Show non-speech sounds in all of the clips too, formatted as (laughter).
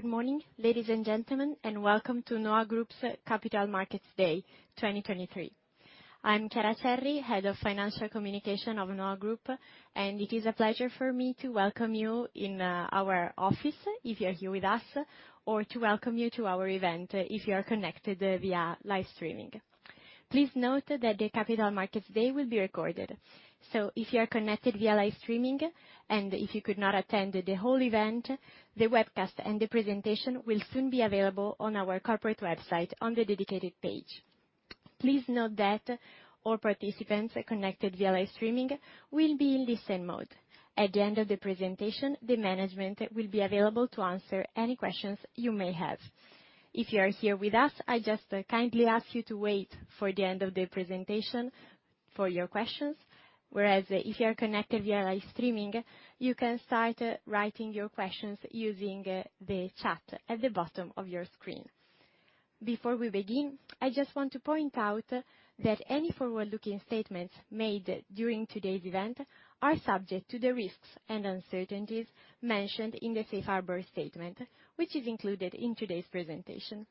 Good morning, ladies and gentlemen, and welcome to NHOA Group's Capital Markets Day 2023. I'm Chiara Cerri, Head of Financial Communication of NHOA Group, and it is a pleasure for me to welcome you in our office, if you are here with us, or to welcome you to our event, if you are connected via live streaming. Please note that the Capital Markets Day will be recorded. If you are connected via live streaming, and if you could not attend the whole event, the webcast and the presentation will soon be available on our corporate website on the dedicated page. Please note that all participants connected via live streaming will be in listen mode. At the end of the presentation, the management will be available to answer any questions you may have. If you are here with us, I just kindly ask you to wait for the end of the presentation for your questions, whereas if you are connected via live streaming, you can start writing your questions using the chat at the bottom of your screen. Before we begin, I just want to point out that any forward-looking statements made during today's event are subject to the risks and uncertainties mentioned in the safe harbor statement, which is included in today's presentation.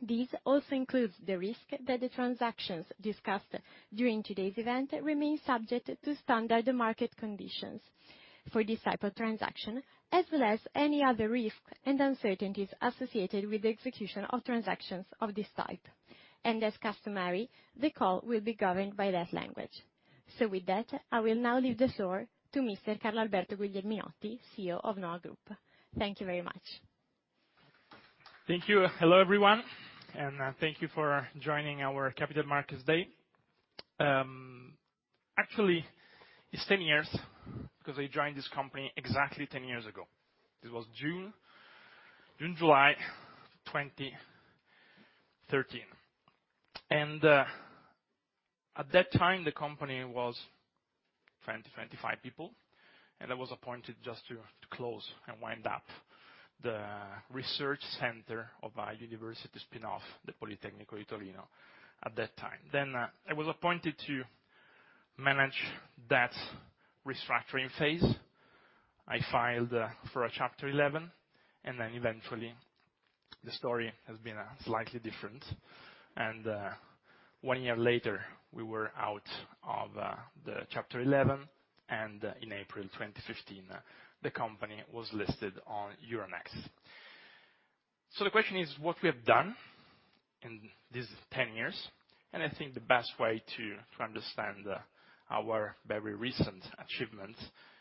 This also includes the risk that the transactions discussed during today's event remain subject to standard market conditions for this type of transaction, as well as any other risks and uncertainties associated with the execution of transactions of this type. As customary, the call will be governed by that language. With that, I will now leave the floor to Mr. Carlalberto Guglielminotti, CEO of NHOA Group. Thank you very much. Thank you. Hello, everyone, thank you for joining our Capital Markets Day. Actually, it's 10 years, because I joined this company exactly 10 years ago. It was June, July 2013. At that time, the company was 20-25 people, and I was appointed just to close and wind up the research center of a university spinoff, the Politecnico di Torino, at that time. I was appointed to manage that restructuring phase. I filed for a Chapter 11, and then eventually, the story has been slightly different. One year later, we were out of the Chapter 11, and in April 2015, the company was listed on Euronext. The question is, what we have done in these 10 years, and I think the best way to understand our very recent achievement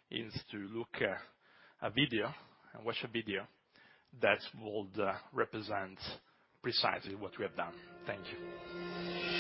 is to look at a video and watch a video that would represent precisely what we have done. Thank you.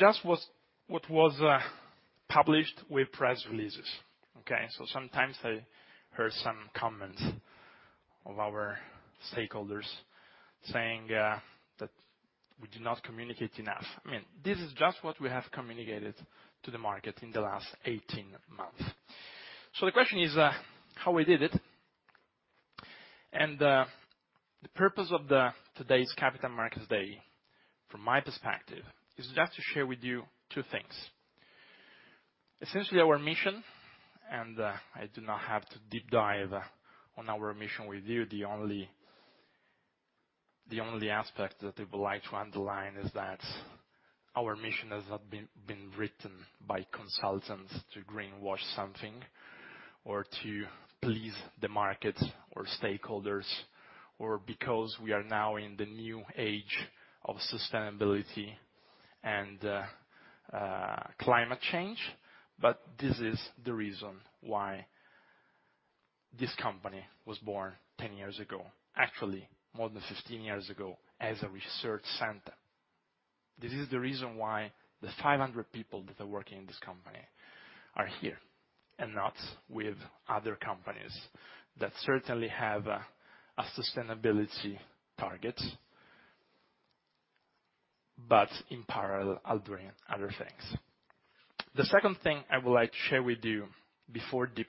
This is just what was published with press releases, okay? Sometimes I heard some comments of our stakeholders saying that we do not communicate enough. I mean, this is just what we have communicated to the market in the last 18 months. The question is, how we did it? The purpose of today's Capital Markets Day, from my perspective, is just to share with you two things. Essentially, our mission, and I do not have to deep dive on our mission with you. The only aspect that I would like to underline is that our mission has not been written by consultants to greenwash something, or to please the market or stakeholders, or because we are now in the new age of sustainability and climate change. This is the reason why this company was born 10 years ago, actually more than 15 years ago, as a research center. This is the reason why the 500 people that are working in this company are here, and not with other companies that certainly have a sustainability target, but in parallel are doing other things. The second thing I would like to share with you before deep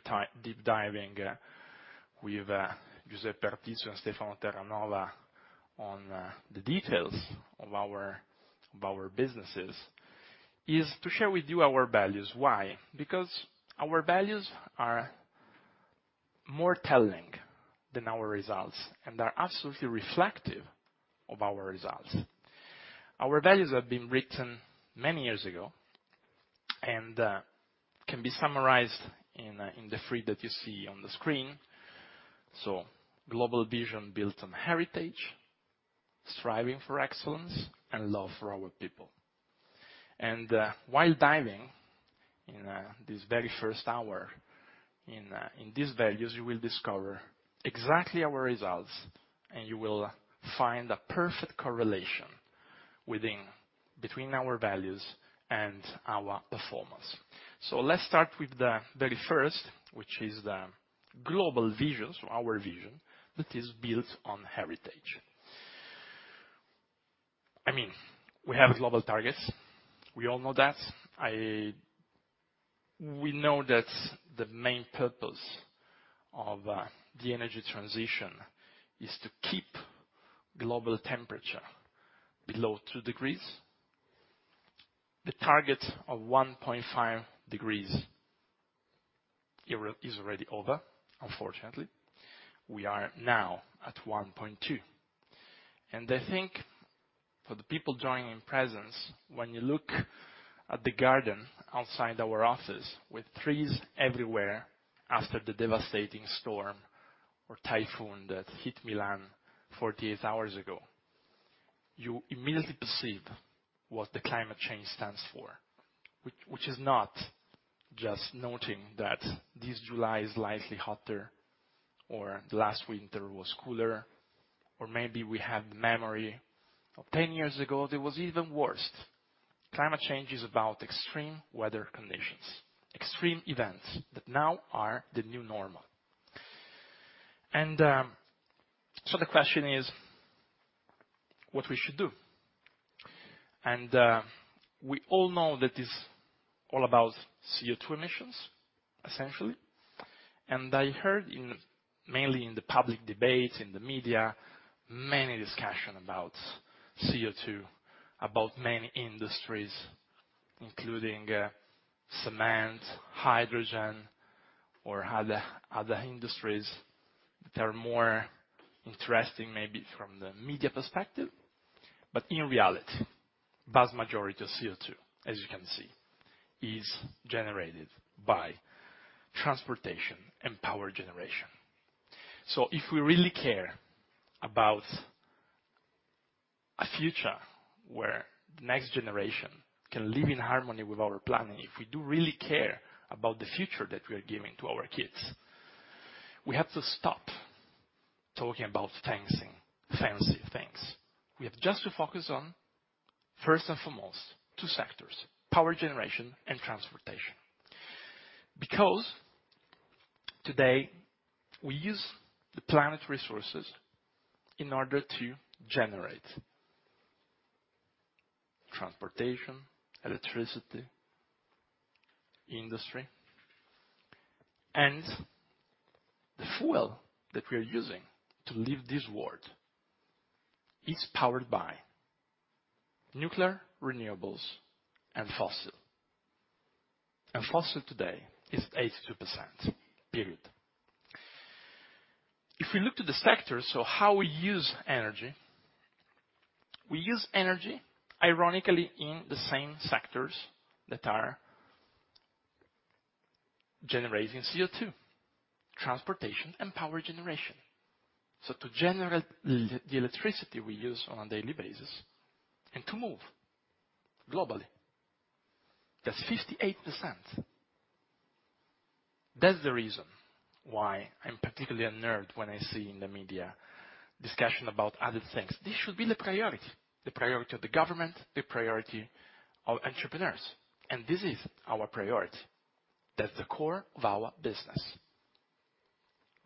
diving with Giuseppe Artizzu and Stefano Terranova on the details of our businesses, is to share with you our values. Why? Our values are more telling than our results, and are absolutely reflective of our results. Our values have been written many years ago, and can be summarized in the 3 that you see on the screen. Global Vision Built on Heritage, Striving for Excellence, and Love for Our People. While diving in this very 1st hour in these values, you will discover exactly our results, and you will find a perfect correlation between our values and our performance. Let's start with the very 1st, which is the Global Vision, our vision, that is Built on Heritage. I mean, we have global targets. We all know that. We know that the main purpose of the energy transition is to keep global temperature below 2 degrees. The target of 1.5 degrees is already over, unfortunately. We are now at 1.2. I think for the people joining in presence, when you look at the garden outside our offices, with trees everywhere after the devastating storm or typhoon that hit Milan 48 hours ago, you immediately perceive what the climate change stands for. Which is not just noting that this July is slightly hotter, or the last winter was cooler, or maybe we have the memory of 10 years ago, that was even worse. Climate change is about extreme weather conditions, extreme events that now are the new normal. The question is, what we should do? We all know that it's all about CO2 emissions, essentially. I heard in mainly in the public debate, in the media, many discussion about CO2, about many industries, including, cement, hydrogen, or other industries that are more interesting, maybe from the media perspective. In reality, vast majority of CO2, as you can see, is generated by transportation and power generation. If we really care about a future where the next generation can live in harmony with our planet, and if we do really care about the future that we are giving to our kids, we have to stop talking about fancy things. We have just to focus on, first and foremost, two sectors: power generation and transportation. Because today, we use the planet resources in order to generate transportation, electricity, industry, and the fuel that we are using to leave this world is powered by nuclear, renewables, and fossil. Fossil today is 82%, period. If we look to the sectors, so how we use energy, we use energy, ironically, in the same sectors that are generating CO2, transportation, and power generation. To generate the electricity we use on a daily basis and to move globally. Just 58%. That's the reason why I'm particularly unnerved when I see in the media discussion about other things. This should be the priority, the priority of the government, the priority of entrepreneurs, and this is our priority. That's the core of our business.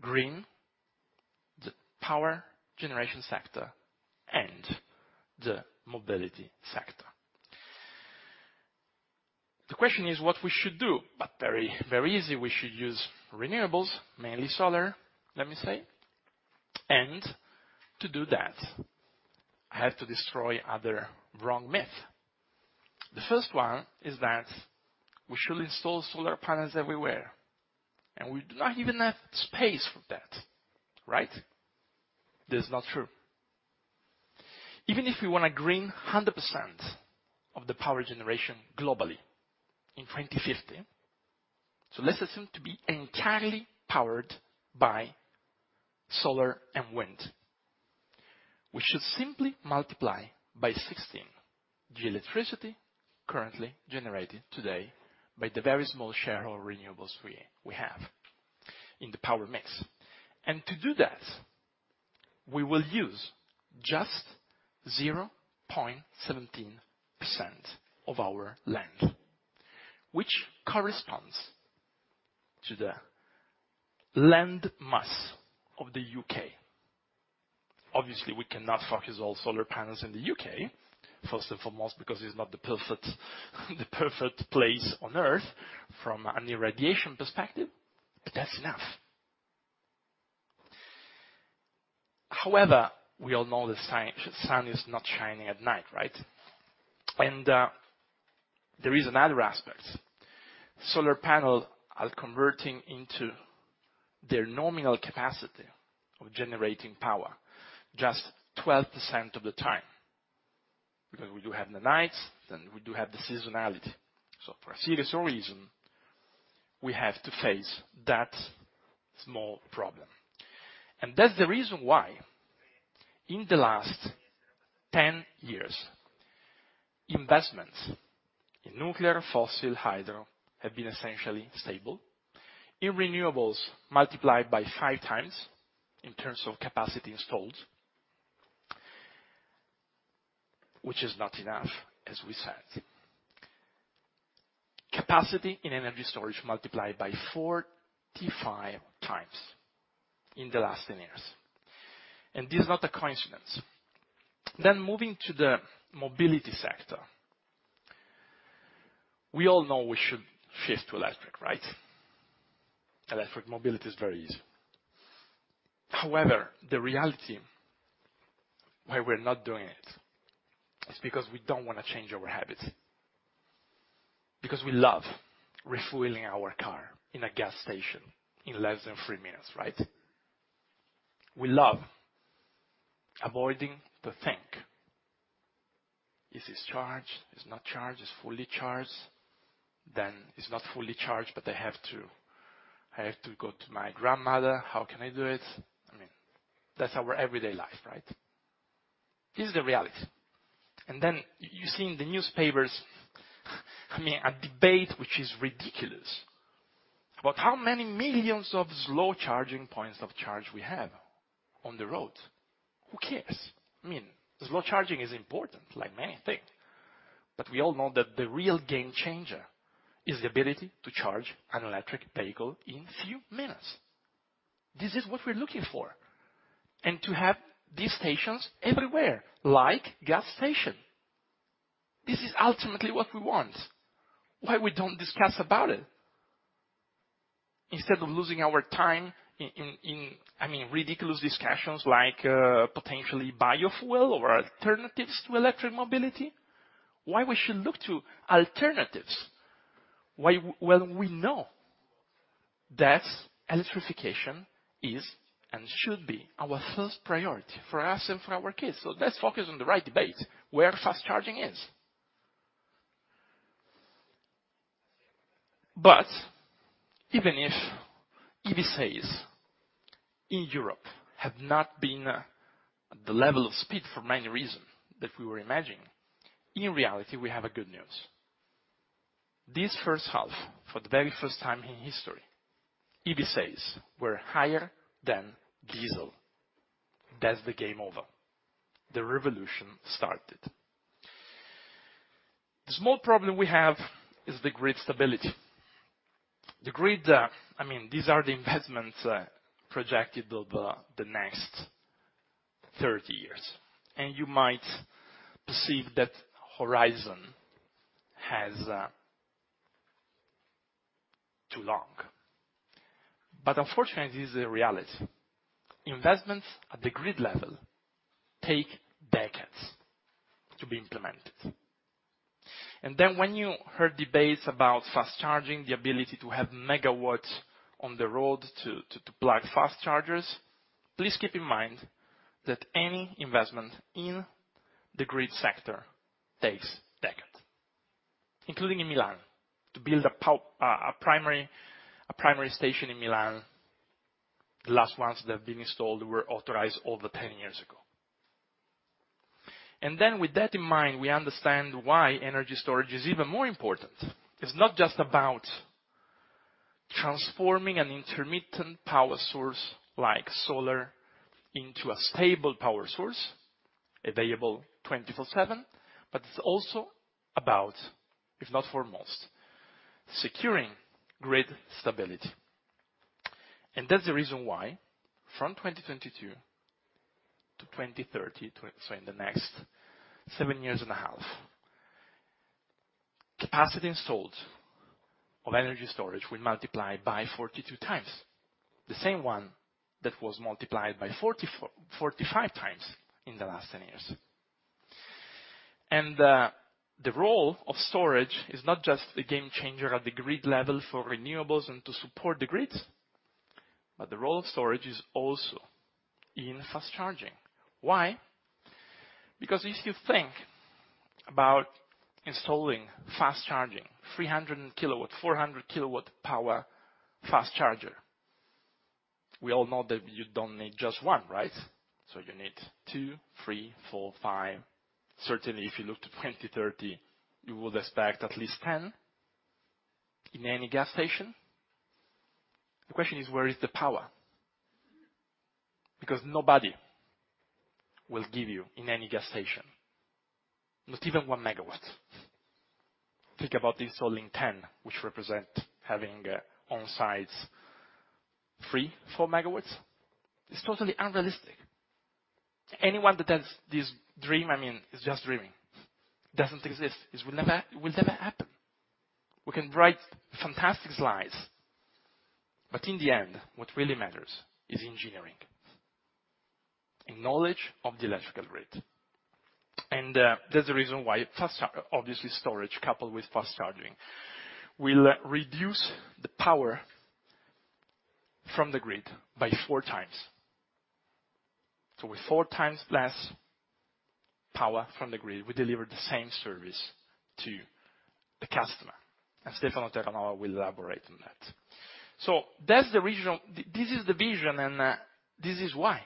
Green, the power generation sector, and the mobility sector. The question is what we should do, but very easy. We should use renewables, mainly solar, let me say. To do that, I have to destroy other wrong myth. The first one is that we should install solar panels everywhere, and we do not even have space for that, right? This is not true. Even if we want to green 100% of the power generation globally in 2050, let's assume to be entirely powered by solar and wind. We should simply multiply by 16 the electricity currently generated today by the very small share of renewables we have in the power mix. To do that, we will use just 0.17% of our land, which corresponds to the land mass of the U.K. Obviously, we cannot focus all solar panels in the U.K., first and foremost, because it's not the perfect place on Earth from an irradiation perspective, but that's enough. However, we all know the sun is not shining at night, right? There is another aspect. Solar panels are converting into their nominal capacity of generating power just 12% of the time, because we do have the nights, and we do have the seasonality. For a serious reason, we have to face that small problem. That's the reason why in the last 10 years, investments in nuclear, fossil, hydro, have been essentially stable. In renewables, multiplied by 5x in terms of capacity installed, which is not enough, as we said. Capacity in energy storage multiplied by 45x in the last 10 years, and this is not a coincidence. Moving to the mobility sector. We all know we should switch to electric, right? Electric mobility is very easy. However, the reality why we're not doing it is because we don't wanna change our habits. Because we love refueling our car in a gas station in less than three minutes, right? We love avoiding to think, is this charged? It's not charged, it's fully charged, then it's not fully charged, but I have to go to my grandmother. How can I do it? I mean, that's our everyday life, right? This is the reality. Then you see in the newspapers, I mean, a debate, which is ridiculous, about how many millions of slow charging points of charge we have on the road. Who cares? I mean, slow charging is important, like many things, but we all know that the real game changer is the ability to charge an electric vehicle in few minutes. This is what we're looking for, and to have these stations everywhere, like gas station. This is ultimately what we want. Why we don't discuss about it? Instead of losing our time in, I mean, ridiculous discussions like potentially biofuel or alternatives to electric mobility, why we should look to alternatives. Well, we know that electrification is and should be our first priority for us and for our kids. Let's focus on the right debate, where fast charging is. Even if EV sales in Europe have not been the level of speed for many reasons that we were imagining, in reality, we have a good news. This first half, for the very first time in history, EV sales were higher than diesel. That's the game over. The revolution started. The small problem we have is the grid stability. The grid, I mean, these are the investments projected over the next 30 years, and you might perceive that horizon has too long, but unfortunately, this is a reality. Investments at the grid level take decades to be implemented. When you heard debates about fast charging, the ability to have mega on the road to plug fast chargers, please keep in mind that any investment in the grid sector takes decades, including in Milan, to build a primary station in Milan. The last ones that have been installed were authorized over 10 years ago. With that in mind, we understand why energy storage is even more important. It's not just about transforming an intermittent power source like solar into a stable power source, available 24/7, but it's also about, if not foremost, securing grid stability. That's the reason why from 2022-2030, so in the next seven years and a half, capacity installed of energy storage will multiply by 42x. The same one that was multiplied by 44-45x in the last 10 years. The role of storage is not just a game changer at the grid level for renewables and to support the grids, but the role of storage is also in fast charging. Why? Because if you think about installing fast charging, 300 kW, 400 kW power fast charger, we all know that you don't need just one, right? You need 2, 3, 4, 5. Certainly, if you look to 2030, you would expect at least 10 in any gas station. The question is, where is the power? Because nobody will give you in any gas station, not even 1 MW. Think about installing 10, which represent having on sites 3, 4 MW. It's totally unrealistic. Anyone that has this dream, I mean, is just dreaming. Doesn't exist. It will never happen. We can write fantastic slides, but in the end, what really matters is engineering, and knowledge of the electrical grid. That's the reason why fast charging, obviously, storage, coupled with fast charging, will reduce the power from the grid by four times. With four times less power from the grid, we deliver the same service to the customer, and Stefano Terranova will elaborate on that. That's the regional... This is the vision, this is why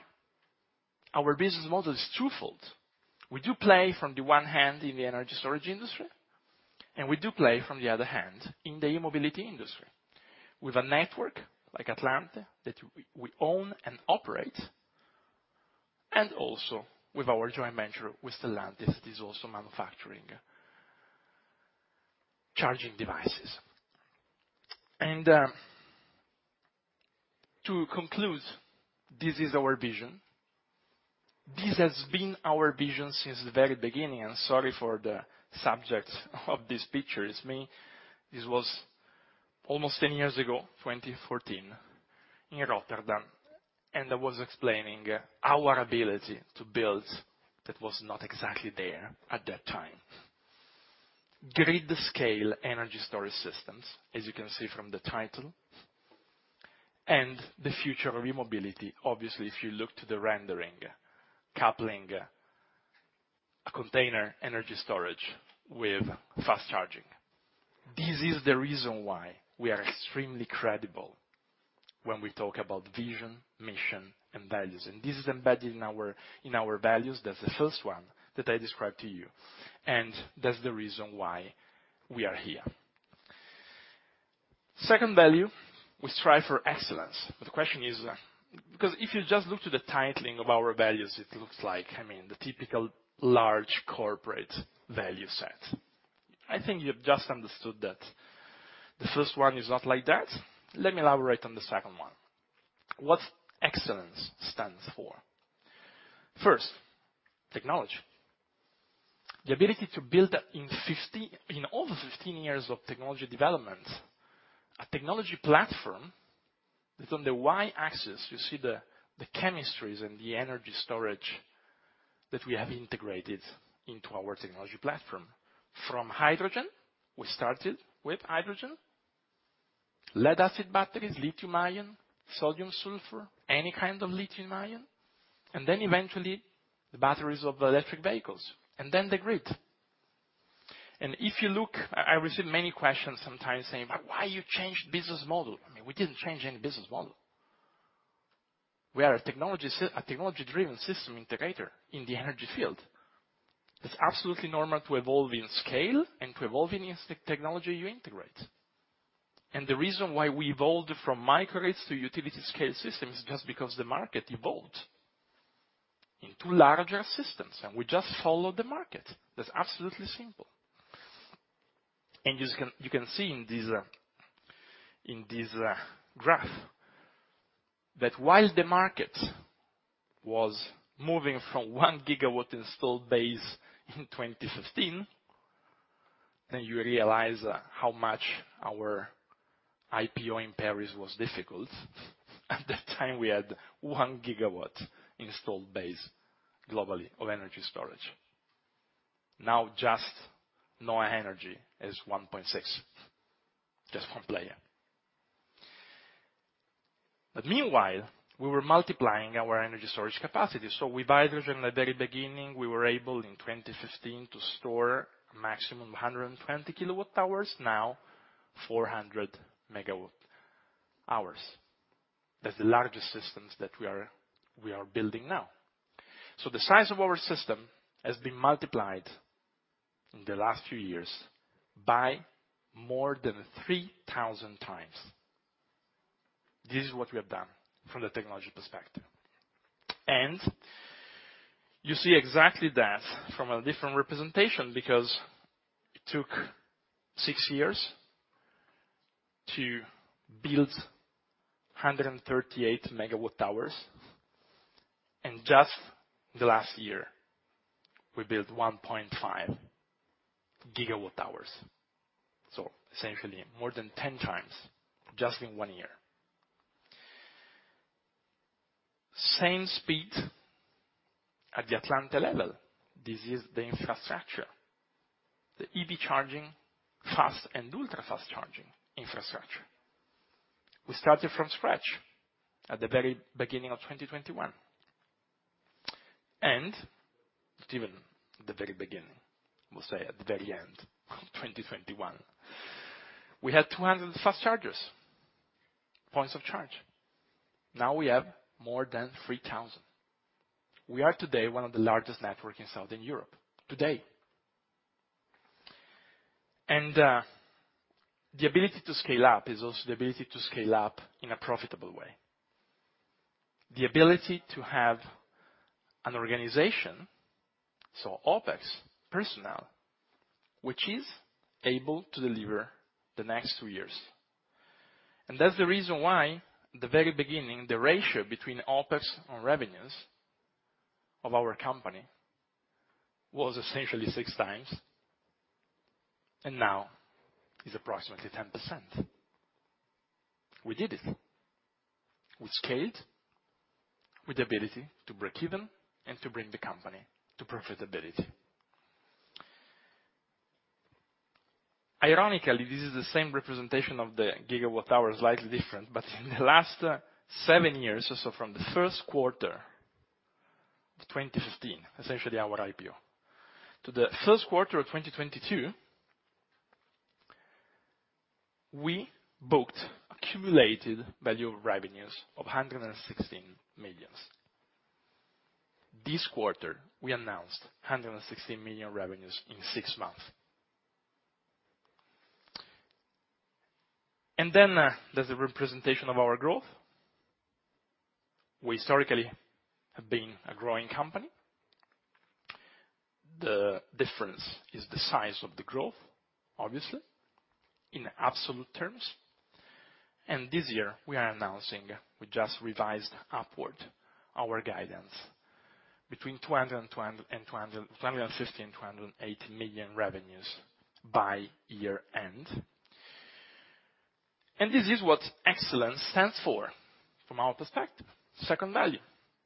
our business model is twofold. We do play from the one hand in the energy storage industry, and we do play from the other hand in the e-mobility industry, with a network like Atlante, that we own and operate, and also with our joint venture with Stellantis, that is also manufacturing charging devices. To conclude, this is our vision. This has been our vision since the very beginning. Sorry for the subjects of these pictures. Me, this was almost 10 years ago, 2014, in Rotterdam. I was explaining our ability to build, that was not exactly there at that time. Grid-scale energy storage systems, as you can see from the title, the future of e-mobility. Obviously, if you look to the rendering, coupling a container energy storage with fast charging. This is the reason why we are extremely credible when we talk about vision, mission, and values, this is embedded in our values. That's the first one that I described to you, that's the reason why we are here. Second value, we strive for excellence. The question is, because if you just look to the titling of our values, it looks like, I mean, the typical large corporate value set. I think you have just understood that the first one is not like that. Let me elaborate on the second one. What excellence stands for. First, technology. The ability to build up in over 15 years of technology development, a technology platform, that on the Y-axis, you see the chemistries and the energy storage that we have integrated into our technology platform. From hydrogen, we started with hydrogen, lead acid batteries, lithium-ion, sodium sulfur, any kind of lithium-ion, and then eventually, the batteries of the electric vehicles, and then the grid. If you look, I receive many questions sometimes saying, "Why you changed business model?" I mean, we didn't change any business model. We are a technology-driven system integrator in the energy field. It's absolutely normal to evolve in scale and to evolve in the technology you integrate. The reason why we evolved from microgrids to utility scale systems, is just because the market evolved into larger systems, and we just followed the market. That's absolutely simple. You can see in this graph that while the market was moving from 1 GW installed base in 2015, then you realize how much our IPO in Paris was difficult. At that time, we had 1 GW installed base, globally, of energy storage. Now, just NHOA Energy is 1.6, just one player. Meanwhile, we were multiplying our energy storage capacity. With hydrogen, in the very beginning, we were able, in 2015, to store a maximum of 120 kWh, now 400 MWh. That's the largest systems that we are building now. The size of our system has been multiplied, in the last few years, by more than 3,000x. This is what we have done from the technology perspective. You see exactly that from a different representation, because it took six years to build 138 MWh, and just the last year, we built 1.5 GWh. Essentially, more than 10x, just in one year. Same speed at the Atlante level. This is the infrastructure, the EV charging, fast and ultra-fast charging infrastructure. We started from scratch at the very beginning of 2021, not even the very beginning, we'll say at the very end of 2021. We had 200 fast chargers, points of charge. Now we have more than 3,000. We are today, one of the largest network in Southern Europe, today. The ability to scale up is also the ability to scale up in a profitable way. The ability to have an organization, so OpEx personnel, which is able to deliver the next two years. That's the reason why, the very beginning, the ratio between OpEx and revenues of our company, was essentially 6x, and now is approximately 10%. We did it. We scaled with the ability to break even and to bring the company to profitability. Ironically, this is the same representation of the gigawatt hour, slightly different, but in the last seven years, so from the of 2015, essentially our IPO, to the first quarter of 2022, we booked accumulated value of revenues of 116 million. This quarter, we announced 116 million revenues in six months. Then, there's the representation of our growth. We historically have been a growing company. The difference is the size of the growth, obviously, in absolute terms, this year we are announcing, we just revised upward our guidance between 250 million and 208 million revenues by year-end. This is what excellence stands for, from our perspective. Second value.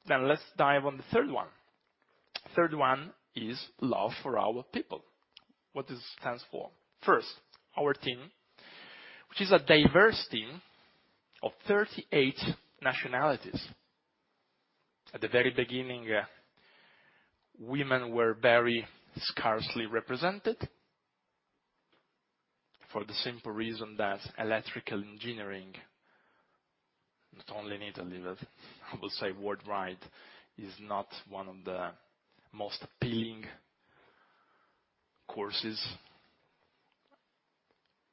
Let's dive on the third one. Third one is love for our people. What this stands for? First, our team, which is a diverse team of 38 nationalities. At the very beginning, women were very scarcely represented, for the simple reason that electrical engineering, not only in Italy, but I will say worldwide, is not one of the most appealing courses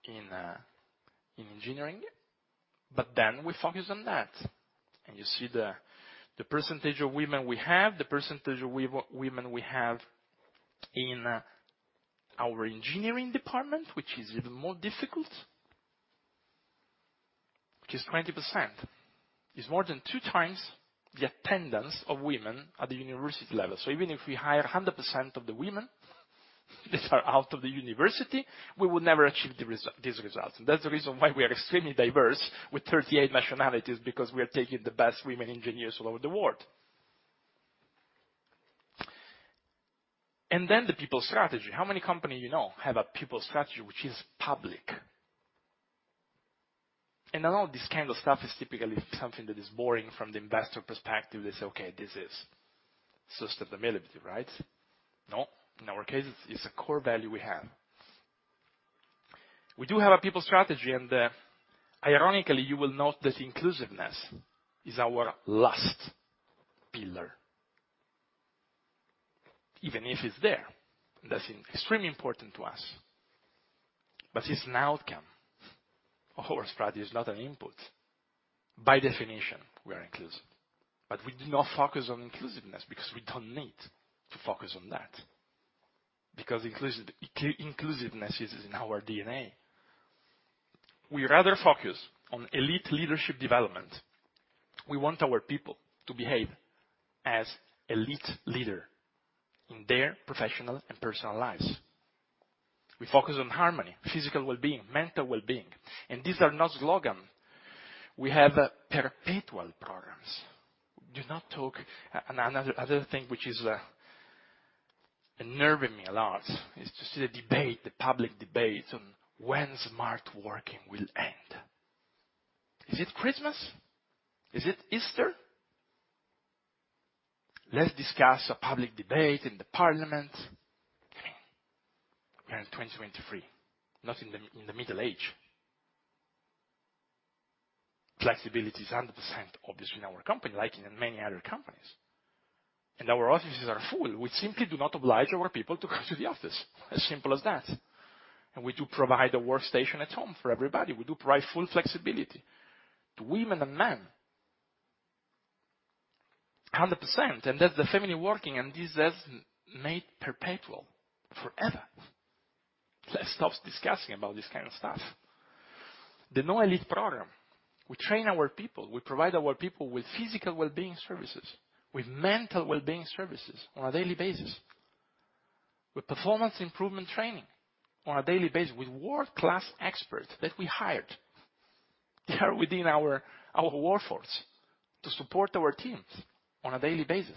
in engineering, we focused on that. You see the percentage of women we have, the percentage of women we have in our engineering department, which is even more difficult, which is 20%. Is more than two times the attendance of women at the university level. Even if we hire 100% of the women, that are out of the university, we would never achieve these results. That's the reason why we are extremely diverse, with 38 nationalities, because we are taking the best women engineers all over the world. The people strategy. How many company you know have a people strategy which is public? I know this kind of stuff is typically something that is boring from the investor perspective. They say, "Okay, this is system availability," right? No, in our case, it's a core value we have. We do have a people strategy, and ironically, you will note that inclusiveness is our last pillar. Even if it's there, that's extremely important to us. It's an outcome of our strategy, it's not an input. By definition, we are inclusive, we do not focus on inclusiveness because we don't need to focus on that, because inclusiveness is in our DNA. We rather focus on elite leadership development. We want our people to behave as elite leader in their professional and personal lives. We focus on harmony, physical well-being, mental well-being, these are not slogan. Do not talk. Another thing which is nerving me a lot, is to see the debate, the public debate on when smart working will end. Is it Christmas? Is it Easter? Let's discuss a public debate in the parliament. I mean, we're in 2023, not in the, in the Middle Age. Flexibility is 100%, obviously, in our company, like in many other companies. Our offices are full. We simply do not oblige our people to come to the office, as simple as that. We do provide a workstation at home for everybody. We do provide full flexibility to women and men. 100%, and that's the family working, and this has made perpetual forever. Let's stop discussing about this kind of stuff. The NHOA Élite program, we train our people. We provide our people with physical well-being services, with mental well-being services on a daily basis, with performance improvement training on a daily basis, with world-class experts that we hired. They are within our workforce to support our teams on a daily basis.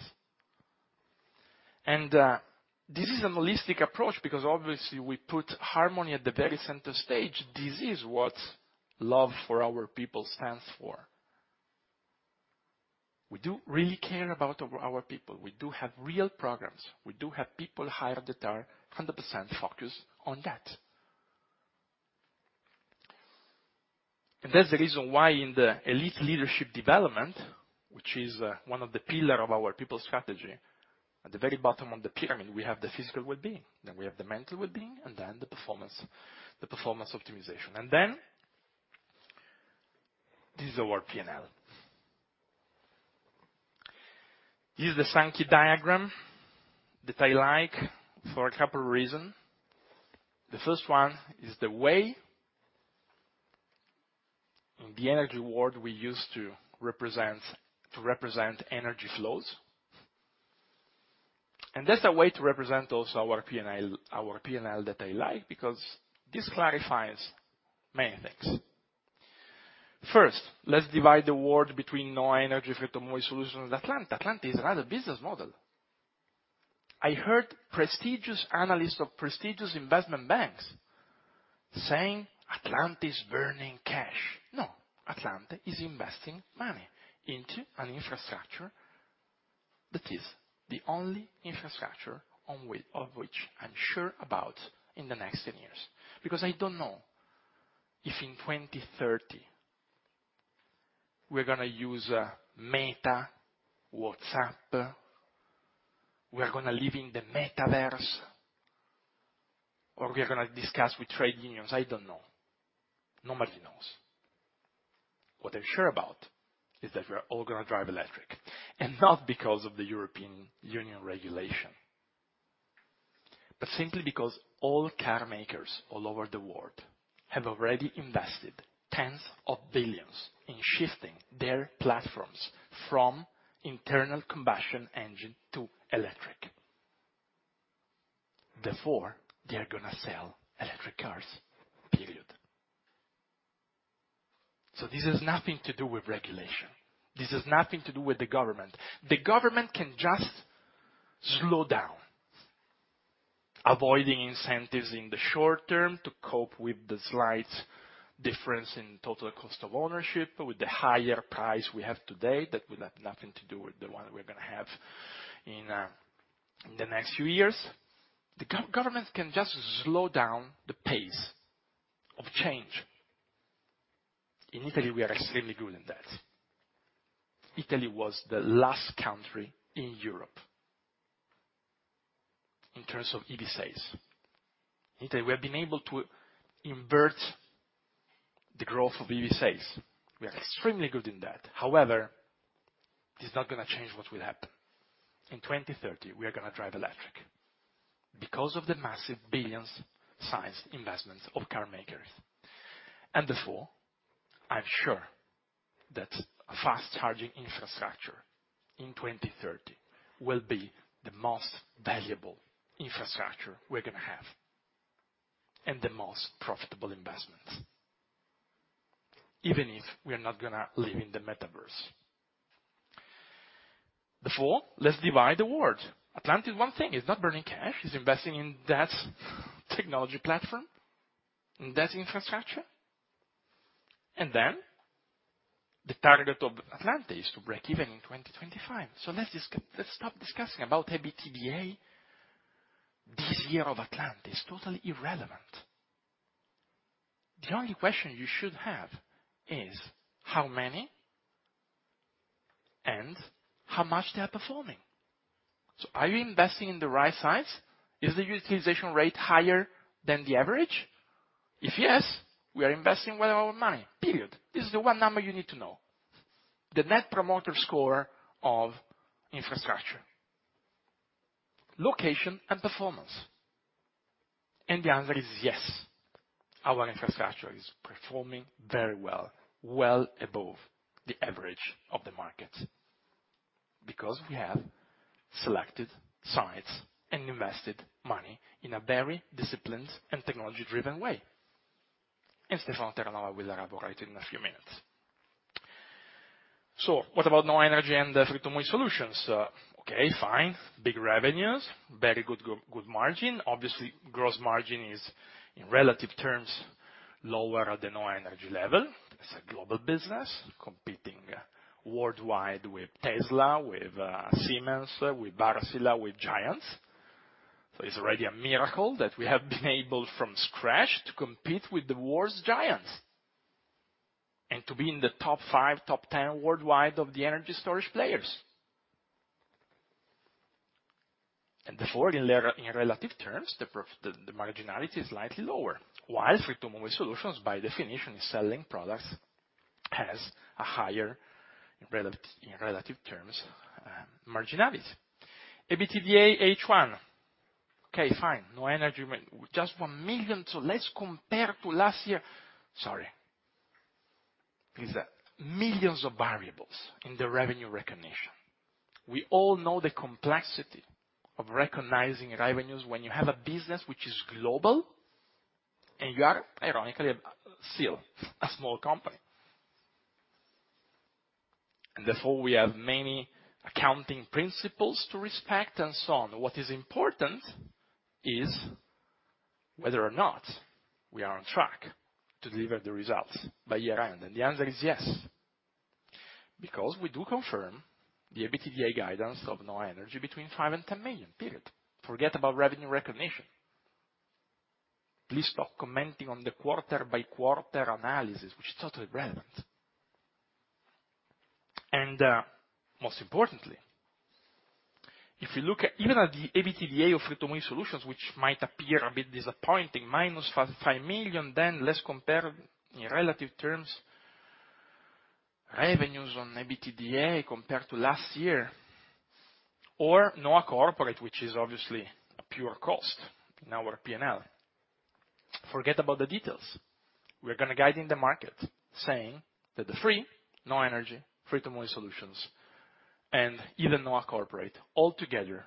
This is a holistic approach because, obviously, we put harmony at the very center stage. This is what love for our people stands for. We do really care about our people. We do have real programs. We do have people hired that are 100% focused on that. That's the reason why in the Élite Leadership Development, which is one of the pillar of our people strategy, at the very bottom of the pyramid, we have the physical well-being, then we have the mental well-being, and then the performance optimization. This is our P&L. Here's the Sankey diagram that I like for a couple of reasons. The first one is the way, in the energy world, we use to represent energy flows. That's a way to represent also our P&L, our P&L that I like, because this clarifies many things. First, let's divide the world between NHOA Energy, Free2move eSolutions, and Atlante. Atlante is another business model. I heard prestigious analysts of prestigious investment banks saying, "Atlante is burning cash." No, Atlante is investing money into an infrastructure that is the only infrastructure on which, of which I'm sure about in the next 10 years. I don't know if in 2030, we're gonna use Meta, WhatsApp, we're gonna live in the metaverse, or we are gonna discuss with trade unions, I don't know. Nobody knows. What I'm sure about is that we're all gonna drive electric, not because of the European Union regulation, but simply because all car makers all over the world have already invested tens of billions in shifting their platforms from internal combustion engine to electric. They are gonna sell electric cars, period. This has nothing to do with regulation. This has nothing to do with the government. The government can just slow down, avoiding incentives in the short term to cope with the slight difference in total cost of ownership, with the higher price we have today, that will have nothing to do with the one we're gonna have in the next few years. The government can just slow down the pace of change. In Italy, we are extremely good in that. Italy was the last country in Europe in terms of EV sales. Italy, we have been able to invert the growth of EV sales. We are extremely good in that. This is not gonna change what will happen. In 2030, we are gonna drive electric because of the massive billions size investments of car makers. Therefore, I'm sure that fast-charging infrastructure in 2030 will be the most valuable infrastructure we're gonna have, and the most profitable investments, even if we are not gonna live in the metaverse. Let's divide the world. Atlante is one thing, it's not burning cash, it's investing in that technology platform, in that infrastructure. Then, the target of Atlante is to break even in 2025. Let's just, let's stop discussing about EBITDA. This year of Atlante is totally irrelevant. The only question you should have is, how many and how much they are performing? Are you investing in the right size? Is the utilization rate higher than the average? If yes, we are investing well our money, period. This is the one number you need to know, the Net Promoter Score of infrastructure, location, and performance. The answer is yes, our infrastructure is performing very well, well above the average of the market, because we have selected sites and invested money in a very disciplined and technology-driven way. Stefano Terranova will elaborate in a few minutes. What about NHOA Energy and the Free2move eSolutions? Okay, fine, big revenues, very good good margin. Obviously, gross margin is, in relative terms, lower at the NHOA Energy level. It's a global business, competing worldwide with Tesla, with Siemens, with Wärtsilä, with giants. It's already a miracle that we have been able from scratch to compete with the world's giants, and to be in the top five, top 10 worldwide of the energy storage players. Therefore, in relative terms, the marginality is slightly lower. While Free2move eSolutions, by definition, is selling products, has a higher in relative terms, marginality. EBITDA H1. Okay, fine, NHOA Energy went just 1 million, so let's compare to last year. Sorry. There's millions of variables in the revenue recognition. We all know the complexity of recognizing revenues when you have a business which is global, and you are ironically still a small company. Therefore, we have many accounting principles to respect, and so on. What is important is whether or not we are on track to deliver the results by year-end. The answer is yes. We do confirm the EBITDA guidance of NHOA Energy between 5 million and 10 million, period. Forget about revenue recognition. Please stop commenting on the quarter-by-quarter analysis, which is totally relevant. Most importantly, if you look at even at the EBITDA of Free2move eSolutions, which might appear a bit disappointing, minus 5 million, let's compare in relative terms, revenues on EBITDA compared to last year, or NHOA Corporate, which is obviously a pure cost in our P&L. Forget about the details. We are going to guide in the market saying that the free NHOA Energy, Free2move eSolutions, and even NHOA Corporate, all together,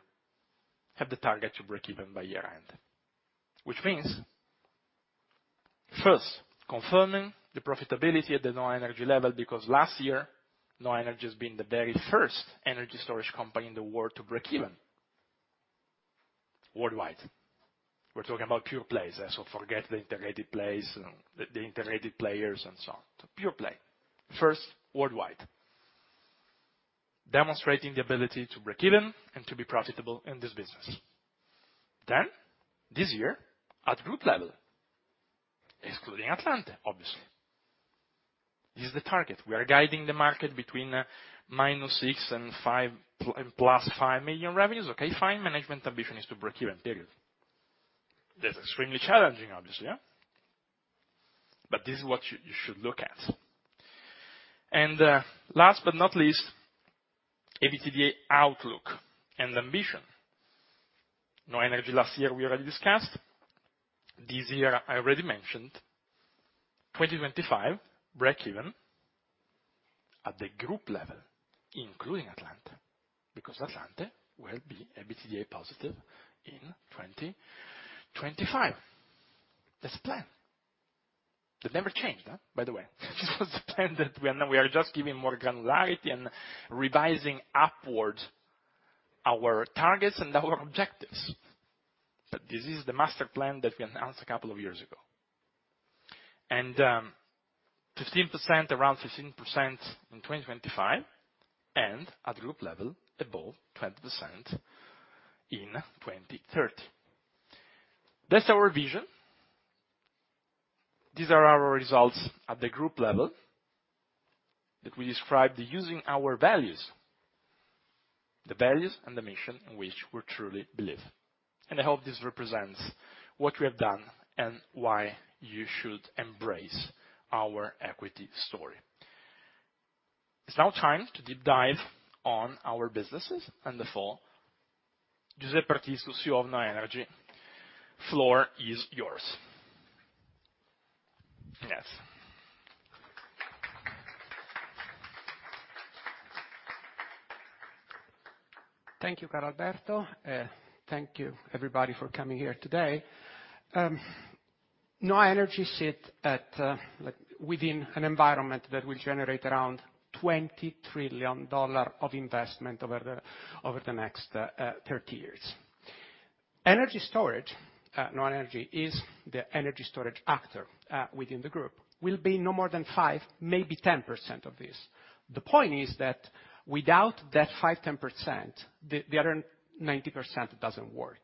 have the target to break even by year-end. First, confirming the profitability at the NHOA Energy level, because last year, NHOA Energy has been the very first energy storage company in the world to break even, worldwide. We're talking about pure plays, forget the integrated plays, the integrated players, and so on. Pure play. First, worldwide. Demonstrating the ability to break even and to be profitable in this business. This year, at group level, excluding Atlante, obviously, this is the target. We are guiding the market between -6 million and +5 million revenues. Fine, management ambition is to break even, period. That's extremely challenging, obviously, yeah? This is what you should look at. Last but not least, EBITDA outlook and ambition. NHOA Energy, last year, we already discussed. This year, I already mentioned, 2025, break even at the group level, including Atlante, because Atlante will be EBITDA positive in 2025. That's the plan. That never changed, by the way. This was the plan that we are just giving more granularity and revising upwards our targets and our objectives. This is the master plan that we announced a couple of years ago. 15%, around 16% in 2025, at group level, above 20% in 2030. That's our vision. These are our results at the group level, that we described using our values, the values and the mission in which we truly believe. I hope this represents what we have done, and why you should embrace our equity story. It's now time to deep dive on our businesses, and therefore, Giuseppe Artizzu, CEO of NHOA Energy, floor is yours. Next. Thank you, Carlalberto, thank you everybody for coming here today. NHOA Energy sit at like within an environment that will generate around $20 trillion of investment over the next 30 years. Energy storage, NHOA Energy, is the energy storage actor within the group, will be no more than 5, maybe 10% of this. The point is that without that 5%, 10%, the other 90% doesn't work.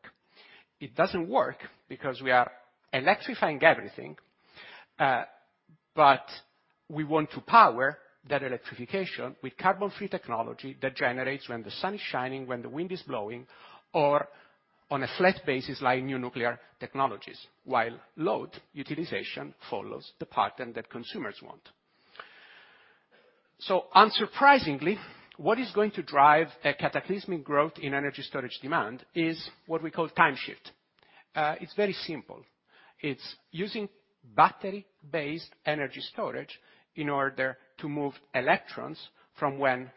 It doesn't work because we are electrifying everything, but we want to power that electrification with carbon-free technology that generates when the sun is shining, when the wind is blowing, or on a flat basis, like new nuclear technologies, while load utilization follows the pattern that consumers want. Unsurprisingly, what is going to drive a cataclysmic growth in energy storage demand is what we call time shift. It's very simple: it's using battery-based energy storage in order to move electrons from when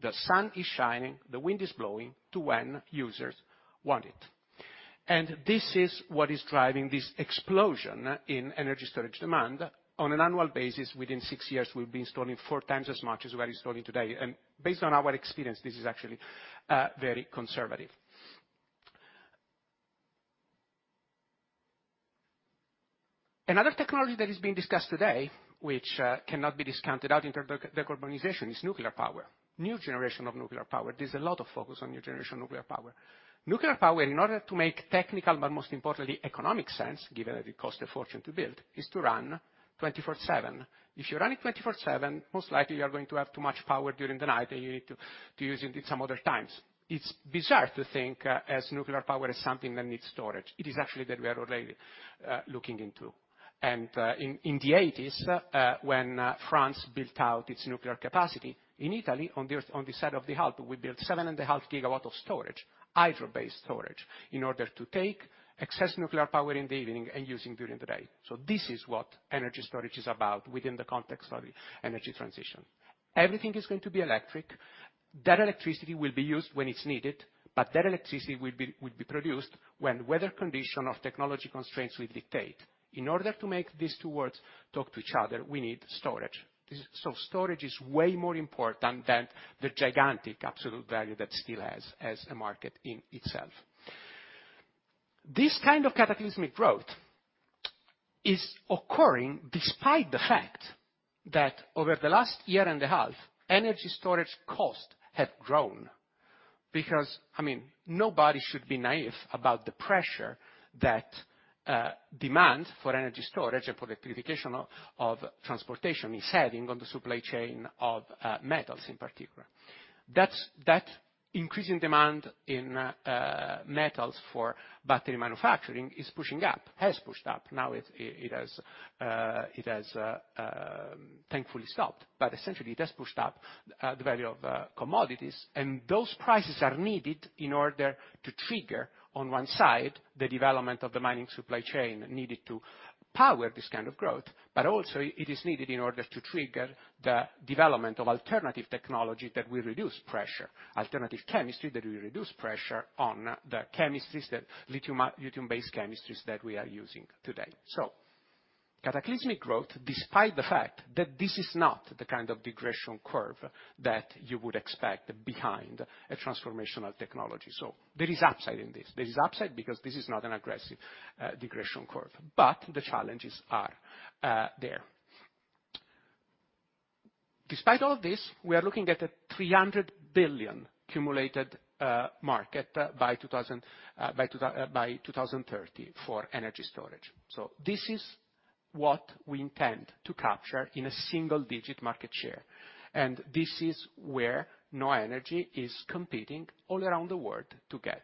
the sun is shining, the wind is blowing, to when users want it. This is what is driving this explosion in energy storage demand. On an annual basis, within six years, we'll be installing four times as much as we are installing today, and based on our experience, this is actually very conservative. Another technology that is being discussed today, which cannot be discounted out in terms of decarbonization, is nuclear power. New generation of nuclear power. There's a lot of focus on new generation nuclear power. Nuclear power, in order to make technical, but most importantly, economic sense, given that it costs a fortune to build, is to run 24/7. If you're running 24/7, most likely you are going to have too much power during the night, you need to use it at some other times. It's bizarre to think as nuclear power as something that needs storage. It is actually that we are already looking into. In the 1980s, when France built out its nuclear capacity, in Italy, on the side of the Alps, we built 7.5 GW of storage, hydro-based storage, in order to take excess nuclear power in the evening and using during the day. This is what energy storage is about within the context of the energy transition. Everything is going to be electric. That electricity will be used when it's needed, that electricity will be produced when weather condition of technology constraints will dictate. In order to make these two worlds talk to each other, we need storage. Storage is way more important than the gigantic absolute value that still has, as a market in itself. This kind of cataclysmic growth is occurring despite the fact that over the last year and a half, energy storage costs have grown. I mean, nobody should be naive about the pressure that demand for energy storage and for electrification of transportation is having on the supply chain of metals in particular. That increasing demand in metals for battery manufacturing is pushing up. Has pushed up. It has, thankfully stopped. Essentially, it has pushed up the value of commodities. Those prices are needed in order to trigger, on one side, the development of the mining supply chain needed to power this kind of growth. Also, it is needed in order to trigger the development of alternative technology that will reduce pressure, alternative chemistry, that will reduce pressure on the chemistries, that lithium-based chemistries that we are using today. Cataclysmic growth, despite the fact that this is not the kind of degradation curve that you would expect behind a transformational technology. There is upside in this. There is upside because this is not an aggressive degradation curve. The challenges are there. Despite all this, we are looking at a 300 billion accumulated market by 2030 for energy storage. This is what we intend to capture in a single-digit market share, and this is where NHOA Energy is competing all around the world to get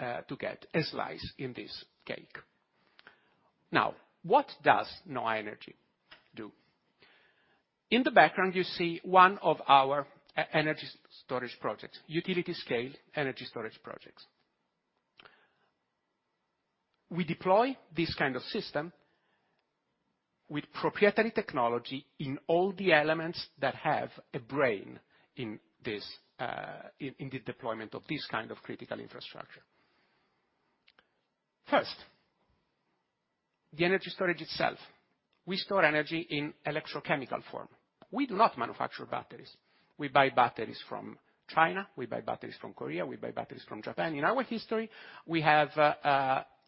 a slice in this cake. What does NHOA Energy do? In the background, you see one of our energy storage projects, utility scale energy storage projects. We deploy this kind of system with proprietary technology in all the elements that have a brain in this in the deployment of this kind of critical infrastructure. First, the energy storage itself. We store energy in electrochemical form. We do not manufacture batteries. We buy batteries from China, we buy batteries from Korea, we buy batteries from Japan. In our history, we have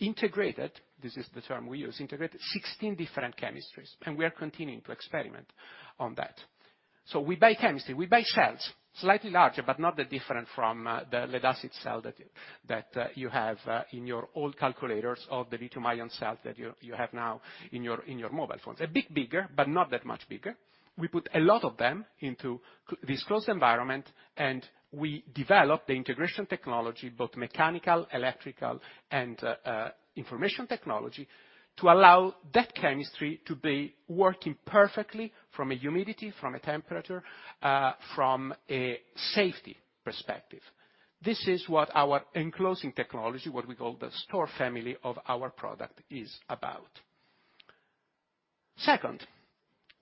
integrated, this is the term we use, integrated 16 different chemistries. We are continuing to experiment on that. We buy chemistry. We buy cells, slightly larger, but not that different from the lead acid cell that you have in your old calculators of the lithium-ion cells that you have now in your mobile phones. A bit bigger, but not that much bigger. We put a lot of them into this closed environment. We develop the integration technology, both mechanical, electrical, and information technology, to allow that chemistry to be working perfectly from a humidity, from a temperature, from a safety perspective. This is what our enclosing technology, what we call the store family of our product, is about. Second,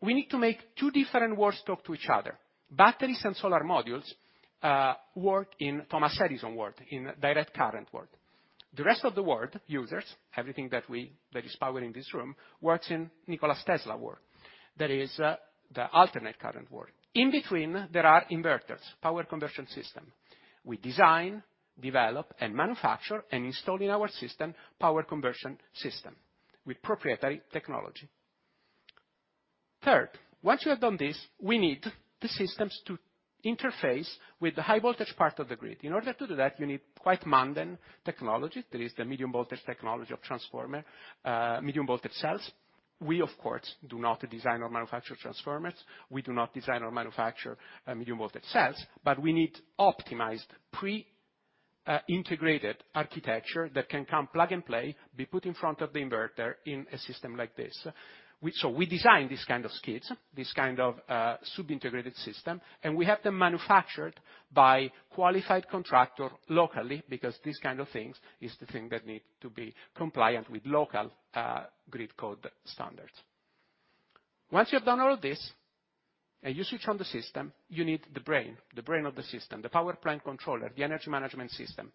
we need to make two different worlds talk to each other. Batteries and solar modules work in Thomas Edison world, in direct current world. The rest of the world, users, everything that is power in this room, works in Nikola Tesla world. That is, the alternate current world. In between, there are inverters, Power Conversion System. We design, develop, and manufacture, and install in our system, Power Conversion System with proprietary technology. Third, once you have done this, we need the systems to interface with the high voltage part of the grid. In order to do that, you need quite mundane technology. There is the medium voltage technology of transformer, medium voltage cells. We, of course, do not design or manufacture transformers. We do not design or manufacture medium voltage cells, but we need optimized pre integrated architecture that can come plug and play, be put in front of the inverter in a system like this. We design these kind of skids, this kind of sub-integrated system, and we have them manufactured by qualified contractor locally, because these kind of things is the thing that need to be compliant with local grid code standards. Once you have done all of this, and you switch on the system, you need the brain of the system, the Power Plant Controller, the energy management system.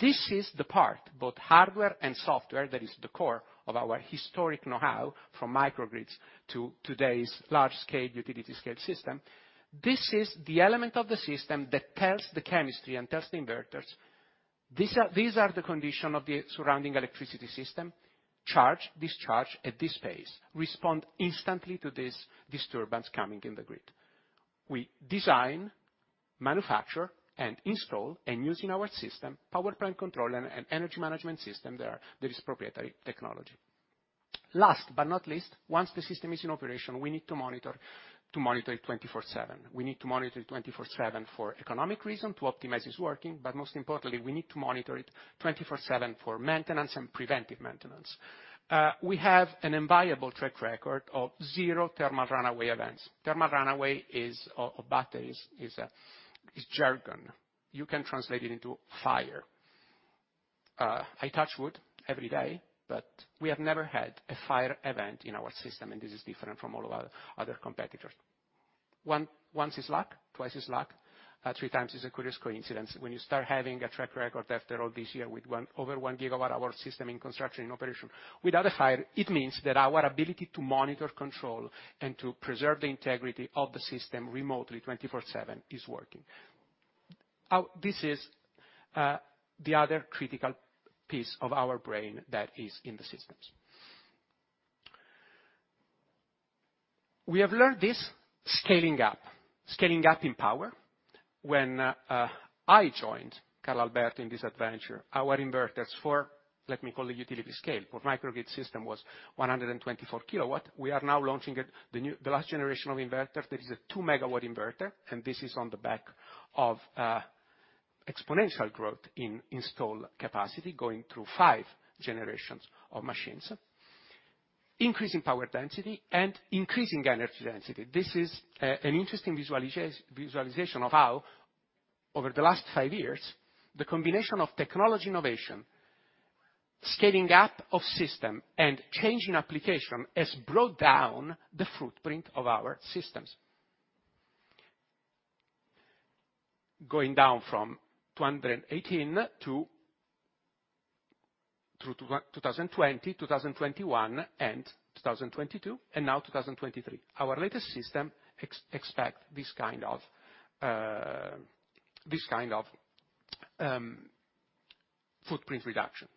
This is the part, both hardware and software, that is the core of our historic know-how, from microgrids to today's large-scale, utility-scale system. This is the element of the system that tells the chemistry and tells the inverters. These are the condition of the surrounding electricity system. Charge, discharge at this pace, respond instantly to this disturbance coming in the grid. We design, manufacture, and install, and use in our system, Power Plant Controller and energy management system that is proprietary technology. Last but not least, once the system is in operation, we need to monitor it 24/7. We need to monitor it 24/7 for economic reason, to optimize its working, but most importantly, we need to monitor it 24/7 for maintenance and preventive maintenance. We have an enviable track record of zero thermal runaway events. Thermal runaway of batteries is jargon. You can translate it into fire. I touch wood every day, but we have never had a fire event in our system, and this is different from all of our other competitors. Once is luck, twice is luck, 3x is a curious coincidence. When you start having a track record after all this year with over 1 GW, our system in construction, in operation, without a fire, it means that our ability to monitor, control, and to preserve the integrity of the system remotely, 24/7, is working. This is the other critical piece of our brain that is in the systems. We have learned this scaling up, scaling up in power. When I joined Carlalberto in this adventure, our inverters for, let me call it utility scale, for microgrid system was 124 kW. We are now launching it, the new... The last generation of inverters, that is a 2-MW inverter, and this is on the back of exponential growth in installed capacity, going through 5 generations of machines, increasing power density and increasing energy density. This is an interesting visualization of how, over the last 5 years, the combination of technology innovation, scaling up of system, and change in application, has brought down the footprint of our systems. Going down from 218 to, through 2020, 2021, and 2022, and now 2023. Our latest system expect this kind of footprint reduction.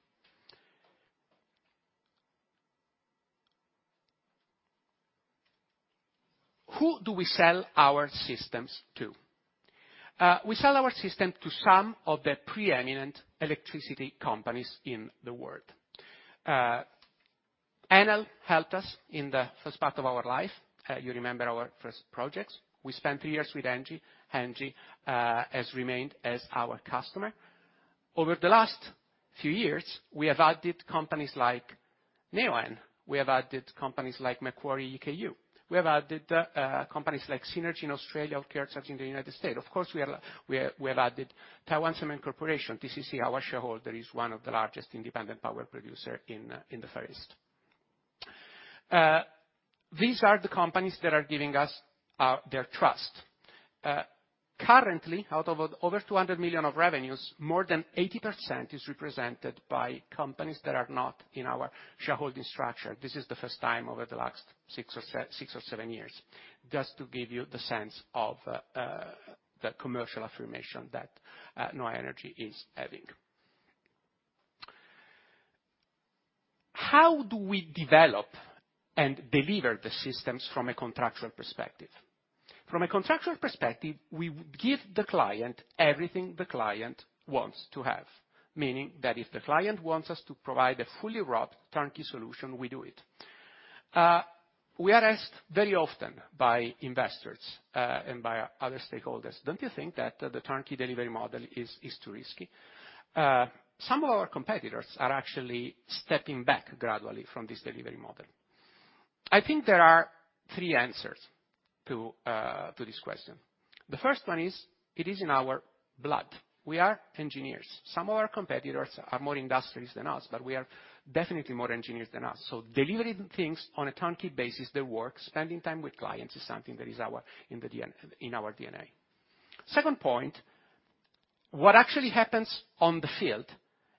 Who do we sell our systems to? We sell our system to some of the preeminent electricity companies in the world. Enel helped us in the first part of our life. You remember our first projects. We spent 2 years with Engie. Engie has remained as our customer. Over the last few years, we have added companies like Neoen. We have added companies like Macquarie Eku. We have added companies like Synergy in Australia, of course, such in the U.S. Of course, we have added Taiwan Cement Corporation. TCC, our shareholder, is one of the largest independent power producer in the Far East. These are the companies that are giving us their trust. Currently, out of over 200 million of revenues, more than 80% is represented by companies that are not in our shareholding structure. This is the first time over the last six or seven years, just to give you the sense of the commercial affirmation that NHOA Energy is having. How do we develop and deliver the systems from a contractual perspective? From a contractual perspective, we give the client everything the client wants to have. Meaning that if the client wants us to provide a fully wrapped turnkey solution, we do it. We are asked very often by investors, and by other stakeholders, "Don't you think that the turnkey delivery model is too risky?" Some of our competitors are actually stepping back gradually from this delivery model. I think there are 3 answers to this question. The first one is, it is in our blood. We are engineers. Some of our competitors are more industries than us, but we are definitely more engineers than us, so delivering things on a turnkey basis that work, spending time with clients, is something that is our DNA. Second point, what actually happens on the field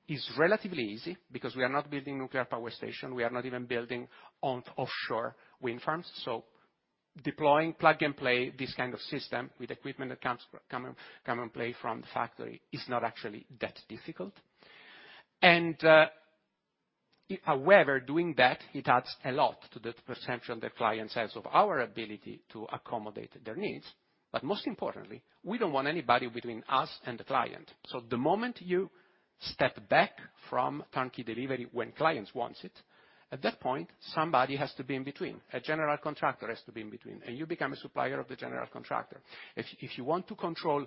is relatively easy because we are not building nuclear power station, we are not even building on offshore wind farms, so deploying, plug and play, this kind of system with equipment that comes, come and play from the factory, is not actually that difficult. However, doing that, it adds a lot to the perception the client has of our ability to accommodate their needs. Most importantly, we don't want anybody between us and the client. The moment you step back from turnkey delivery, when clients wants it, at that point, somebody has to be in between. A general contractor has to be in between, and you become a supplier of the general contractor. If you want to control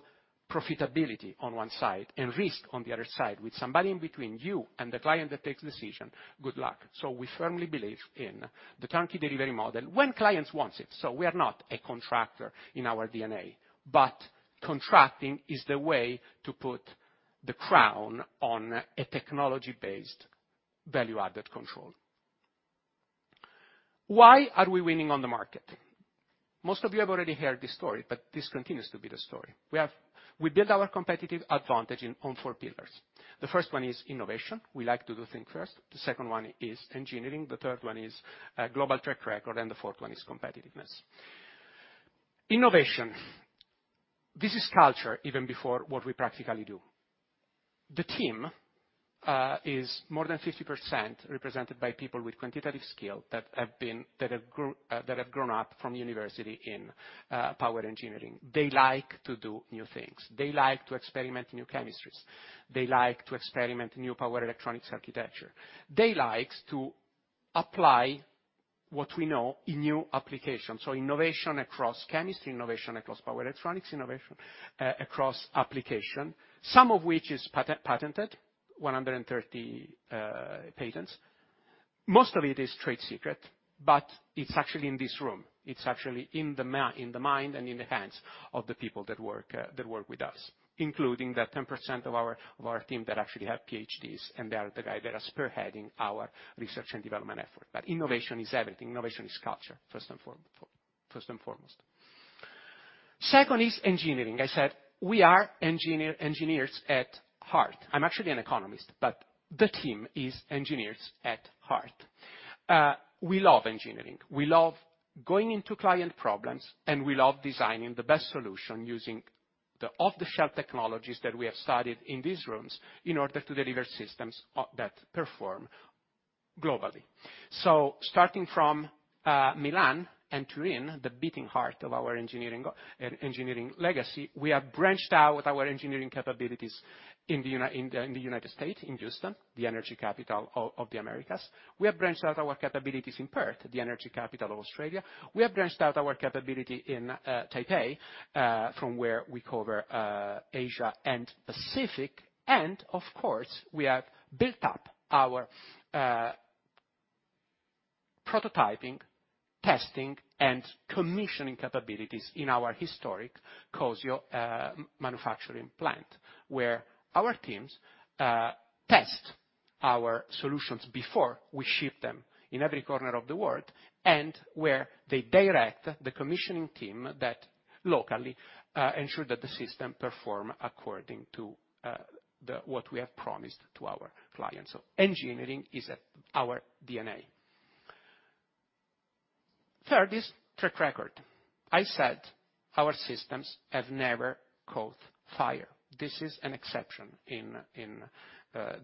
profitability on one side and risk on the other side, with somebody in between you and the client that takes decision, good luck. We firmly believe in the turnkey delivery model when clients wants it. We are not a contractor in our DNA, but contracting is the way to put the crown on a technology-based, value-added control. Why are we winning on the market? Most of you have already heard this story, but this continues to be the story. We build our competitive advantage in, on four pillars. The first one is innovation. We like to do thing first. The second one is engineering, the third one is global track record, and the fourth one is competitiveness. Innovation. This is culture, even before what we practically do. The team is more than 50% represented by people with quantitative skill, that have grown up from university in power engineering. They like to do new things. They like to experiment new chemistries. They like to experiment new power electronics architecture. They likes to apply what we know in new applications. Innovation across chemistry, innovation across power electronics, innovation across application, some of which is patented, 130 patents. Most of it is trade secret, but it's actually in this room. It's actually in the mind and in the hands of the people that work, that work with us, including the 10% of our team that actually have PhDs, and they are the guy that are spearheading our research and development effort. Innovation is everything. Innovation is culture, first and foremost. Second is engineering. I said we are engineers at heart. I am actually an economist, but the team is engineers at heart. We love engineering. We love going into client problems. We love designing the best solution using the off-the-shelf technologies that we have studied in these rooms, in order to deliver systems that perform globally. Starting from Milan and Turin, the beating heart of our engineering legacy, we have branched out with our engineering capabilities in the United States, in Houston, the energy capital of the Americas. We have branched out our capabilities in Perth, the energy capital of Australia. We have branched out our capability in Taipei, from where we cover Asia and Pacific, and of course, we have built up our prototyping, testing, and commissioning capabilities in our historic Cozio manufacturing plant, where our teams test our solutions before we ship them in every corner of the world, and where they direct the commissioning team that locally ensure that the system perform according to what we have promised to our clients. Engineering is at our DNA. Third is track record. I said, our systems have never caught fire. This is an exception in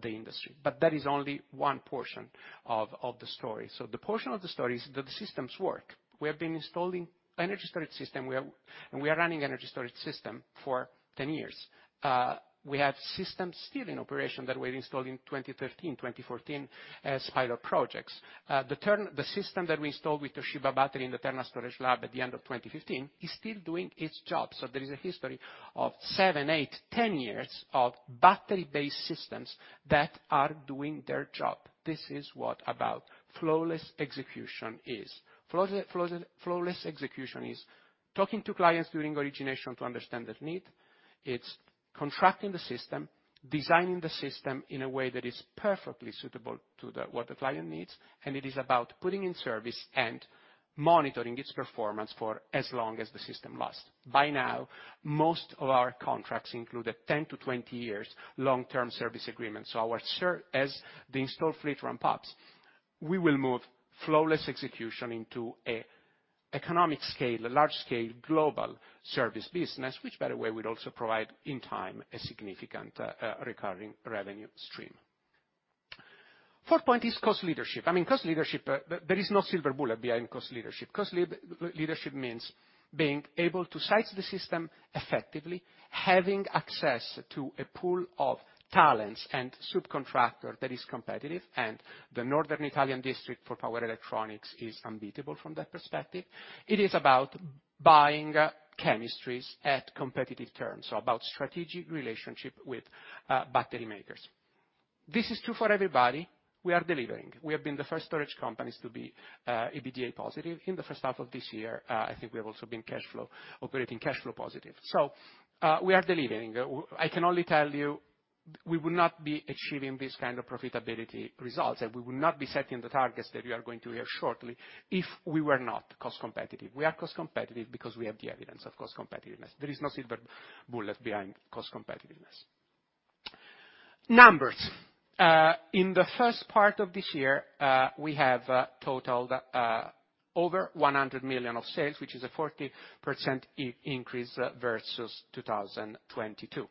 the industry, but that is only one portion of the story. The portion of the story is that the systems work. We have been installing energy storage system, we have. We are running energy storage system for 10 years. We have systems still in operation that were installed in 2013, 2014, as pilot projects. The system that we installed with Toshiba Battery in the Terna Storage Lab at the end of 2015, is still doing its job, so there is a history of seven, eight, 10 years of battery-based systems that are doing their job. This is what about flawless execution is. Flawless execution is talking to clients during origination to understand their need. It's contracting the system, designing the system in a way that is perfectly suitable to the, what the client needs, and it is about putting in service and monitoring its performance for as long as the system lasts. By now, most of our contracts include a 10-20 years long-term service agreement, as the installed fleet ramp-ups, we will move flawless execution into a economic scale, a large scale, global service business, which, by the way, will also provide, in time, a significant recurring revenue stream. Fourth point is cost leadership. I mean, cost leadership, there is no silver bullet behind cost leadership. Cost leadership means being able to size the system effectively, having access to a pool of talents and subcontractor that is competitive, and the northern Italian district for power electronics is unbeatable from that perspective. It is about buying chemistries at competitive terms, so about strategic relationship with battery makers. This is true for everybody. We are delivering. We have been the first storage companies to be EBITDA positive in the first half of this year. I think we have also been cash flow, operating cash flow positive. We are delivering. I can only tell you, we would not be achieving this kind of profitability results, and we would not be setting the targets that you are going to hear shortly, if we were not cost competitive. We are cost competitive because we have the evidence of cost competitiveness. There is no silver bullet behind cost competitiveness. Numbers. In the first part of this year, we have totaled over 100 million of sales, which is a 40% increase versus 2022.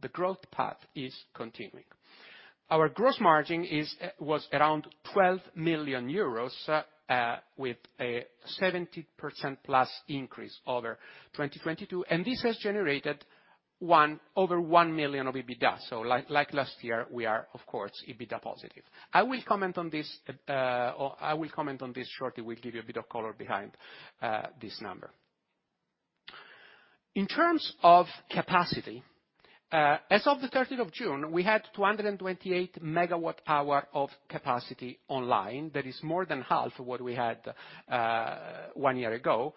The growth path is continuing. Our gross margin was around 12 million euros, with a 70%+ increase over 2022. This has generated over 1 million of EBITDA. Like last year, we are, of course, EBITDA positive. I will comment on this shortly. We'll give you a bit of color behind this number. In terms of capacity, as of the 13th of June, we had 228 MWh of capacity online. That is more than half of what we had one year ago,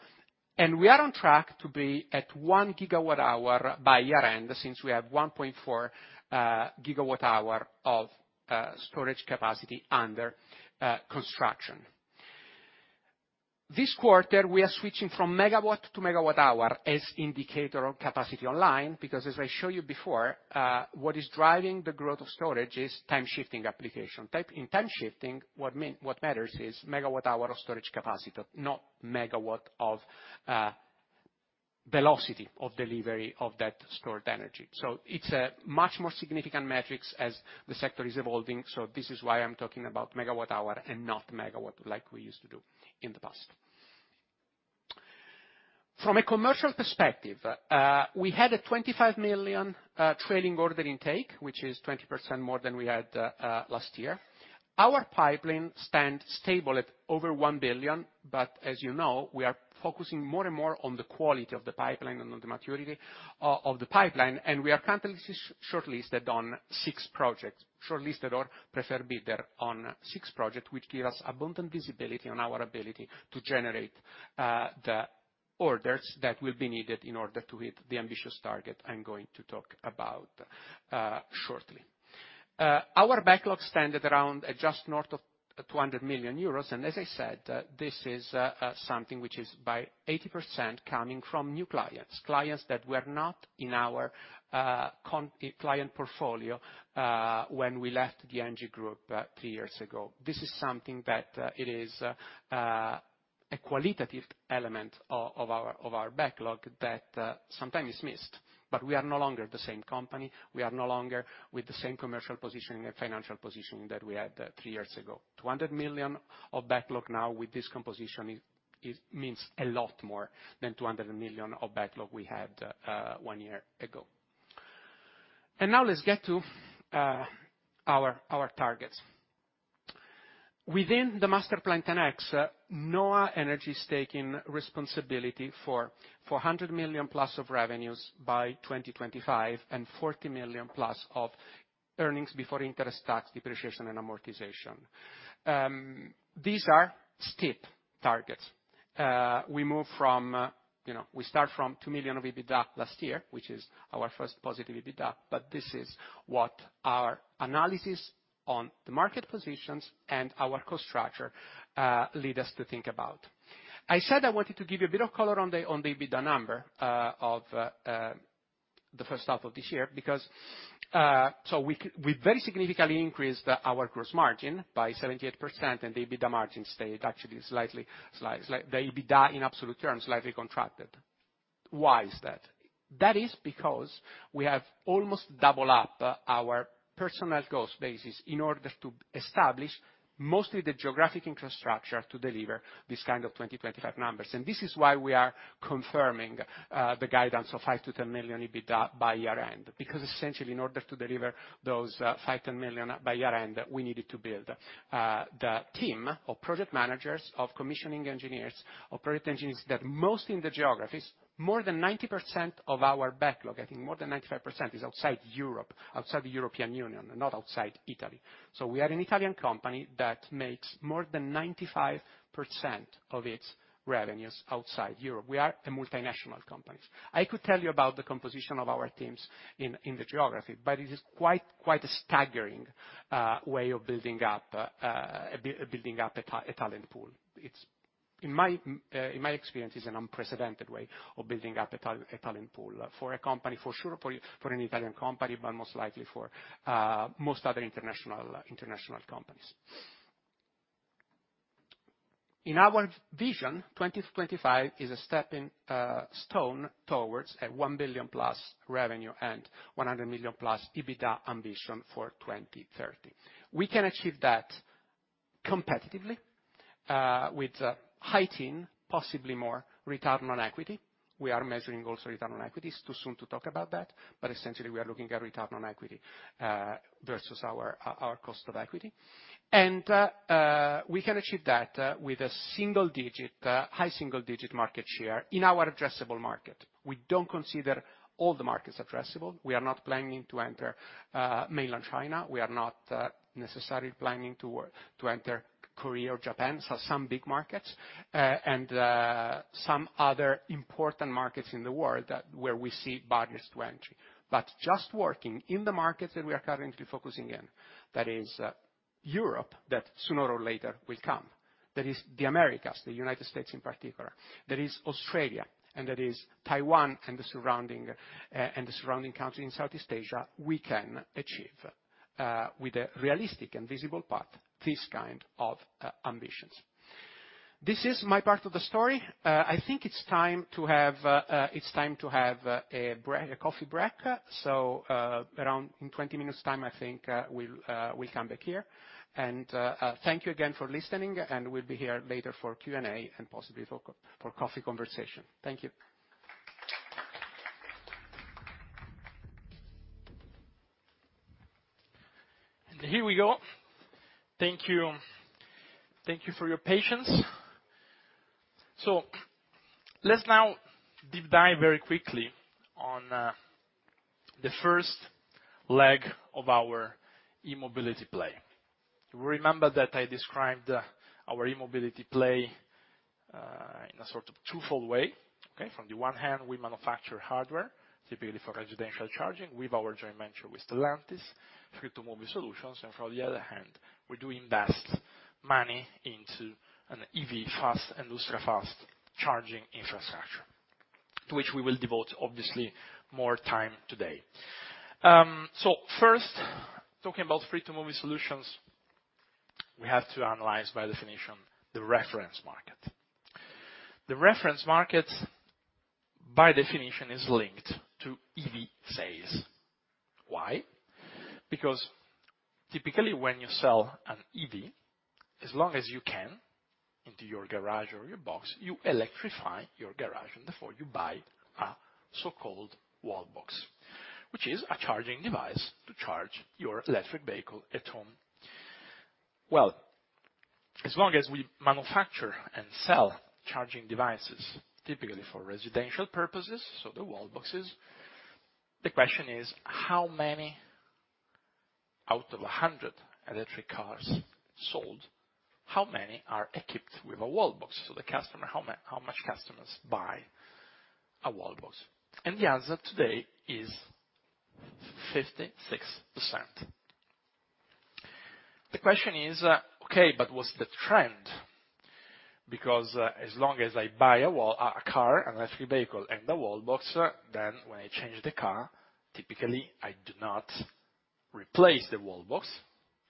and we are on track to be at 1 GWh by year-end, since we have 1.4 GWh of storage capacity under construction. This quarter, we are switching from megawatt to megawatt hour as indicator of capacity online, because as I showed you before, what is driving the growth of storage is time-shifting application. In time shifting, what matters is megawatt hour of storage capacity, not megawatt of capacity, velocity of delivery of that stored energy. It's a much more significant metrics as the sector is evolving, this is why I'm talking about megawatt hour and not megawatt, like we used to do in the past. From a commercial perspective, we had a 25 million trailing order intake, which is 20% more than we had last year. Our pipeline stand stable at over 1 billion, as you know, we are focusing more and more on the quality of the pipeline and on the maturity of the pipeline. We are currently shortlisted on six projects. Shortlisted or preferred bidder on six projects, which give us abundant visibility on our ability to generate the orders that will be needed in order to hit the ambitious target I'm going to talk about shortly. Our backlog stand at around, at just north of 200 million euros. As I said, this is something which is by 80% coming from new clients that were not in our client portfolio when we left the Engie Group three years ago. This is something that it is a qualitative element of our backlog that sometimes is missed. We are no longer the same company. We are no longer with the same commercial positioning and financial positioning that we had three years ago. 200 million of backlog now with this composition is means a lot more than 200 million of backlog we had 1 year ago. Now let's get to our targets. Within the Masterplan10x, NHOA Energy is taking responsibility for 400 million+ of revenues by 2025, and 40 million+ of EBITDA. These are steep targets. We move from, you know, we start from 2 million of EBITDA last year, which is our first positive EBITDA, but this is what our analysis on the market positions and our cost structure lead us to think about. I said I wanted to give you a bit of color on the EBITDA number of the first half of this year, because. We very significantly increased our gross margin by 78%, and the EBITDA margin stayed actually slightly, the EBITDA in absolute terms, slightly contracted. Why is that? That is because we have almost double up our personnel cost basis in order to establish mostly the geographic infrastructure to deliver this kind of 2025 numbers. This is why we are confirming the guidance of 5 million-10 million EBITDA by year-end. Essentially, in order to deliver those 5 million, 10 million by year-end, we needed to build the team of project managers, of commissioning engineers, of project engineers, that mostly in the geographies, more than 90% of our backlog, I think more than 95%, is outside Europe, outside the European Union, and not outside Italy. We are an Italian company that makes more than 95% of its revenues outside Europe. We are a multinational company. I could tell you about the composition of our teams in the geography, it is quite a staggering way of building up an Italian pool. In my experience, it's an unprecedented way of building up an Italian pool for a company, for sure, for an Italian company, most likely for most other international companies. In our vision, 2025 is a stepping stone towards a 1 billion-plus revenue and 100 million+ EBITDA ambition for 2030. We can achieve that competitively with a high teen, possibly more, return on equity. We are measuring also return on equity. It's too soon to talk about that, but essentially, we are looking at return on equity versus our cost of equity. We can achieve that with a single digit, high single digit market share in our addressable market. We don't consider all the markets addressable. We are not planning to enter Mainland China. We are not necessarily planning to enter Korea or Japan. Some big markets and some other important markets in the world that, where we see barriers to entry. Just working in the markets that we are currently focusing in, that is Europe, that sooner or later will come, that is the Americas, the United States in particular, that is Australia, and that is Taiwan and the surrounding, and the surrounding countries in Southeast Asia, we can achieve with a realistic and visible path, this kind of ambitions. This is my part of the story. I think it's time to have, it's time to have a break, a coffee break. Around, in 20 minutes' time, I think we'll come back here. Thank you again for listening, and we'll be here later for Q&A, and possibly for coffee conversation. Thank you. Here we go. Thank you. Thank you for your patience. Let's now deep dive very quickly on the first leg of our e-mobility play. You remember that I described our e-mobility play in a sort of twofold way, okay. From the one hand, we manufacture hardware, typically for residential charging, with our joint venture with Stellantis, Free2move eSolutions. From the other hand, we do invest money into an EV fast and ultra-fast charging infrastructure, to which we will devote, obviously, more time today. First, talking about Free2move eSolutions. We have to analyze, by definition, the reference market. The reference market, by definition, is linked to EV sales. Why? Typically, when you sell an EV, as long as you can, into your garage or your box, you electrify your garage, and therefore, you buy a so-called wall box, which is a charging device to charge your electric vehicle at home. Well, as long as we manufacture and sell charging devices, typically for residential purposes, so the wall boxes, the question is: how many out of 100 electric cars sold, how many are equipped with a wall box for the customer? How much customers buy a wall box? The answer today is 56%. The question is, okay, but what's the trend? As long as I buy a wall, a car, an electric vehicle, and the wall box, when I change the car, typically, I do not replace the wall box,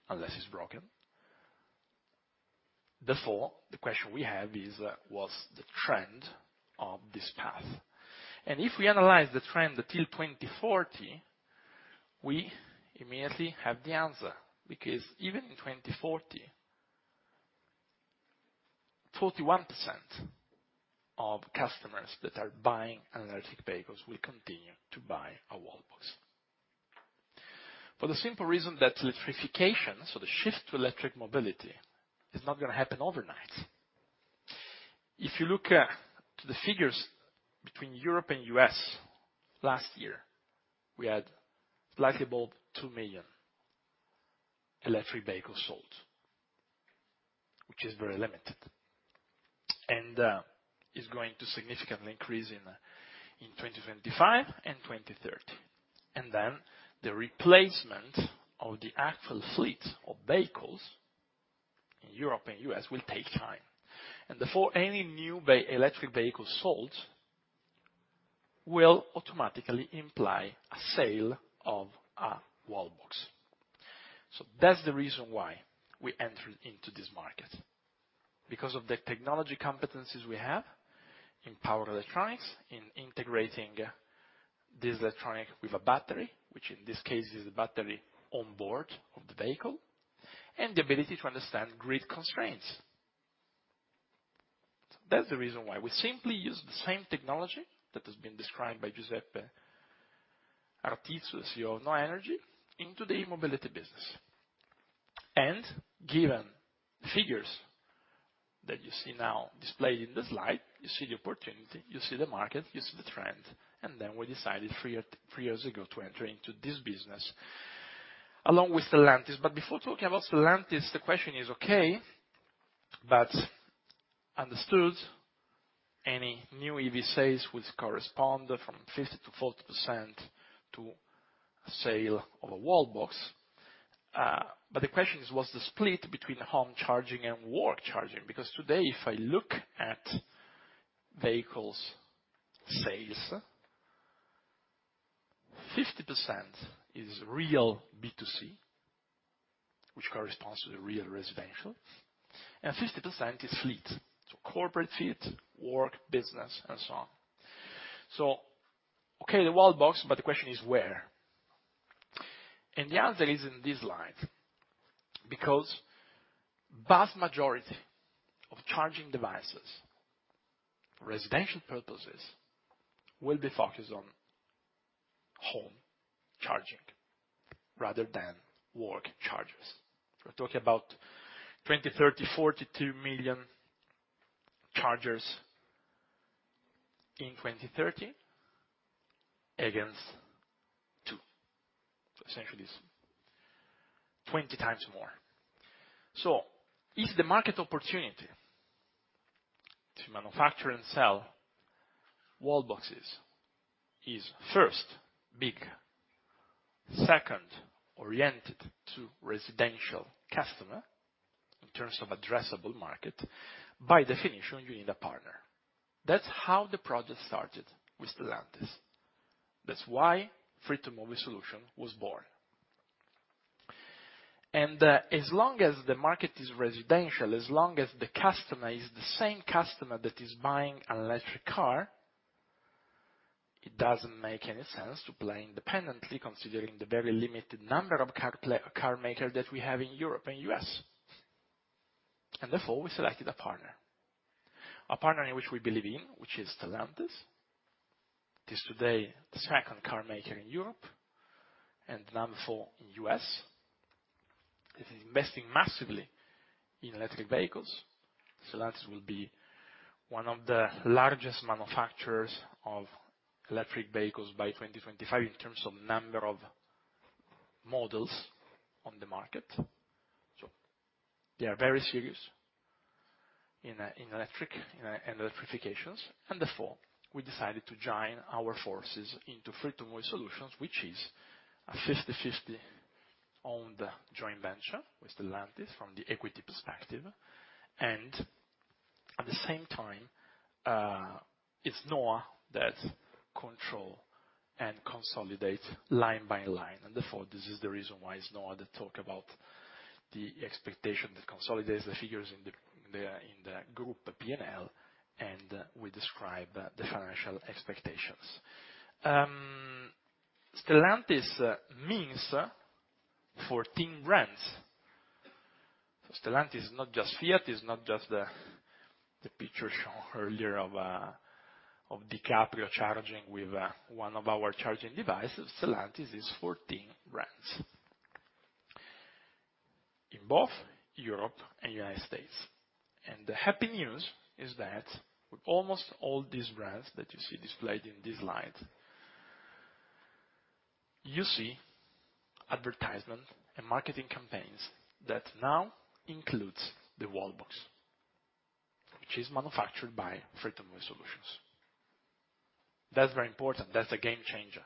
unless it's broken. The question we have is, what's the trend of this path? If we analyze the trend until 2040, we immediately have the answer, because even in 2040, 41% of customers that are buying an electric vehicles will continue to buy a wall box. For the simple reason that electrification, so the shift to electric mobility, is not going to happen overnight. If you look to the figures between Europe and U.S. last year, we had slightly above 2 million electric vehicles sold, which is very limited, and is going to significantly increase in 2025 and 2030. The replacement of the actual fleet of vehicles in Europe and U.S. will take time, and therefore, any new electric vehicle sold will automatically imply a sale of a wall box. That's the reason why we entered into this market. Because of the technology competencies we have in power electronics, in integrating this electronic with a battery, which in this case, is the battery on board of the vehicle, and the ability to understand grid constraints. That's the reason why we simply use the same technology that has been described by Giuseppe Artizzu, CEO of NHOA Energy, into the e-mobility business. Given the figures that you see now displayed in the slide, you see the opportunity, you see the market, you see the trend, we decided 3 years ago to enter into this business along with Stellantis. Before talking about Stellantis, the question is, okay, but understood, any new EV sales will correspond from 50% to 40% to sale of a wall box. The question is, what's the split between home charging and work charging? Today, if I look at vehicles sales, 50% is real B2C, which corresponds to the real residential, and 50% is fleet, so corporate fleet, work, business, and so on. Okay, the wall box, but the question is where? The answer is in this slide, because vast majority of charging devices, residential purposes, will be focused on home charging rather than work chargers. We're talking about 20, 30, 42 million chargers in 2030, against 2. Essentially, it's 20x more. Is the market opportunity to manufacture and sell wall boxes is first, big, second, oriented to residential customer in terms of addressable market, by definition, you need a partner. That's how the project started with Stellantis. That's why Free2move eSolutions was born. As long as the market is residential, as long as the customer is the same customer that is buying an electric car, it doesn't make any sense to play independently, considering the very limited number of car maker that we have in Europe and U.S. Therefore, we selected a partner, a partner in which we believe in, which is Stellantis. It is today the second car maker in Europe and number four in U.S. It is investing massively in electric vehicles. Stellantis will be one of the largest manufacturers of electric vehicles by 2025 in terms of number of models on the market. They are very serious in electric, and electrifications, and therefore, we decided to join our forces into Free2move eSolutions, which is a 50/50 owned joint venture with Stellantis from the equity perspective. At the same time, it's NHOA that control and consolidate line by line, and therefore, this is the reason why it's NHOA that talk about the expectation that consolidates the figures in the group, the P&L, we describe the financial expectations. Stellantis means 14 brands. Stellantis is not just Fiat, it's not just the picture shown earlier of DiCaprio charging with one of our charging devices. Stellantis is 14 brands in both Europe and United States. The happy news is that with almost all these brands that you see displayed in this slide, you see advertisement and marketing campaigns that now includes the wall box, which is manufactured by Free2move eSolutions. That's very important. That's a game changer.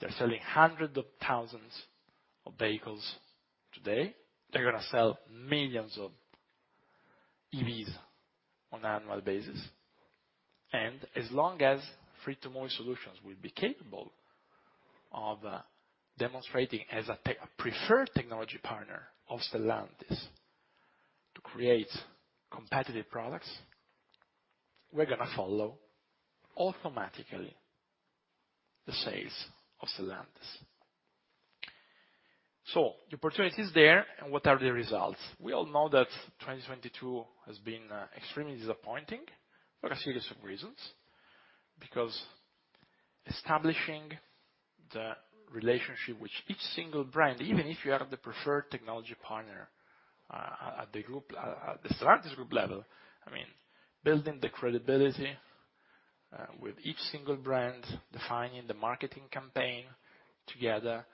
They're selling hundreds of thousands of vehicles today. They're gonna sell millions of EVs on an annual basis, and as long as Free2move eSolutions will be capable of demonstrating as a preferred technology partner of Stellantis to create competitive products, we're gonna follow automatically the sales of Stellantis. The opportunity is there, and what are the results? We all know that 2022 has been extremely disappointing for a series of reasons. Because establishing the relationship with each single brand, even if you are the preferred technology partner, at the group, at the Stellantis Group level, I mean, building the credibility with each single brand, defining the marketing campaign together,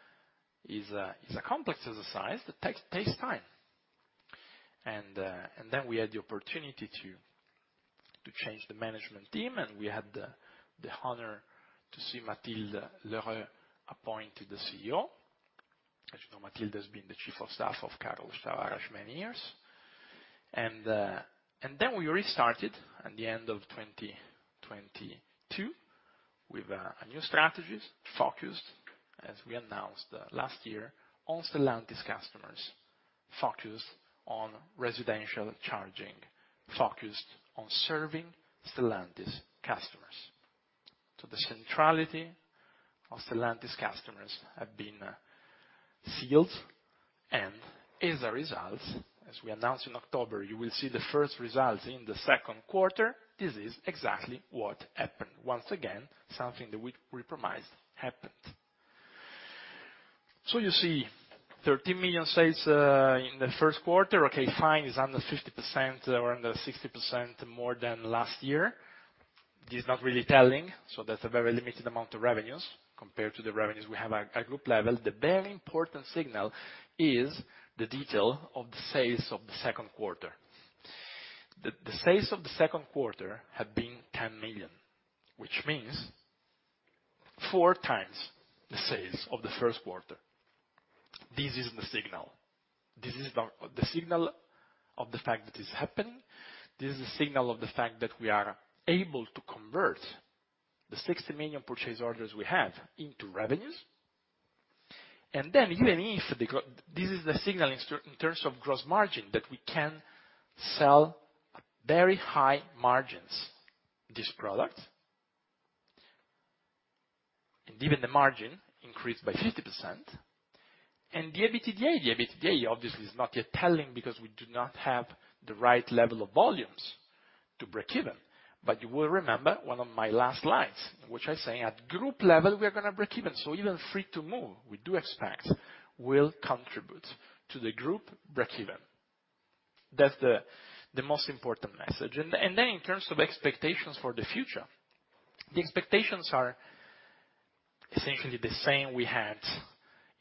is a complex exercise that takes time. Then we had the opportunity to change the management team, and we had the honor to see Mathilde Lheureux appointed the CEO. As you know, Mathilde has been the chief of staff of Carlos Tavares for many years. Then we restarted at the end of 2022, with a new strategy focused, as we announced last year, on Stellantis customers, focused on residential charging, focused on serving Stellantis customers. The centrality of Stellantis customers have been sealed, and as a result, as we announced in October, you will see the first results in the second quarter. This is exactly what happened. Once again, something that we promised happened. You see 13 million sales in the first quarter. Okay, fine, it's under 50% or under 60% more than last year. This is not really telling, so that's a very limited amount of revenues compared to the revenues we have at group level. The very important signal is the detail of the sales of the second quarter. The sales of the second quarter have been 10 million, which means four times the sales of the first quarter. This is the signal. This is the signal of the fact that it's happening. This is a signal of the fact that we are able to convert the 60 million purchase orders we have into revenues. Even if this is the signal in terms of gross margin, that we can sell at very high margins, this product. Even the margin increased by 50%. The EBITDA obviously, is not yet telling because we do not have the right level of volumes to break even. You will remember one of my last slides, which I say, at group level, we are going to break even. Even Free to Move, we do expect, will contribute to the group breakeven. That's the most important message. Then in terms of expectations for the future, the expectations are essentially the same we had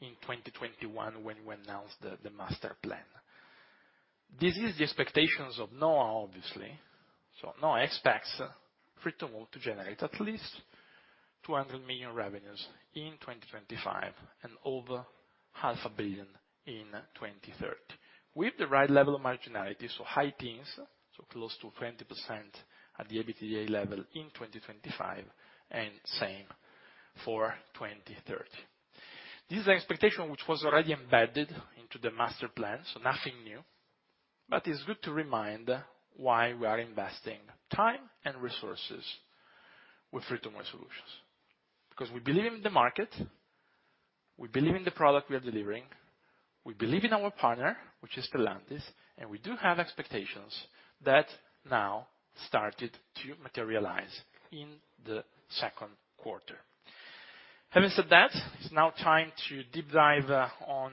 in 2021 when we announced the Masterplan. This is the expectations of NHOA, obviously. NHOA expects Free2move to generate at least 200 million revenues in 2025 and over EUR half a billion in 2030, with the right level of marginality, so high teens, so close to 20% at the EBITDA level in 2025, and same for 2030. This is the expectation which was already embedded into the Masterplan10x, so nothing new, but it's good to remind why we are investing time and resources with Free2move eSolutions. We believe in the market, we believe in the product we are delivering, we believe in our partner, which is Stellantis, and we do have expectations that now started to materialize in the second quarter. Having said that, it's now time to deep dive, on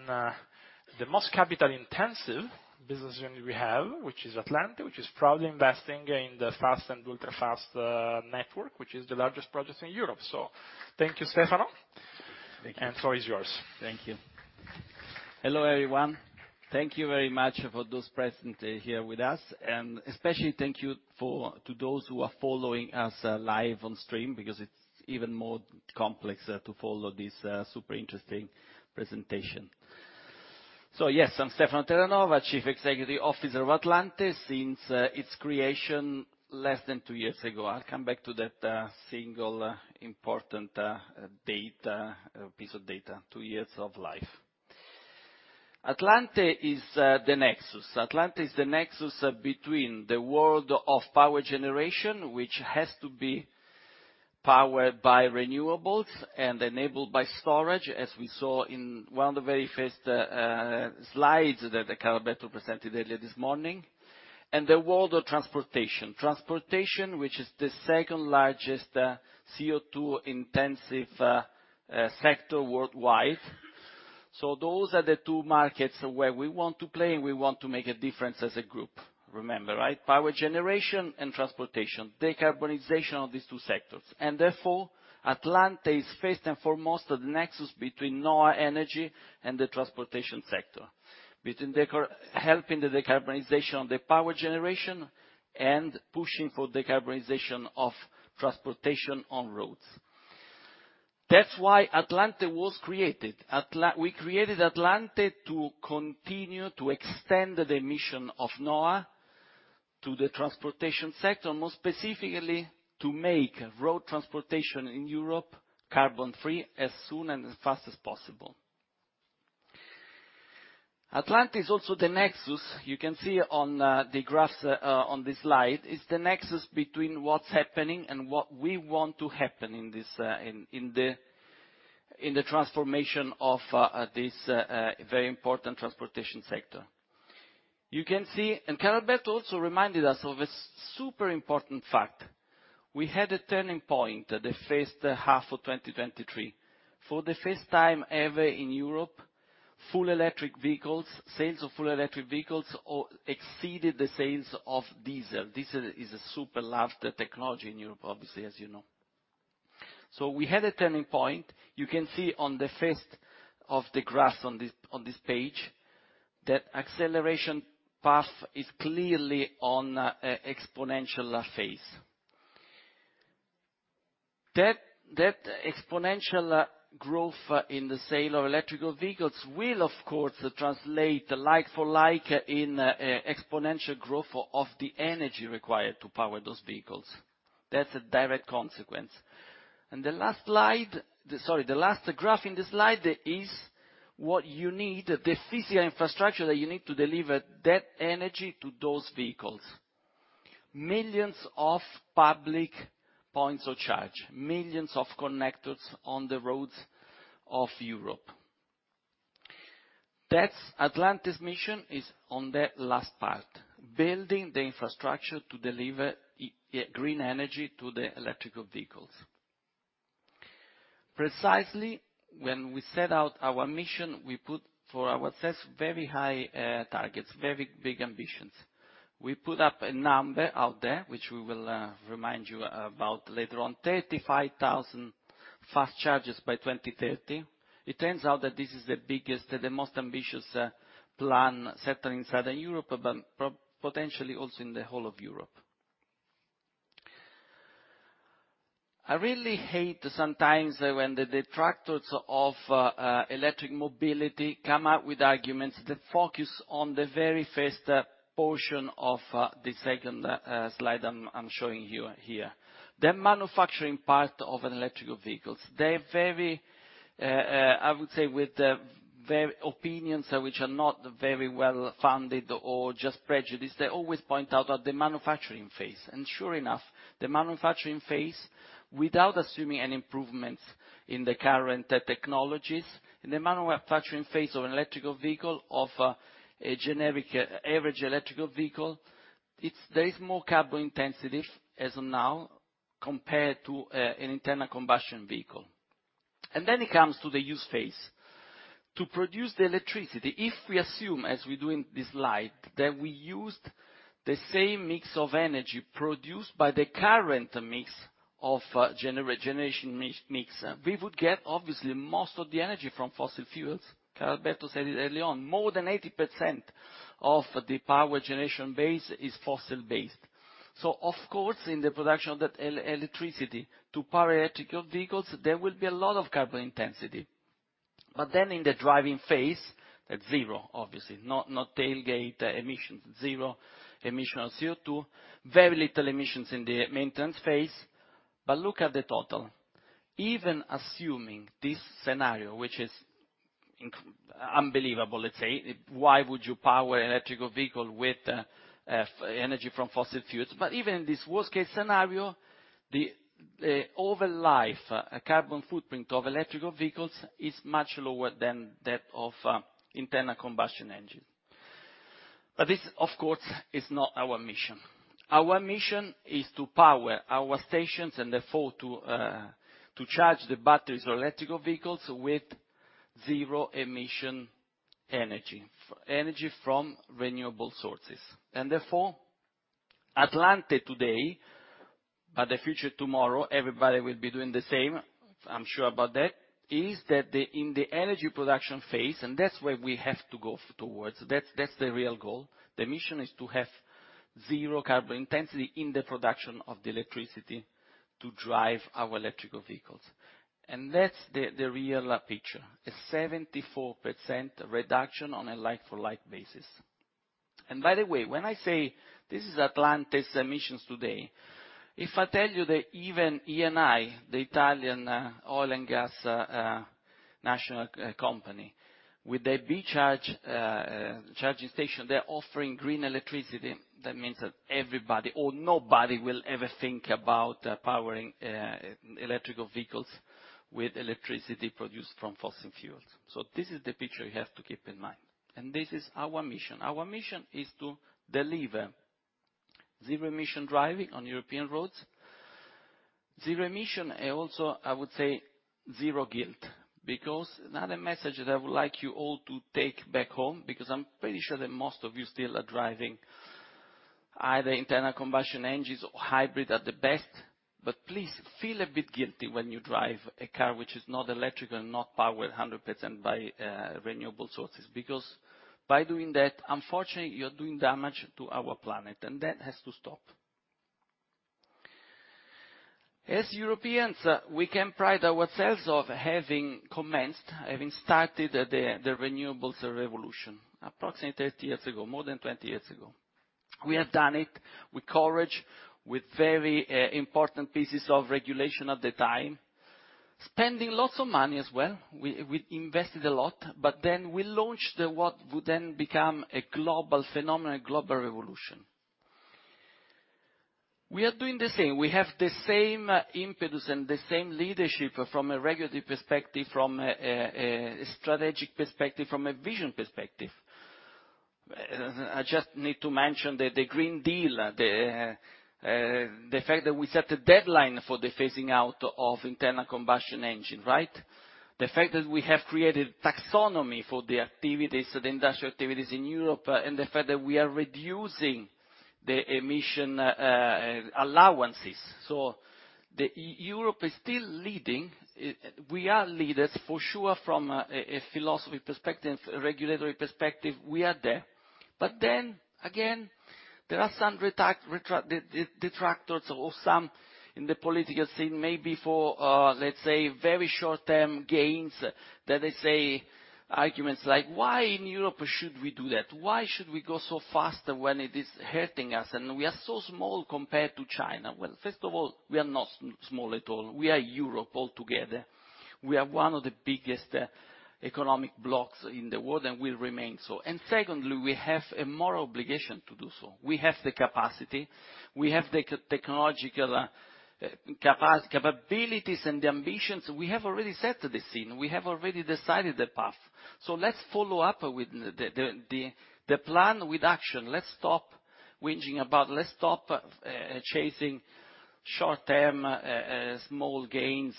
the most capital-intensive business unit we have, which is Atlante, which is proudly investing in the fast and ultra-fast network, which is the largest project in Europe. Thank you, Stefano. Thank you. The floor is yours. Thank you. Hello, everyone. Thank you very much for those present here with us, and especially thank you to those who are following us live on stream, because it's even more complex to follow this super interesting presentation. Yes, I'm Stefano Terranova, Chief Executive Officer of Atlante since its creation less than two years ago. I'll come back to that single important data, piece of data, two years of life. Atlante is the nexus. Atlante is the nexus between the world of power generation, which has to be powered by renewables and enabled by storage, as we saw in one of the very first slides that Carlalberto presented earlier this morning, and the world of transportation. Transportation, which is the second largest CO₂ intensive sector worldwide. Those are the two markets where we want to play, and we want to make a difference as a group. Remember, right? Power generation and transportation, decarbonization of these two sectors. Therefore, Atlante is first and foremost, the nexus between NHOA Energy and the transportation sector, between helping the decarbonization of the power generation and pushing for decarbonization of transportation on roads. That's why Atlante was created. We created Atlante to continue to extend the mission of NHOA to the transportation sector, more specifically, to make road transportation in Europe carbon-free as soon and as fast as possible. Atlante is also the nexus, you can see on the graphs on this slide, it's the nexus between what's happening and what we want to happen in this in the transformation of this very important transportation sector. You can see... Carlalberto also reminded us of a super important fact. We had a turning point at the first half of 2023. For the first time ever in Europe, full electric vehicles, sales of full electric vehicles, exceeded the sales of diesel. Diesel is a super loved technology in Europe, obviously, as you know. We had a turning point. You can see on the first of the graphs on this, on this page, that acceleration path is clearly on a exponential phase. That exponential growth in the sale of electrical vehicles will, of course, translate like for like in exponential growth of the energy required to power those vehicles. That's a direct consequence. The last slide, sorry, the last graph in the slide is what you need, the physical infrastructure that you need to deliver that energy to those vehicles. Millions of public points of charge, millions of connectors on the roads of Europe. That's Atlante's mission, is on that last part, building the infrastructure to deliver green energy to the electrical vehicles. Precisely, when we set out our mission, we put for ourselves very high targets, very big ambitions. We put up a number out there, which we will remind you about later on, 35,000 fast charges by 2030. It turns out that this is the biggest, the most ambitious plan certainly in Southern Europe, but potentially also in the whole of Europe. I really hate sometimes when the detractors of electric mobility come out with arguments that focus on the very first portion of the second slide I'm showing you here. The manufacturing part of an electrical vehicles, they're very. I would say with the very opinions which are not very well-funded or just prejudice, they always point out at the manufacturing phase. Sure enough, the manufacturing phase, without assuming any improvements in the current technologies, in the manufacturing phase of an electrical vehicle, of a generic, average electrical vehicle, there is more carbon intensity as of now, compared to an internal combustion vehicle. Then it comes to the use phase. To produce the electricity, if we assume, as we do in this slide, that we used the same mix of energy produced by the current mix of generation mix, we would get, obviously, most of the energy from fossil fuels. Carlalberto said it early on, more than 80% of the power generation base is fossil-based. Of course, in the production of that electricity to power electrical vehicles, there will be a lot of carbon intensity. In the driving phase, that's zero, obviously, not tailgate emissions, zero emission of CO₂, very little emissions in the maintenance phase. Look at the total. Even assuming this scenario, which is unbelievable, let's say, why would you power an electrical vehicle with energy from fossil fuels? Even in this worst-case scenario, the over life, carbon footprint of electrical vehicles is much lower than that of internal combustion engine. This, of course, is not our mission. Our mission is to power our stations and therefore, to charge the batteries or electrical vehicles with zero emission energy from renewable sources. Atlante today, but the future tomorrow, everybody will be doing the same, I'm sure about that, is that in the energy production phase, and that's where we have to go towards. That's the real goal. The mission is to have zero carbon intensity in the production of the electricity to drive our electrical vehicles. That's the real picture, a 74% reduction on a like-for-like basis. When I say this is Atlante's emissions today, if I tell you that even Eni, the Italian oil and gas national company, with their Be Charge charging station, they're offering green electricity. That means that everybody or nobody will ever think about powering electrical vehicles with electricity produced from fossil fuels. This is the picture you have to keep in mind, and this is our mission. Our mission is to deliver zero emission driving on European roads. Zero emission, also, I would say zero guilt, because another message that I would like you all to take back home, because I'm pretty sure that most of you still are driving either internal combustion engines or hybrid at the best. Please feel a bit guilty when you drive a car which is not electric and not powered 100% by renewable sources. By doing that, unfortunately, you're doing damage to our planet, and that has to stop. As Europeans, we can pride ourselves of having commenced, having started the renewables, revolution approximately 30 years ago, more than 20 years ago. We have done it with courage, with very important pieces of regulation at the time, spending lots of money as well. We invested a lot, we launched what would then become a global phenomenon, a global revolution. We are doing the same. We have the same impetus and the same leadership from a regulatory perspective, from a strategic perspective, from a vision perspective. I just need to mention that the Green Deal, the fact that we set a deadline for the phasing out of internal combustion engine, right? The fact that we have created taxonomy for the activities, the industrial activities in Europe, and the fact that we are reducing the emission allowances. Europe is still leading. We are leaders for sure, from a philosophy perspective, regulatory perspective, we are there. There are some detractors or some in the political scene, maybe for, let's say, very short-term gains, that they say arguments like, "Why in Europe should we do that? Why should we go so fast when it is hurting us, and we are so small compared to China?" First of all, we are not small at all. We are Europe all together. We are one of the biggest economic blocks in the world, and we remain so. Secondly, we have a moral obligation to do so. We have the capacity, we have the technological capabilities and the ambitions. We have already set the scene, we have already decided the path, let's follow up with the plan with action. Let's stop whinging about, let's stop chasing short-term small gains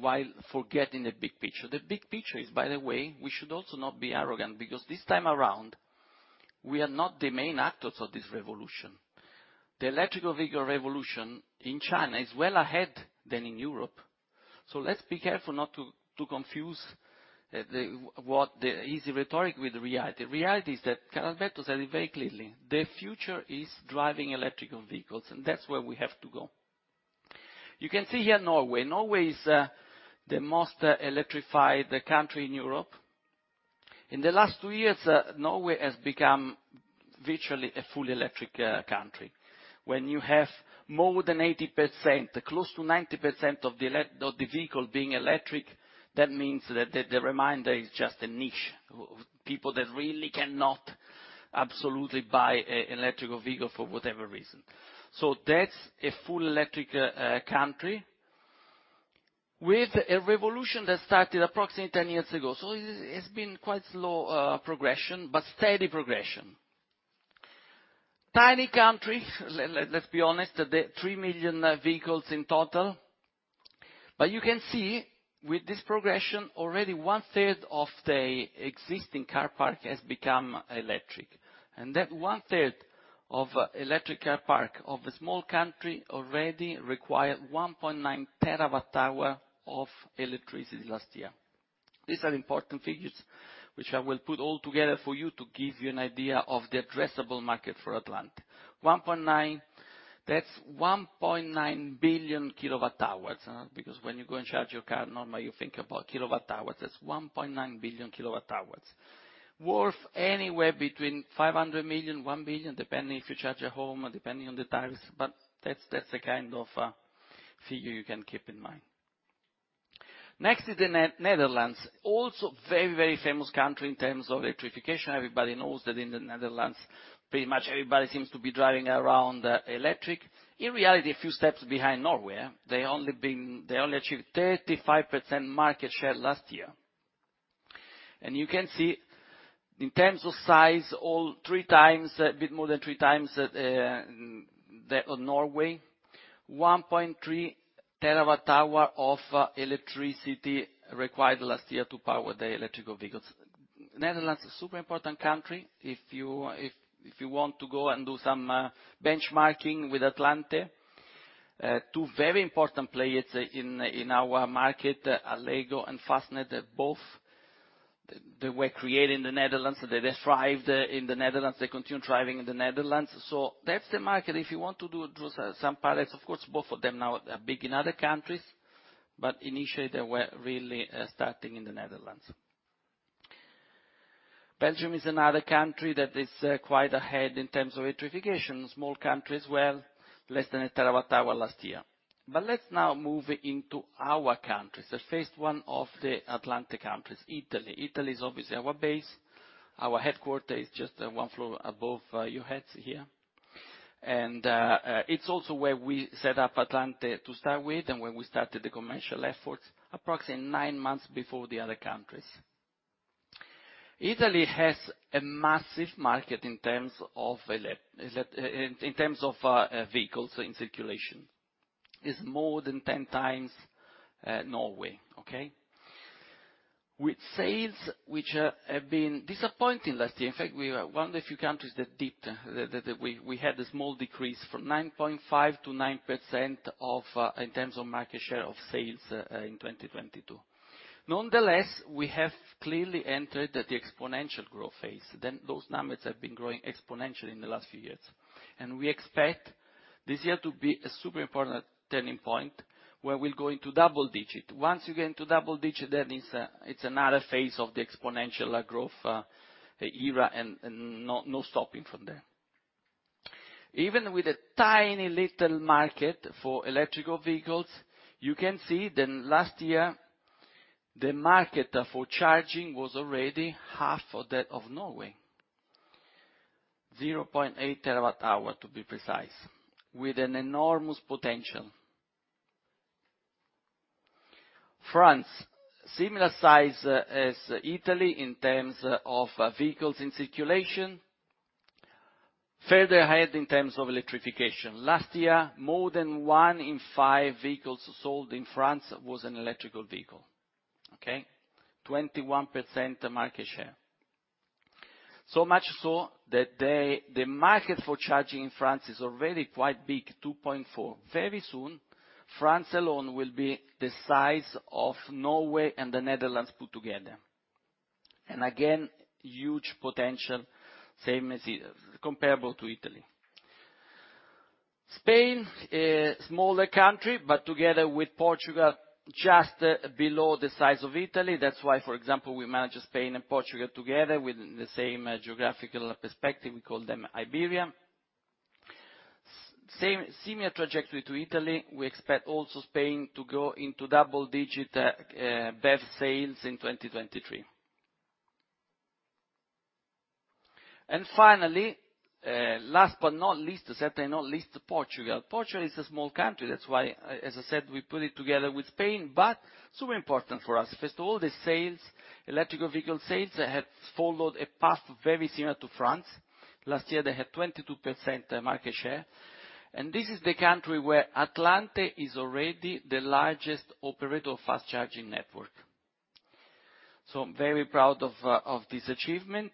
while forgetting the big picture. The big picture is, by the way, we should also not be arrogant, because this time around, we are not the main actors of this revolution. The electrical vehicle revolution in China is well ahead than in Europe, so let's be careful not to confuse the what the easy rhetoric with the reality. The reality is that, Carlalberto said it very clearly, "The future is driving electrical vehicles, and that's where we have to go." You can see here Norway. Norway is the most electrified country in Europe. In the last two years, Norway has become virtually a fully electric country. When you have more than 80%, close to 90% of the of the vehicle being electric, that means that the remainder is just a niche of people that really cannot absolutely buy a electric vehicle for whatever reason. That's a full electric country with a revolution that started approximately 10 years ago, so it's been quite slow, progression, but steady progression. Tiny country, let's be honest, the 3 million vehicles in total, but you can see with this progression, already one third of the existing car park has become electric. That one third of electric car park of a small country already required 1.9 TWh of electricity last year. These are important figures, which I will put all together for you to give you an idea of the addressable market for Atlante. 1.9, that's 1.9 billion kWh, because when you go and charge your car, normally, you think about kWh. That's 1.9 billion kWh, worth anywhere between 500 million-1 billion, depending if you charge at home or depending on the tariffs, that's the kind of figure you can keep in mind. Next is the Netherlands, also very famous country in terms of electrification. Everybody knows that in the Netherlands, pretty much everybody seems to be driving around electric. In reality, a few steps behind Norway, they only achieved 35% market share last year. You can see in terms of size, all three times, a bit more than three times, Norway, 1.3 TWh of electricity required last year to power the electrical vehicles. Netherlands, a super important country, if you want to go and do some benchmarking with Atlante. Two very important players in our market, Allego and Fastned, both, they were created in the Netherlands, they thrived in the Netherlands, they continue thriving in the Netherlands. That's the market. If you want to do some pilots, of course, both of them now are big in other countries, but initially, they were really starting in the Netherlands. Belgium is another country that is quite ahead in terms of electrification. Small country as well, less than 1 TWh last year. Let's now move into our countries, the first one of the Atlante countries, Italy. Italy is obviously our base. Our headquarter is just one floor above your heads here. It's also where we set up Atlante to start with, and where we started the commercial efforts, approximately nine months before the other countries. Italy has a massive market in terms of vehicles in circulation. It's more than 10 times Norway, okay? With sales, which have been disappointing last year. In fact, we are one of the few countries that dipped, we had a small decrease from 9.5% to 9% in terms of market share of sales in 2022. Nonetheless, we have clearly entered the exponential growth phase, those numbers have been growing exponentially in the last few years. We expect this year to be a super important turning point, where we'll go into double digit. Once you get into double-digit, then it's another phase of the exponential growth era, and no stopping from there. Even with a tiny little market for electrical vehicles, you can see that last year, the market for charging was already half of that of Norway, 0.8 TWh, to be precise, with an enormous potential. France, similar size as Italy in terms of vehicles in circulation, further ahead in terms of electrification. Last year, more than 1 in 5 vehicles sold in France was an electrical vehicle, okay. 21% market share. So much so that the market for charging in France is already quite big, 2.4 TWh. Very soon, France alone will be the size of Norway and the Netherlands put together. Again, huge potential, same as comparable to Italy. Spain, a smaller country, but together with Portugal, just below the size of Italy. That's why, for example, we manage Spain and Portugal together with the same geographical perspective. We call them Iberia. Similar trajectory to Italy, we expect also Spain to go into double digit BEV sales in 2023. Finally, last but not least, certainly not least, Portugal. Portugal is a small country. That's why, as I said, we put it together with Spain, but super important for us. First of all, the sales, electrical vehicle sales, have followed a path very similar to France. Last year, they had 22% market share, and this is the country where Atlante is already the largest operator of fast charging network. I'm very proud of this achievement.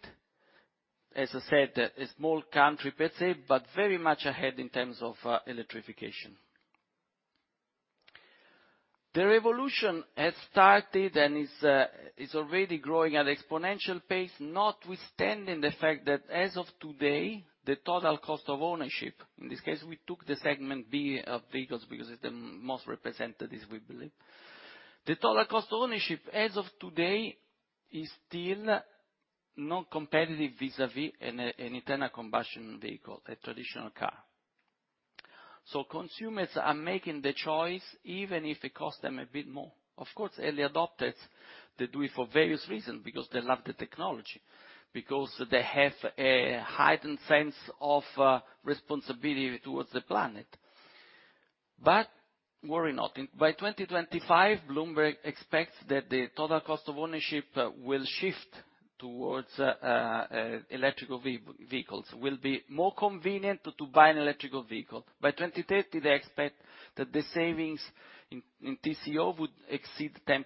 As I said, a small country per se, but very much ahead in terms of electrification. The revolution has started and is already growing at an exponential pace, notwithstanding the fact that as of today, the total cost of ownership, in this case, we took the segment B of vehicles, because it's the most represented, as we believe. The total cost of ownership, as of today, is still not competitive vis-à-vis an internal combustion vehicle, a traditional car. Consumers are making the choice, even if it costs them a bit more. Of course, early adopters, they do it for various reasons, because they love the technology, because they have a heightened sense of responsibility towards the planet. Worry not, by 2025, Bloomberg expects that the total cost of ownership will shift towards electrical vehicles. Will be more convenient to buy an electrical vehicle. By 2030, they expect that the savings in TCO would exceed 10%.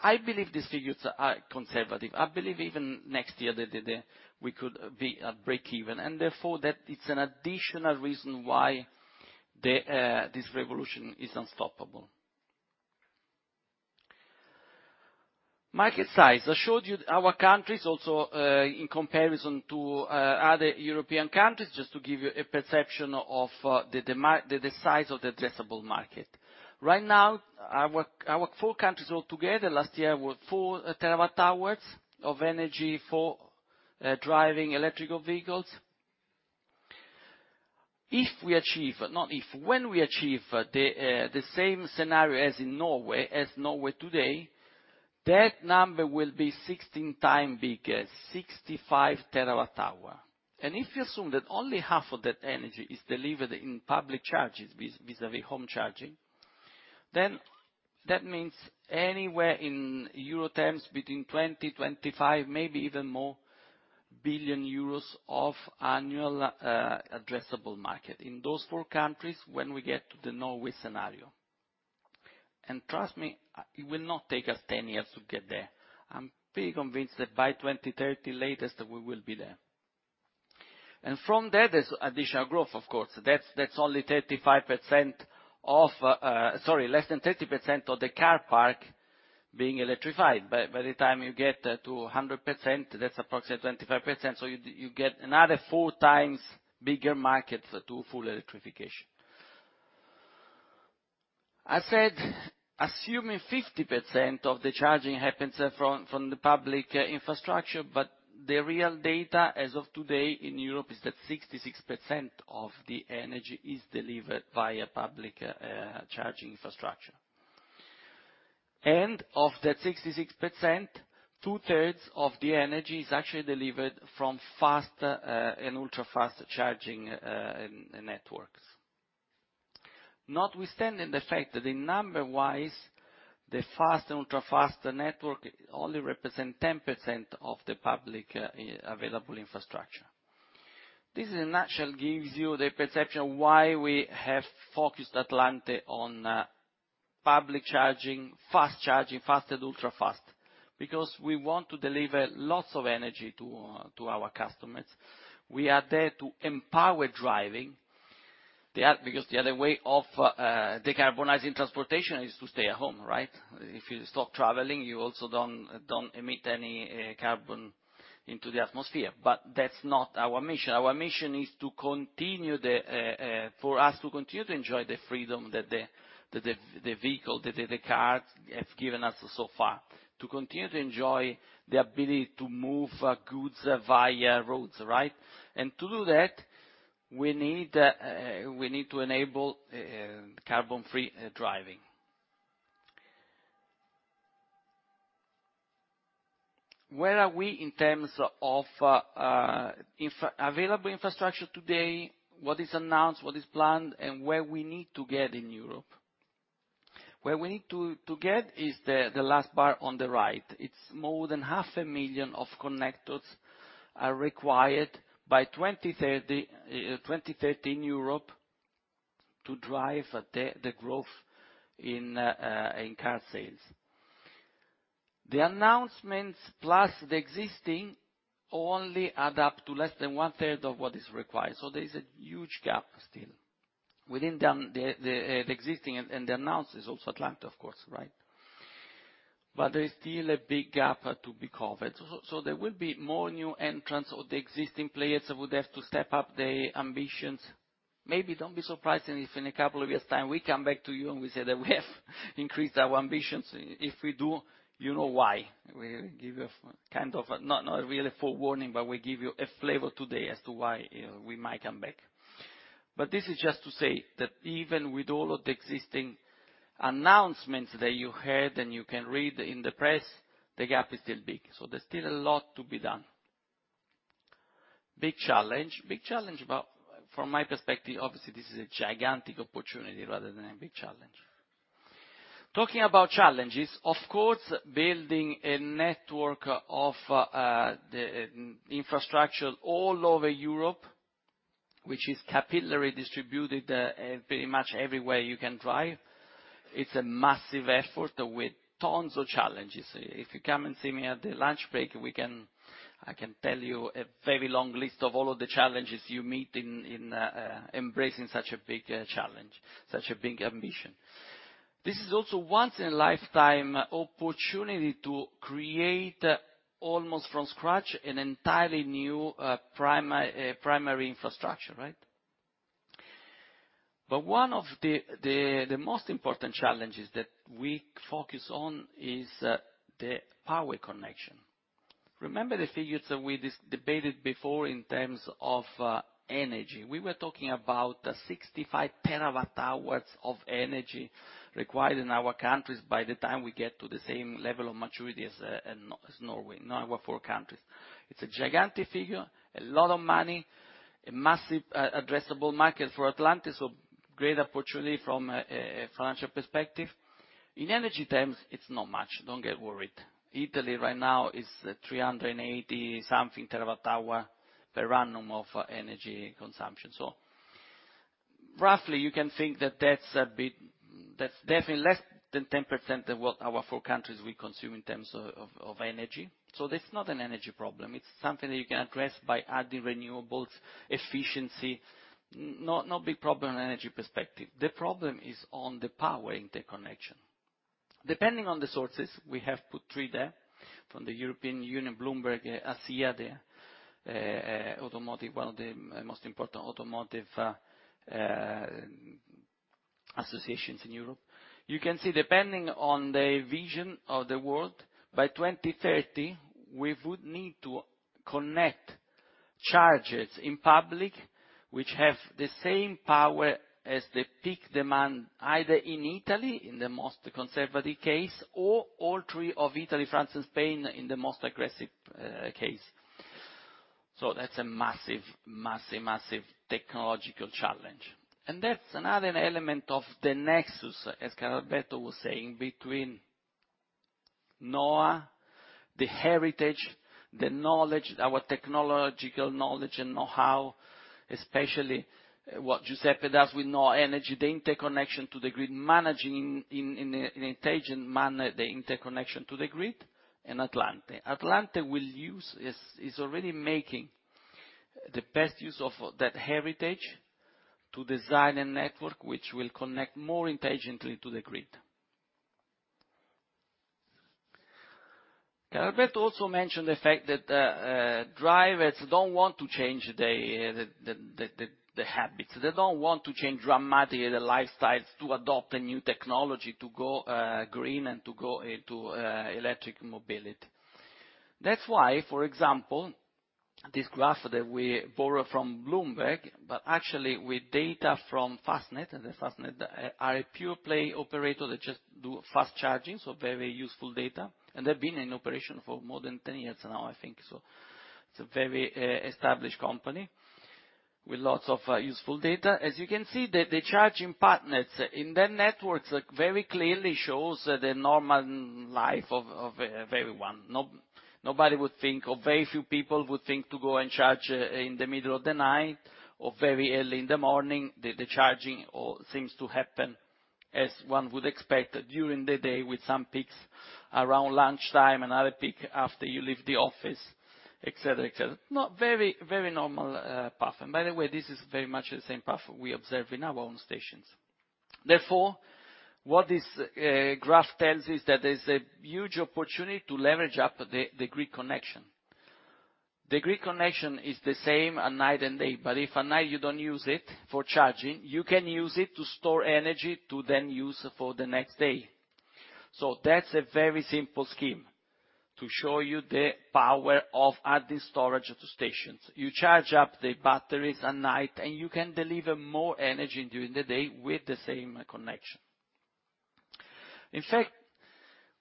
I believe these figures are conservative. I believe even next year, that we could be at breakeven, and therefore, that it's an additional reason why the this revolution is unstoppable. Market size. I showed you our countries also in comparison to other European countries, just to give you a perception of the size of the addressable market. Right now, our four countries all together last year, were 4 TWh of energy for driving electrical vehicles. If we achieve, not if, when we achieve the same scenario as in Norway, as Norway today, that number will be 16x bigger, 65 TWh. If you assume that only half of that energy is delivered in public charges, vis-à-vis home charging, then that means anywhere in EUR terms, between 20 billion-25 billion, maybe even more of annual addressable market. In those four countries, when we get to the Norway scenario. Trust me, it will not take us 10 years to get there. I'm pretty convinced that by 2030, latest, we will be there. From there's additional growth, of course. That's only 35% of. Sorry, less than 30% of the car park being electrified. By the time you get to 100%, that's approximately 25%, so you get another 4 times bigger market to full electrification. I said, assuming 50% of the charging happens from the public infrastructure, but the real data as of today in Europe, is that 66% of the energy is delivered via public charging infrastructure. Of that 66%, 2/3 of the energy is actually delivered from fast and ultra-fast charging networks. Notwithstanding the fact that the number wise, the fast and ultra-fast network only represent 10% of the public available infrastructure. This, in a nutshell, gives you the perception of why we have focused Atlante on public charging, fast charging, fast and ultra-fast. We want to deliver lots of energy to our customers. We are there to empower driving, because the other way of decarbonizing transportation is to stay at home, right? If you stop traveling, you also don't emit any carbon into the atmosphere. That's not our mission. Our mission is to continue the. For us to continue to enjoy the freedom that the vehicle, the cars have given us so far. To continue to enjoy the ability to move goods via roads, right? To do that, we need, we need to enable carbon-free driving. Where are we in terms of available infrastructure today? What is announced, what is planned, and where we need to get in Europe? Where we need to get is the last bar on the right. It's more than half a million of connectors are required by 2030, in Europe, to drive the growth in car sales. The announcements, plus the existing, only add up to less than one-third of what is required, so there is a huge gap still. Within the existing and the announced is also Atlante, of course, right? There is still a big gap to be covered. There will be more new entrants, or the existing players would have to step up their ambitions. Maybe don't be surprised, and if in a couple of years' time we come back to you, and we say that we have increased our ambitions, if we do, you know why. We give you a kind of a, not a really forewarning, but we give you a flavor today as to why we might come back. This is just to say, that even with all of the existing announcements that you heard, and you can read in the press, the gap is still big, so there's still a lot to be done. Big challenge, big challenge, but from my perspective, obviously, this is a gigantic opportunity, rather than a big challenge. Talking about challenges, of course, building a network of the infrastructure all over Europe, which is capillary distributed pretty much everywhere you can drive, it's a massive effort with tons of challenges. If you come and see me at the lunch break, I can tell you a very long list of all of the challenges you meet in embracing such a big challenge, such a big ambition. This is also once in a lifetime opportunity to create, almost from scratch, an entirely new, primary infrastructure, right? One of the most important challenges that we focus on is the power connection. Remember the figures that we debated before in terms of energy? We were talking about 65 TWh of energy required in our countries by the time we get to the same level of maturity as Norway, in our four countries. It's a gigantic figure, a lot of money, a massive, addressable market for Atlante, so great opportunity from a financial perspective. In energy terms, it's not much, don't get worried. Italy, right now, is 380 something TWh per annum of energy consumption. Roughly, you can think that that's a bit... That's definitely less than 10% of what our four countries we consume in terms of energy. That's not an energy problem. It's something that you can address by adding renewables, efficiency. Not big problem in energy perspective. The problem is on the power interconnection. Depending on the sources, we have put three there, from the European Union, Bloomberg, ACEA, the automotive One of the most important automotive associations in Europe. You can see, depending on the vision of the world, by 2030, we would need to connect charges in public, which have the same power as the peak demand, either in Italy, in the most conservative case, or all three of Italy, France, and Spain, in the most aggressive case. That's a massive, massive technological challenge. That's another element of the nexus, as Carlalberto was saying, between NHOA, the heritage, the knowledge, our technological knowledge and know-how, especially what Giuseppe does with NHOA Energy, the interconnection to the grid, managing in an intelligent manner, the interconnection to the grid, and Atlante. Atlante will use, is already making the best use of that heritage to design a network which will connect more intelligently to the grid. Roberto also mentioned the fact that drivers don't want to change the habits. They don't want to change dramatically their lifestyles to adopt a new technology to go green and to go into electric mobility. That's why, for example, this graph that we borrow from Bloomberg, but actually with data from Fastnet, and Fastnet are a pure play operator that just do fast charging, so very useful data. They've been in operation for more than 10 years now, I think so. It's a very established company with lots of useful data. As you can see, the charging patterns in their networks very clearly shows the normal life of everyone. Nobody would think, or very few people would think to go and charge in the middle of the night or very early in the morning. The charging all seems to happen, as one would expect, during the day, with some peaks around lunchtime, another peak after you leave the office, et cetera, et cetera. Not very normal pattern. By the way, this is very much the same pattern we observe in our own stations. What this graph tells is that there's a huge opportunity to leverage up the grid connection. The grid connection is the same at night and day. If at night you don't use it for charging, you can use it to store energy to then use for the next day. That's a very simple scheme to show you the power of adding storage to stations. You charge up the batteries at night. You can deliver more energy during the day with the same connection. In fact,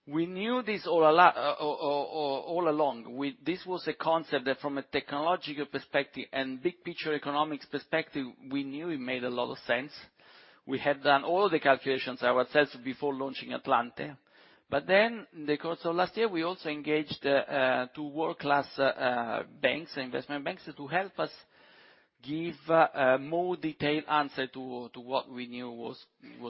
we knew this all along, all along. This was a concept that from a technological perspective and big picture economics perspective, we knew it made a lot of sense. We had done all the calculations ourselves before launching Atlante. In the course of last year, we also engaged two world-class banks, investment banks, to help us give a more detailed answer to what we knew was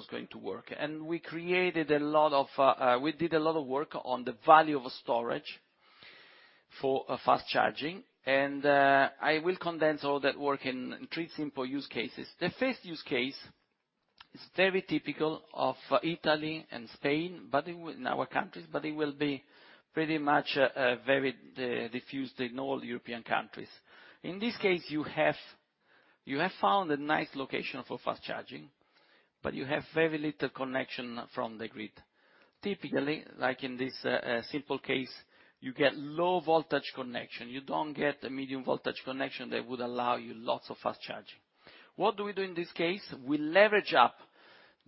going to work. We did a lot of work on the value of storage for fast charging, and I will condense all that work in three simple use cases. The first use case is very typical of Italy and Spain, in our countries, but it will be pretty much very diffused in all European countries. In this case, you have found a nice location for fast charging, but you have very little connection from the grid. Typically, like in this simple case, you get low voltage connection. You don't get a medium voltage connection that would allow you lots of fast charging. What do we do in this case? We leverage up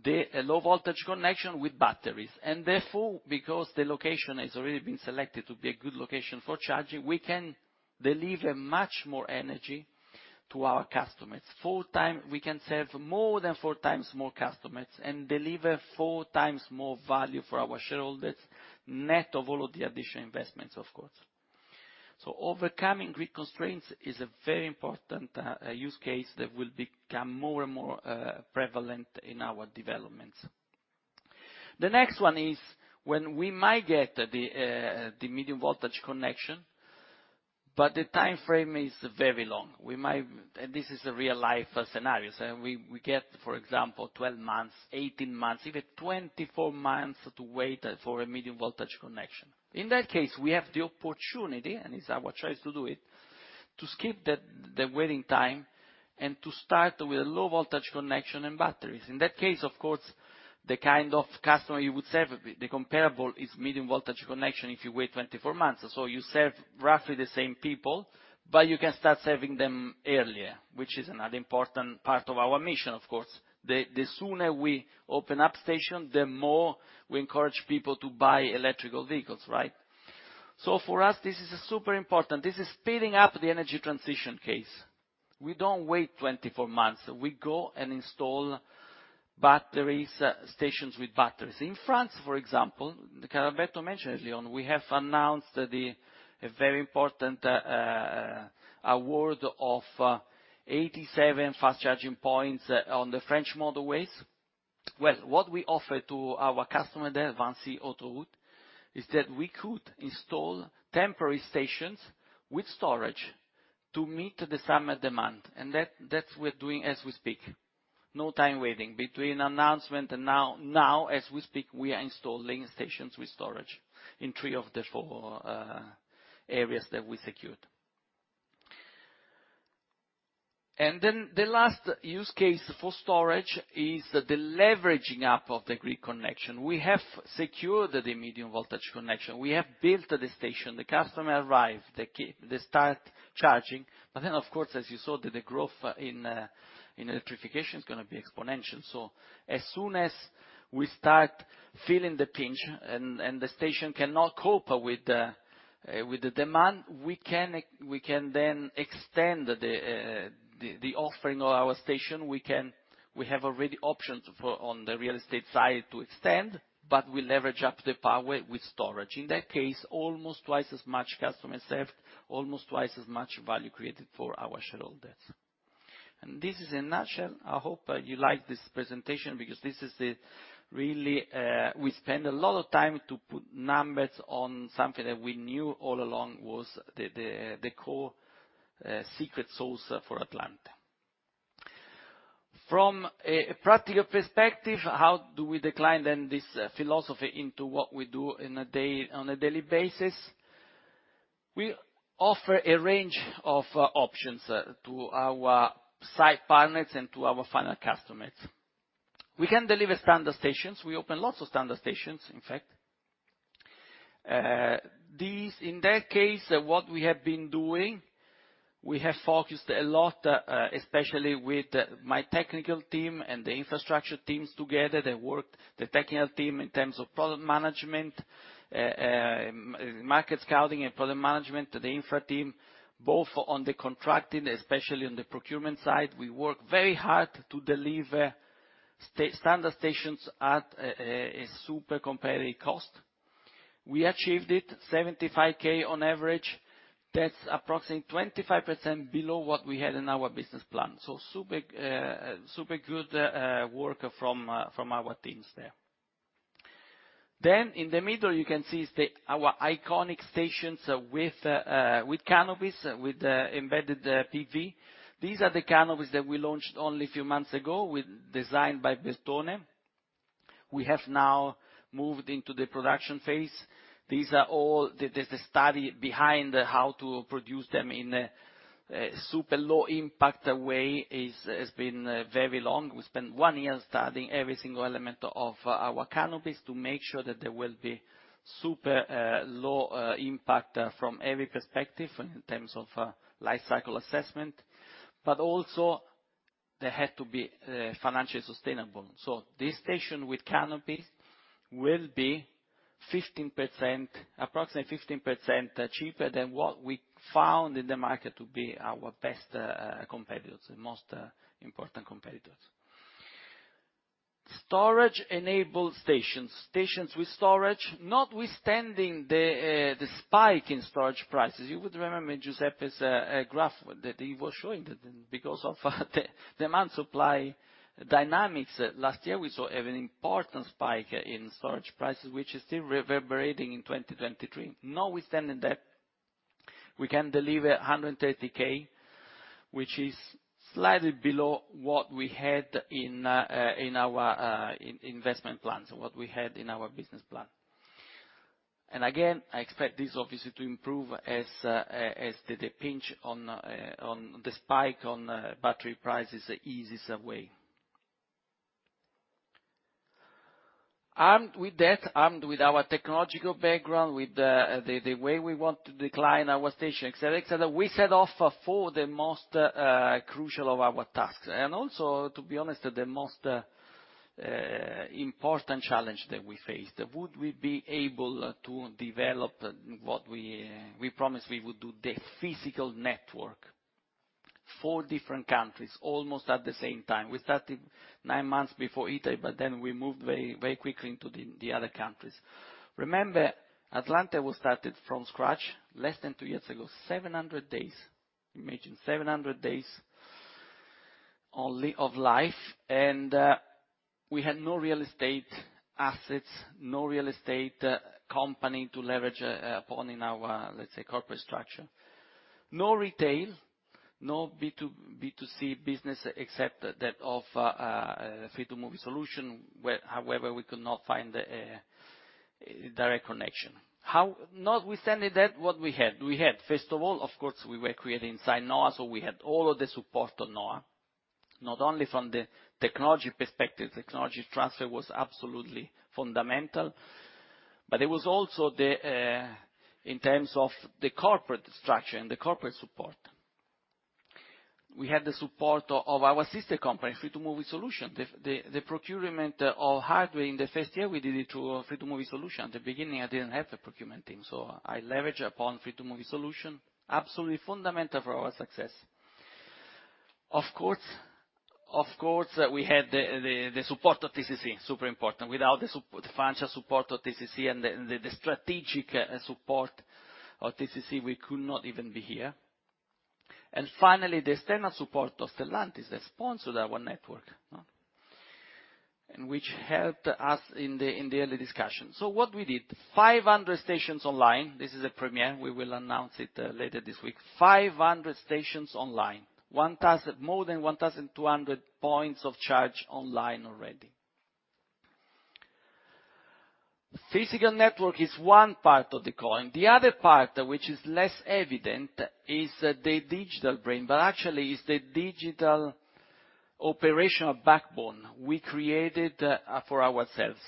the low voltage connection with batteries, because the location has already been selected to be a good location for charging, we can deliver much more energy to our customers. We can serve more than 4 times more customers and deliver 4 times more value for our shareholders, net of all of the additional investments, of course. Overcoming grid constraints is a very important use case that will become more and more prevalent in our developments. The next one is when we might get the medium voltage connection, the time frame is very long. This is a real-life scenario, we get, for example, 12 months, 18 months, even 24 months to wait for a medium voltage connection. In that case, we have the opportunity, and it's our choice to do it, to skip the waiting time and to start with a low voltage connection and batteries. In that case, of course, the kind of customer you would serve, the comparable is medium voltage connection if you wait 24 months. You serve roughly the same people, but you can start serving them earlier, which is another important part of our mission, of course. The sooner we open up stations, the more we encourage people to buy electric vehicles, right? For us, this is super important. This is speeding up the energy transition case. We don't wait 24 months. We go and install batteries, stations with batteries. In France, for example, Roberto mentioned earlier on, we have announced a very important award of 87 fast charging points on the French motorways. What we offer to our customer there, VINCI Autoroutes, is that we could install temporary stations with storage to meet the summer demand, and that we're doing as we speak. No time waiting. Between announcement and now, as we speak, we are installing stations with storage in 3 of the 4 areas that we secured. The last use case for storage is the leveraging up of the grid connection. We have secured the medium voltage connection. We have built the station, the customer arrive, they start charging. Of course, as you saw, the growth in electrification is going to be exponential. As soon as we start feeling the pinch and the station cannot cope with the demand, we can then extend the offering of our station. We have already options for on the real estate side to extend, but we leverage up the power with storage. In that case, almost twice as much customers served, almost twice as much value created for our shareholders. This is in nutshell, I hope you like this presentation, because this is the really. We spend a lot of time to put numbers on something that we knew all along was the core secret sauce for Atlante. From a practical perspective, how do we decline then this philosophy into what we do in a day, on a daily basis? We offer a range of options to our site partners and to our final customers. We can deliver standard stations. We open lots of standard stations, in fact. In that case, what we have been doing, we have focused a lot, especially with my technical team and the infrastructure teams together, they worked, the technical team, in terms of product management, market scouting and product management, to the infra team, both on the contracting, especially on the procurement side. We work very hard to deliver standard stations at a super competitive cost. We achieved it, 75,000 on average. That's approximately 25% below what we had in our business plan. Super, super good work from our teams there. In the middle, you can see our iconic stations, with canopies, with the embedded PV. These are the canopies that we launched only a few months ago, with designed by Bertone. We have now moved into the production phase. These are all. There's a study behind how to produce them in a super low impact way, has been very long. We spent 1 year studying every single element of our canopies to make sure that there will be super low impact from every perspective in terms of life cycle assessment, but also they had to be financially sustainable. This station with canopy will be 15%, approximately 15% cheaper than what we found in the market to be our best competitors, the most important competitors. Storage-enabled stations. Stations with storage, notwithstanding the spike in storage prices, you would remember Giuseppe's graph, that he was showing that because of the demand-supply dynamics, last year, we saw an important spike in storage prices, which is still reverberating in 2023. Notwithstanding that, we can deliver 130k, which is slightly below what we had in our investment plans, what we had in our business plan. Again, I expect this obviously to improve as the pinch on the spike on battery prices eases away. Armed with that, armed with our technological background, with the way we want to decline our station, et cetera, et cetera, we set off for the most crucial of our tasks. Also, to be honest, the most important challenge that we faced. Would we be able to develop what we promised we would do, the physical network, four different countries, almost at the same time? We started nine months before Italy, but then we moved very, very quickly into the other countries. Remember, Atlante was started from scratch less than two years ago, 700 days. Imagine, 700 days only, of life, and we had no real estate assets, no real estate company to leverage upon in our, let's say, corporate structure. No retail, no B2, B2C business, except that of Free2move eSolutions, where however, we could not find a direct connection. Notwithstanding that, what we had? We had, first of all, of course, we were created inside NHOA, so we had all of the support on NHOA, not only from the technology perspective, technology transfer was absolutely fundamental, but it was also the in terms of the corporate structure and the corporate support. We had the support of our sister company, Free2move eSolutions. The procurement of hardware in the first year, we did it to Free2move eSolutions. At the beginning, I didn't have a procurement team, so I leveraged upon Free2move eSolutions, absolutely fundamental for our success. Of course, of course, we had the support of TCC, super important. Without the financial support of TCC and the strategic support of TCC, we could not even be here. And finally, the external support of Stellantis, that sponsored our network, no. Which helped us in the early discussions. What we did, 500 stations online, this is a premiere. We will announce it later this week. 500 stations online, more than 1,200 points of charge online already. Physical network is one part of the coin. The other part, which is less evident, is the digital brain, but actually is the digital operational backbone we created for ourselves.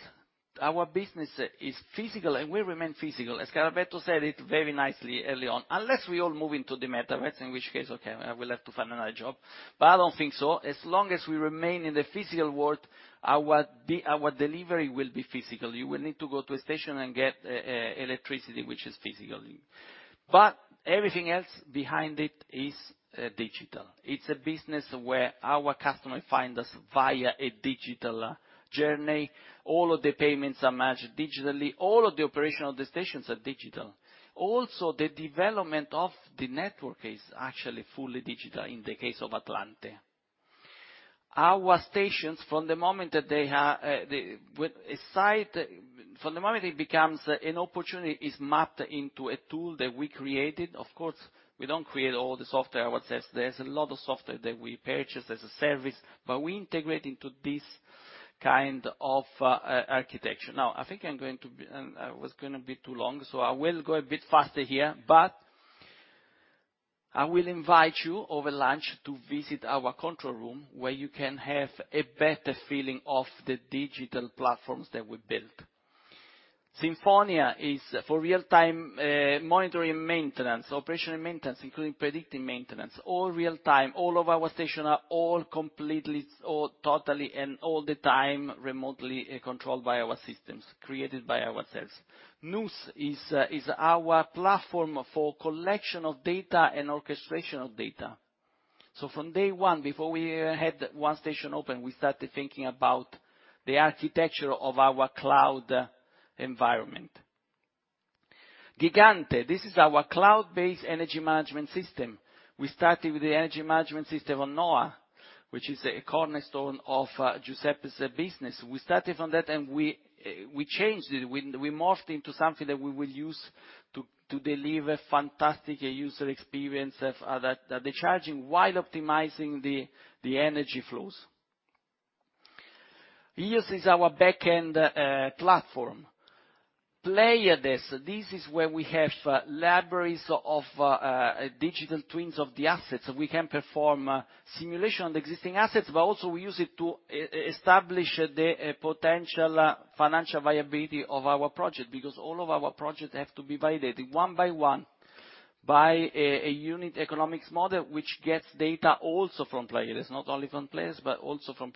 Our business is physical, and we remain physical. As Carlalberto said it very nicely early on, unless we all move into the metaverse, in which case, okay, I will have to find another job, but I don't think so. As long as we remain in the physical world, our delivery will be physical. You will need to go to a station and get electricity, which is physical. Everything else behind it is digital. It's a business where our customer find us via a digital journey. All of the payments are managed digitally. All of the operational decisions are digital. The development of the network is actually fully digital in the case of Atlante. Our stations, from the moment that they have a site, from the moment it becomes an opportunity, is mapped into a tool that we created. Of course, we don't create all the software ourselves. There's a lot of software that we purchase as a service, but we integrate into this kind of architecture. I think I'm going to be, I was gonna be too long, so I will go a bit faster here. I will invite you, over lunch, to visit our control room, where you can have a better feeling of the digital platforms that we built. Sinfonia is for real-time monitoring maintenance, operational maintenance, including predictive maintenance, all real time. All of our stations are all completely, all totally, and all the time, remotely controlled by our systems, created by ourselves. Nus is our platform for collection of data and orchestration of data. From day one, before we had one station open, we started thinking about the architecture of our cloud environment. Gigante, this is our cloud-based energy management system. We started with the energy management system on NHOA, which is a cornerstone of Giuseppe's business. We started from that, and we changed it. We morphed into something that we will use to deliver fantastic user experience of the charging, while optimizing the energy flows. We use is our backend platform. Pleiades, this is where we have libraries of digital twins of the assets. We can perform simulation on the existing assets, but also we use it to establish the potential financial viability of our project, because all of our projects have to be validated one by one, by a unit economics model, which gets data also from Pleiades, not only from Pleiades, but also from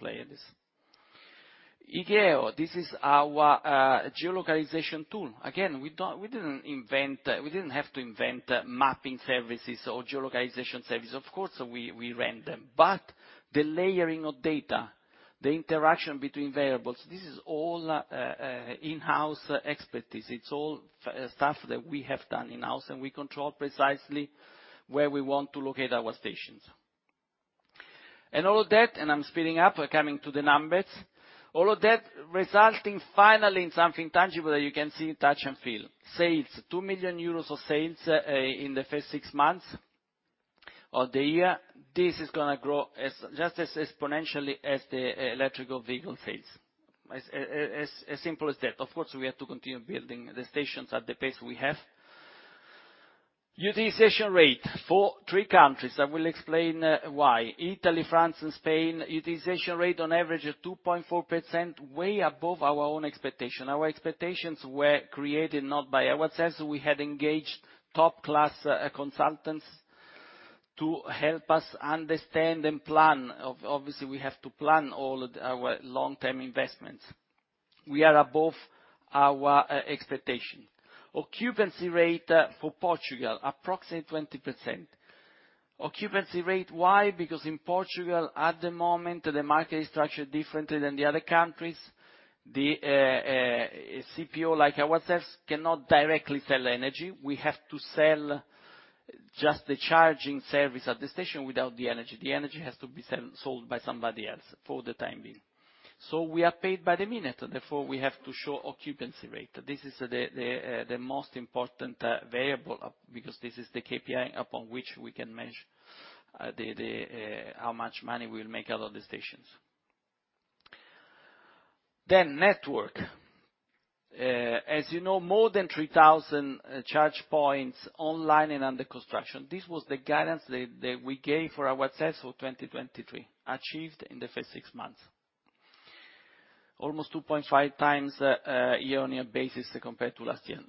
Pleiades. Igeo, this is our geolocalization tool. Again, we didn't invent, we didn't have to invent mapping services or geolocalization services. Of course, we rent them. The layering of data, the interaction between variables, this is all in-house expertise. It's all stuff that we have done in-house, and we control precisely where we want to locate our stations. All of that, and I'm speeding up, we're coming to the numbers. All of that, resulting finally in something tangible that you can see, touch, and feel. Sales, 2 million euros of sales in the first six months of the year. This is gonna grow as, just as exponentially as the electrical vehicle sales. As simple as that. Of course, we have to continue building the stations at the pace we have. Utilization rate for three countries. I will explain why. Italy, France, and Spain, utilization rate on average is 2.4%, way above our own expectation. Our expectations were created not by ourselves. We had engaged top-class consultants to help us understand and plan. Obviously, we have to plan all of our long-term investments. We are above our expectation. Occupancy rate for Portugal, approximately 20%. Occupancy rate, why? Because in Portugal, at the moment, the market is structured differently than the other countries. The CPO, like ourselves, cannot directly sell energy. We have to sell just the charging service at the station without the energy. The energy has to be sold by somebody else for the time being. We are paid by the minute, therefore, we have to show occupancy rate. This is the most important variable because this is the KPI upon which we can measure how much money we will make out of the stations. Network. As you know, more than 3,000 charge points online and under construction. This was the guidance that we gave for ourselves for 2023, achieved in the first 6 months. Almost 2.5 times year-on-year basis compared to last year.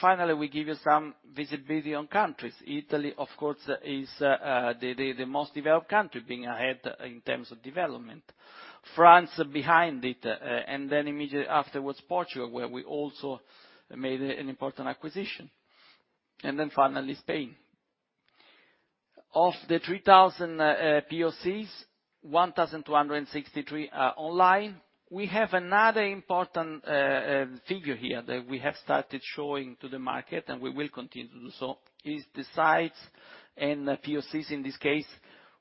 Finally, we give you some visibility on countries. Italy, of course, is the most developed country, being ahead in terms of development. France, behind it, immediately afterwards, Portugal, where we also made an important acquisition, finally, Spain. Of the 3,000 POCs, 1,263 are online. We have another important figure here, that we have started showing to the market, we will continue to do so, is the sites and POCs, in this case,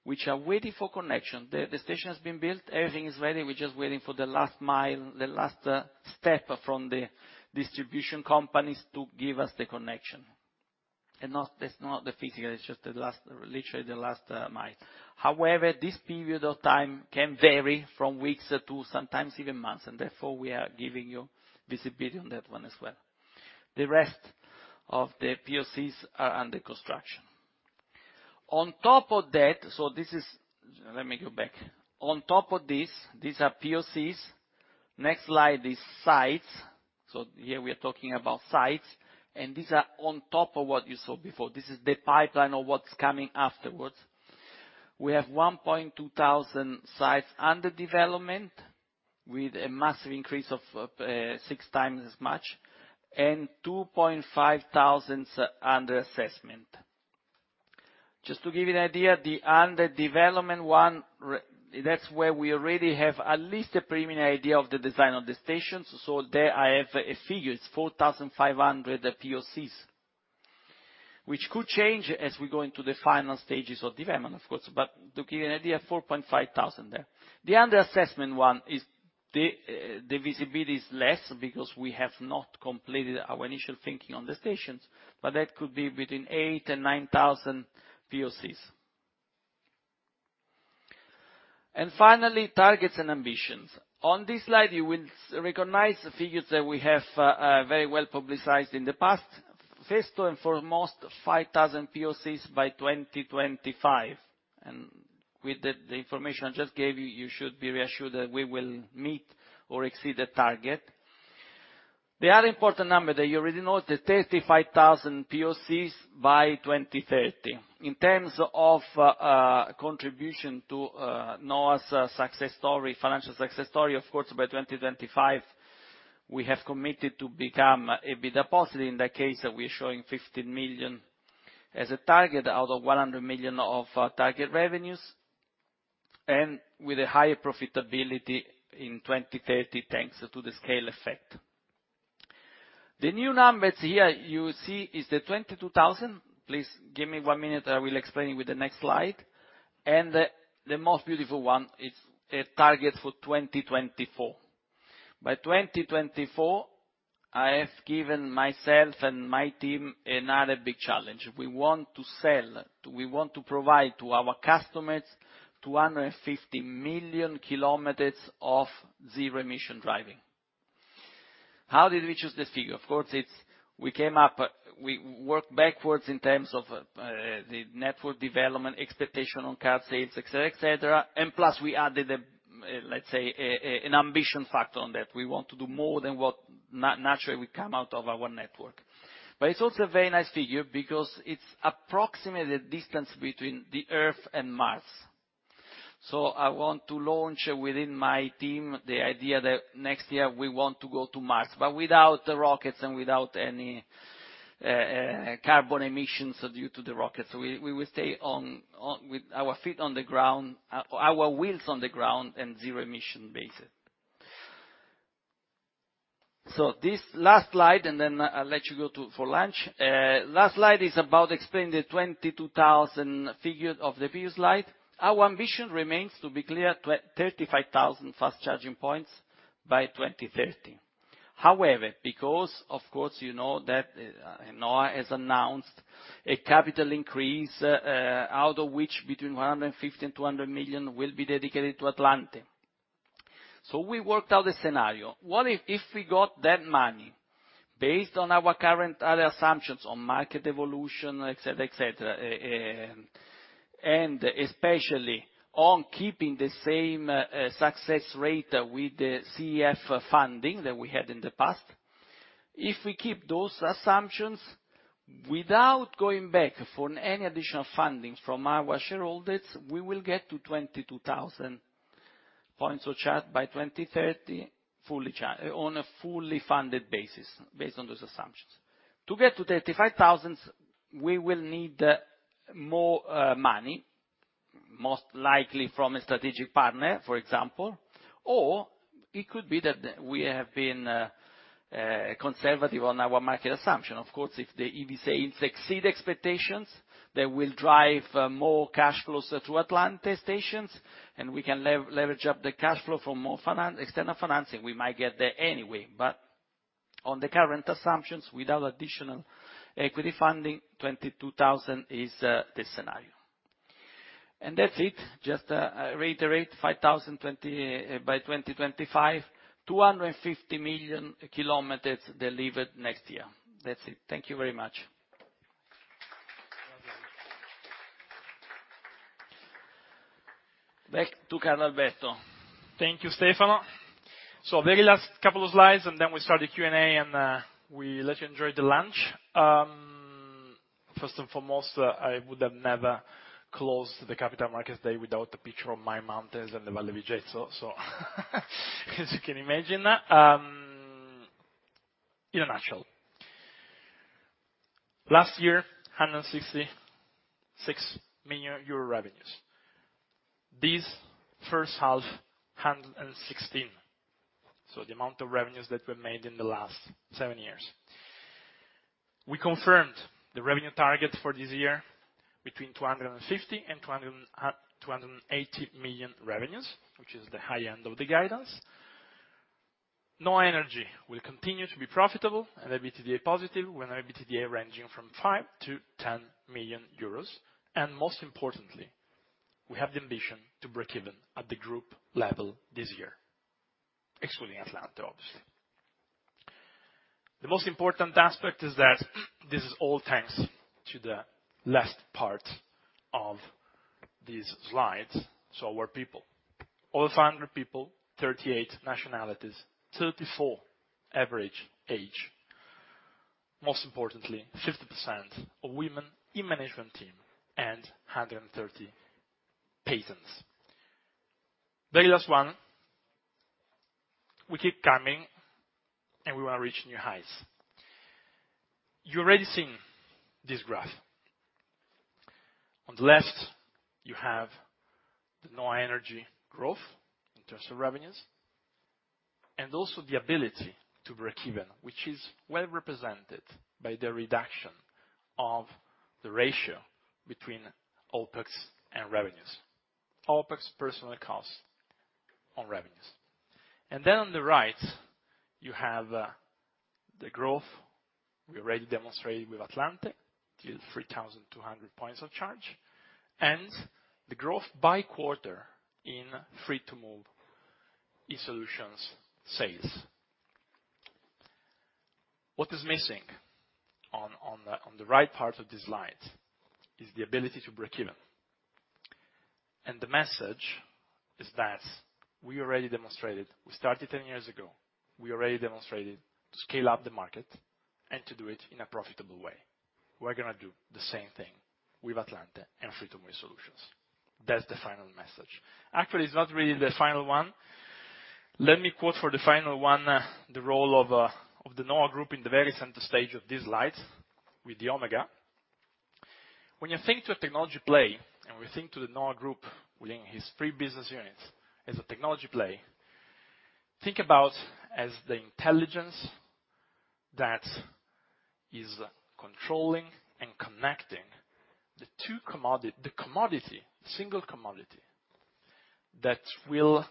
which are waiting for connection. The station has been built, everything is ready, we're just waiting for the last mile, the last step from the distribution companies to give us the connection. That's not the physical, it's just the last, literally the last mile. However, this period of time can vary from weeks to sometimes even months. Therefore, we are giving you visibility on that one as well. The rest of the POCs are under construction. Let me go back. On top of this, these are POCs. Next slide is sites. Here we are talking about sites. These are on top of what you saw before. This is the pipeline of what's coming afterwards. We have 1,200 sites under development, with a massive increase of 6 times as much, 2,500 under assessment. Just to give you an idea, the under development one, that's where we already have at least a preliminary idea of the design of the stations, so there I have a figure, it's 4,500 POCs, which could change as we go into the final stages of development, of course, but to give you an idea, 4.5 thousand there. The under assessment one is the visibility is less because we have not completed our initial thinking on the stations, but that could be between 8,000-9,000 POCs. Finally, targets and ambitions. On this slide, you will recognize the figures that we have very well publicized in the past. First and foremost, 5,000 POCs by 2025, and with the information I just gave you should be reassured that we will meet or exceed the target. The other important number that you already know, the 35,000 POCs by 2030. In terms of contribution to NHOA's success story, financial success story, of course, by 2025, we have committed to become EBITDA positive. In that case, we're showing 15 million as a target, out of 100 million of target revenues, and with a higher profitability in 2030, thanks to the scale effect. The new numbers here you see is the 22,000. Please give me one minute, I will explain with the next slide. The most beautiful one is a target for 2024. By 2024, I have given myself and my team another big challenge. We want to sell, we want to provide to our customers 250 million kilometers of zero emission driving. How did we choose this figure? Of course, it's, we came up. We worked backwards in terms of the network development, expectation on car sales, et cetera, et cetera, and plus, we added a, let's say, an ambition factor on that. We want to do more than what naturally would come out of our network. It's also a very nice figure, because it's approximately the distance between the Earth and Mars. I want to launch within my team, the idea that next year we want to go to Mars, but without the rockets and without any carbon emissions due to the rockets. We will stay on with our feet on the ground, our wheels on the ground, and zero emission basis. This last slide, and then I'll let you go to for lunch. Last slide is about explaining the 22,000 figure of the previous slide. Our ambition remains, to be clear, 35,000 fast charging points by 2030. Because, of course, you know that NHOA has announced a capital increase, out of which between 150 million and 200 million will be dedicated to Atlante. We worked out a scenario. What if we got that money, based on our current other assumptions on market evolution, et cetera, et cetera, and especially on keeping the same success rate with the CEF funding that we had in the past? If we keep those assumptions, without going back for any additional funding from our shareholders, we will get to 22,000 points of charge by 2030, on a fully funded basis, based on those assumptions. To get to 35,000, we will need more money, most likely from a strategic partner, for example, or it could be that we have been conservative on our market assumption. Of course, if the EV sales exceed expectations, that will drive more cash flows through Atlante stations, and we can leverage up the cash flow for more external financing, we might get there anyway. On the current assumptions, without additional equity funding, 22,000 is the scenario. That's it. Just reiterate, 5,020 by 2025, 250 million kilometers delivered next year. That's it. Thank you very much. Back to Carlalberto. Thank you, Stefano. Very last couple of slides, and then we start the Q&A, and we let you enjoy the lunch. First and foremost, I would have never closed the Capital Markets Day without a picture of my mountains and the Valle di Susa. As you can imagine, in a nutshell, last year, 166 million euro revenues. This first half, 116 million, so the amount of revenues that were made in the last seven years. We confirmed the revenue target for this year between 250 million and 280 million revenues, which is the high end of the guidance. NHOA Energy will continue to be profitable and EBITDA positive, with an EBITDA ranging from 5 million-10 million euros, most importantly, we have the ambition to break even at the group level this year, excluding Atlante, obviously. The most important aspect is that this is all thanks to the last part of these slides, our people. Over 500 people, 38 nationalities, 34 average age. Most importantly, 50% of women in management team and 130 patents. The last one, we keep coming and we want to reach new highs. You already seen this graph. On the left, you have the NHOA Energy growth in terms of revenues, also the ability to break even, which is well represented by the reduction of the ratio between OpEx and revenues. OpEx personally costs on revenues. On the right, you have the growth we already demonstrated with Atlante, 3,200 points of charge, and the growth by quarter in Free2move eSolutions sales. What is missing on the, on the right part of this slide, is the ability to break even. The message is that we already demonstrated, we started 10 years ago. We already demonstrated to scale up the market and to do it in a profitable way. We're going to do the same thing with Atlante and Free2move eSolutions. That's the final message. Actually, it's not really the final one. Let me quote for the final one, the role of the NHOA Group in the very center stage of these slides with the Omega. When you think to a technology play, and we think to the NHOA Group within his three business units as a technology play, think about as the intelligence that is controlling and connecting the commodity, single commodity, that will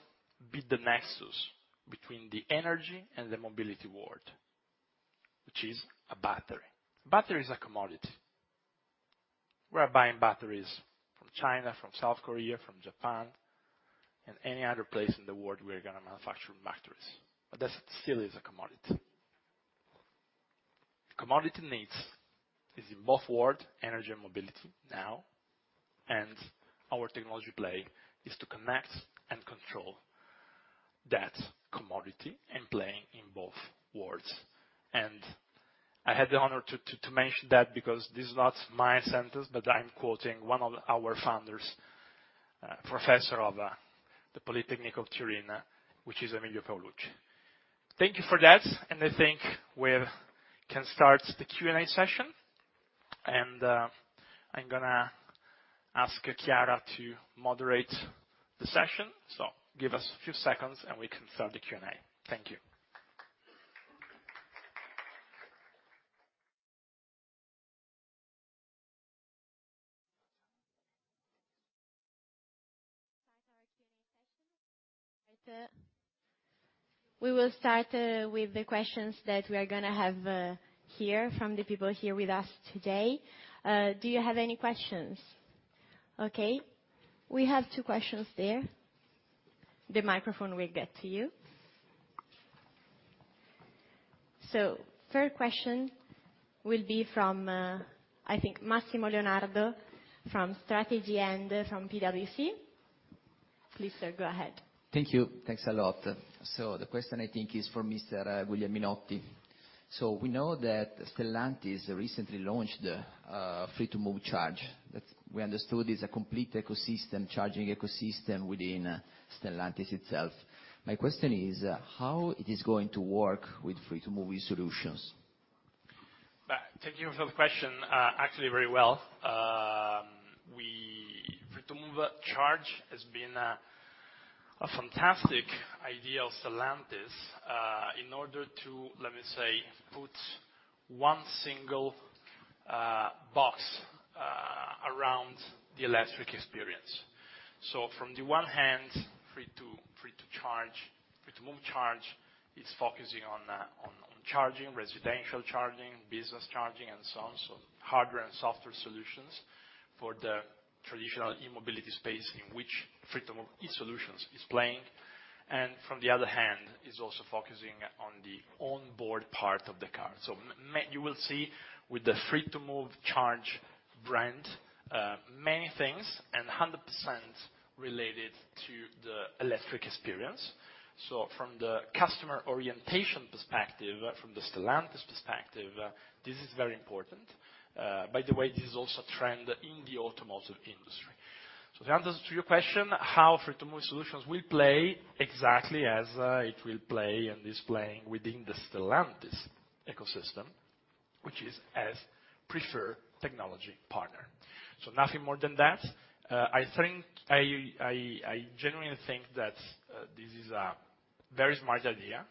be the nexus between the energy and the mobility world, which is a battery. Battery is a commodity. We are buying batteries from China, from South Korea, from Japan, and any other place in the world we are going to manufacture batteries, but that still is a commodity. Commodity needs is in both world, energy and mobility now. Our technology play is to connect and control that commodity and playing in both worlds. I had the honor to mention that because this is not my sentence, but I'm quoting one of our founders, professor of the Polytechnic of Turin, which is Emilio Paolucci. Thank you for that. I think we can start the Q&A session. I'm going to ask Chiara to moderate the session. Give us a few seconds, and we can start the Q&A. Thank you. Start our Q&A session. We will start with the questions that we are going to have here from the people here with us today. Do you have any questions? Okay, we have two questions there. The microphone will get to you. First question will be from, I think, Massimo Leonardo, from Strategy& and from PwC. Please, sir, go ahead. Thank you. Thanks a lot. The question, I think, is for Mr. Guglielminotti. We know that Stellantis recently launched Free2move Charge. That we understood is a complete ecosystem, charging ecosystem within Stellantis itself. My question is, how it is going to work with Free2move eSolutions? Thank you for the question. Actually, very well. Free2move Charge has been a fantastic idea of Stellantis in order to, let me say, put one single box around the electric experience. From the one hand, Free2move Charge, it's focusing on charging, residential charging, business charging, and so on. Hardware and software solutions for the traditional e-mobility space in which Free2move eSolutions is playing, and from the other hand, is also focusing on the onboard part of the car. You will see with the Free2move Charge brand many things and 100% related to the electric experience. From the customer orientation perspective, from the Stellantis perspective, this is very important. By the way, this is also a trend in the automotive industry. The answer to your question, how Free2move eSolutions will play exactly as it will play and is playing within the Stellantis ecosystem, which is as preferred technology partner. Nothing more than that. I think, I genuinely think that this is a very smart idea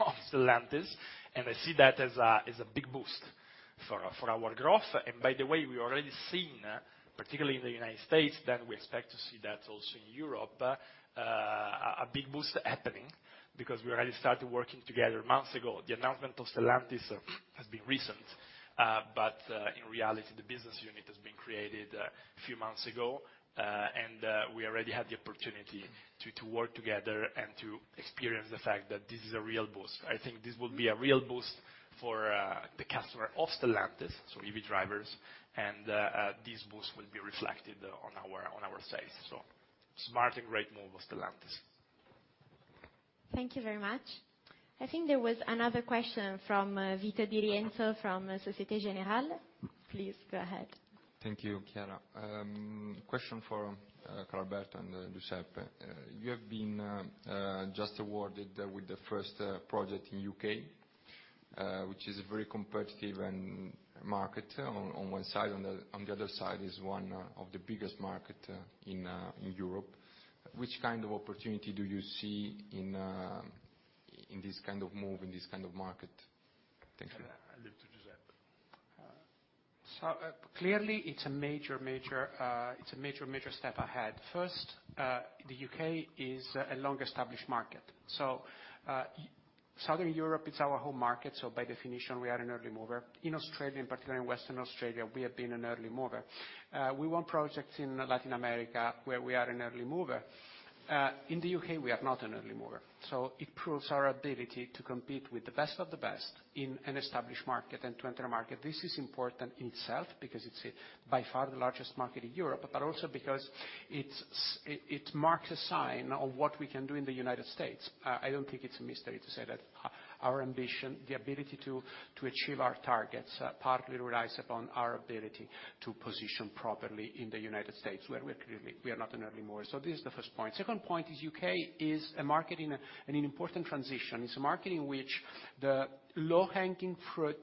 of Stellantis, and I see that as a big boost for our growth. By the way, we already seen, particularly in the United States, that we expect to see that also in Europe, a big boost happening because we already started working together months ago. The announcement of Stellantis has been recent, but in reality, the business unit has been created a few months ago, and we already had the opportunity to work together and to experience the fact that this is a real boost. I think this will be a real boost for, the customer of Stellantis, so EV drivers, and, this boost will be reflected on our sales. Smart and great move of Stellantis. Thank you very much. I think there was another question from, Vito di Renzo from Societe Generale. Please go ahead. Thank you, Chiara. Question for Carlalberto and Giuseppe. You have been just awarded with the first project in U.K., which is a very competitive and market on one side, on the other side, is one of the biggest market in Europe. Which kind of opportunity do you see in this kind of move, in this kind of market? Thank you. I leave to Giuseppe. Clearly, it's a major step ahead. First, the U.K. is a long-established market, Southern Europe, it's our home market, by definition, we are an early mover. In Australia, and particularly in Western Australia, we have been an early mover. We want projects in Latin America, where we are an early mover. In the U.K., we are not an early mover, it proves our ability to compete with the best of the best in an established market and to enter a market. This is important in itself because it's, by far, the largest market in Europe, but also because it marks a sign of what we can do in the United States. I don't think it's a mystery to say that our ambition, the ability to achieve our targets, partly relies upon our ability to position properly in the United States, where we're clearly we are not an early mover. This is the first point. Second point is U.K. is a market in an important transition. It's a market in which the low-hanging fruit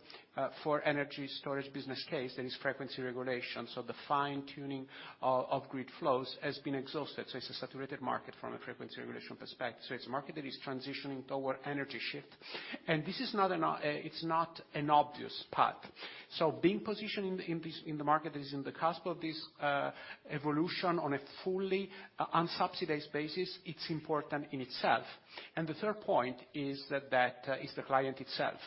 for energy storage business case, that is frequency regulation, so the fine-tuning of grid flows, has been exhausted. It's a saturated market from a frequency regulation perspective. It's a market that is transitioning toward energy shift, and this is not an obvious path. Being positioned in this, in the market that is in the cusp of this evolution on a fully unsubsidized basis, it's important in itself. The third point is that is the client itself.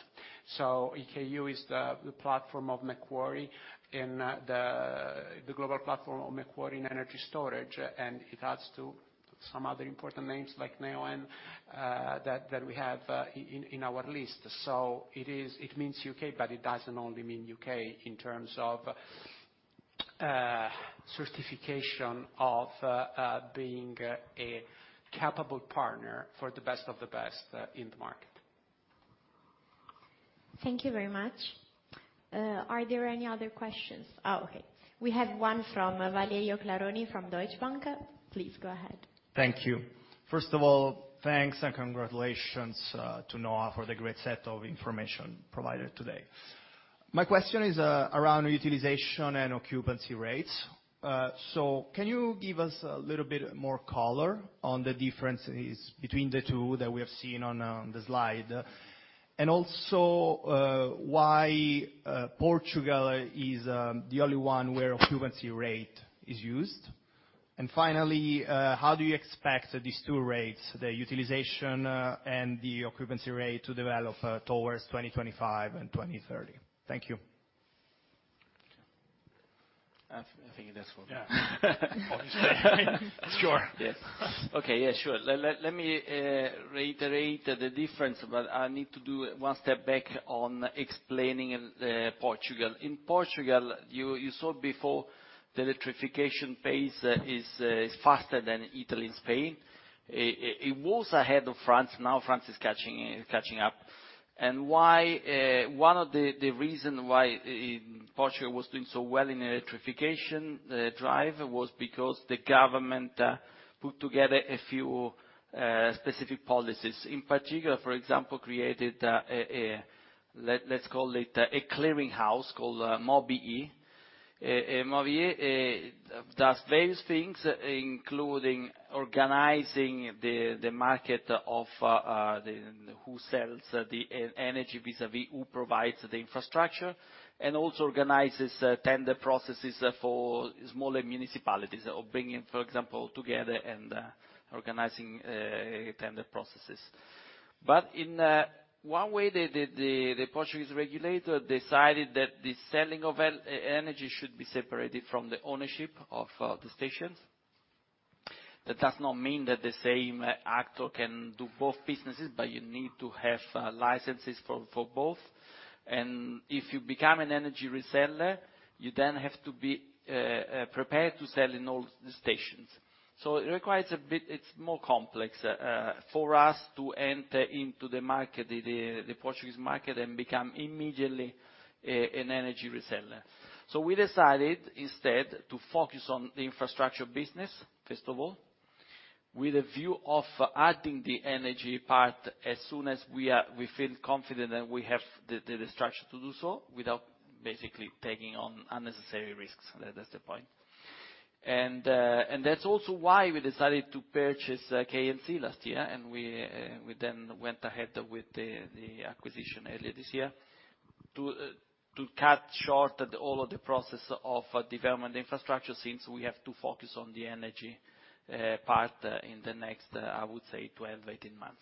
EKU is the platform of Macquarie in the global platform of Macquarie in energy storage, and it adds to some other important names like Neoen that we have in our list. It means U.K., but it doesn't only mean U.K. in terms of certification of being a capable partner for the best of the best in the market. Thank you very much. Are there any other questions? We have one from Valerio Claroni from Deutsche Bank. Please go ahead. Thank you. First of all, thanks and congratulations to NHOA for the great set of information provided today. My question is around utilization and occupancy rates. Can you give us a little bit more color on the differences between the two that we have seen on the slide? Why Portugal is the only one where occupancy rate is used? Finally, how do you expect these two rates, the utilization and the occupancy rate, to develop towards 2025 and 2030? Thank you. I think that's for... Yeah. Sure. Yes. Okay, yeah, sure. Let me reiterate the difference, but I need to do one step back on explaining Portugal. In Portugal, you saw before, the electrification pace is faster than Italy and Spain. It was ahead of France, now France is catching up. Why one of the reason why Portugal was doing so well in electrification drive, was because the government put together a few specific policies. In particular, for example, created a, let's call it a clearinghouse called MOBI.E. MOBI.E does various things, including organizing the market of the, who sells the energy, vis-à-vis who provides the infrastructure, and also organizes tender processes for smaller municipalities, or bringing, for example, together and organizing tender processes. In one way, the Portuguese regulator decided that the selling of energy should be separated from the ownership of the stations. That does not mean that the same actor can do both businesses, but you need to have licenses for both. If you become an energy reseller, you then have to be prepared to sell in all the stations. It requires a bit. It's more complex for us to enter into the market, the Portuguese market, and become immediately an energy reseller. We decided, instead, to focus on the infrastructure business, first of all, with a view of adding the energy part as soon as we feel confident that we have the structure to do so, without basically taking on unnecessary risks. That is the point. That's also why we decided to purchase KLC last year, we then went ahead with the acquisition earlier this year, to cut short all of the process of development infrastructure, since we have to focus on the energy part in the next, I would say 12, 18 months.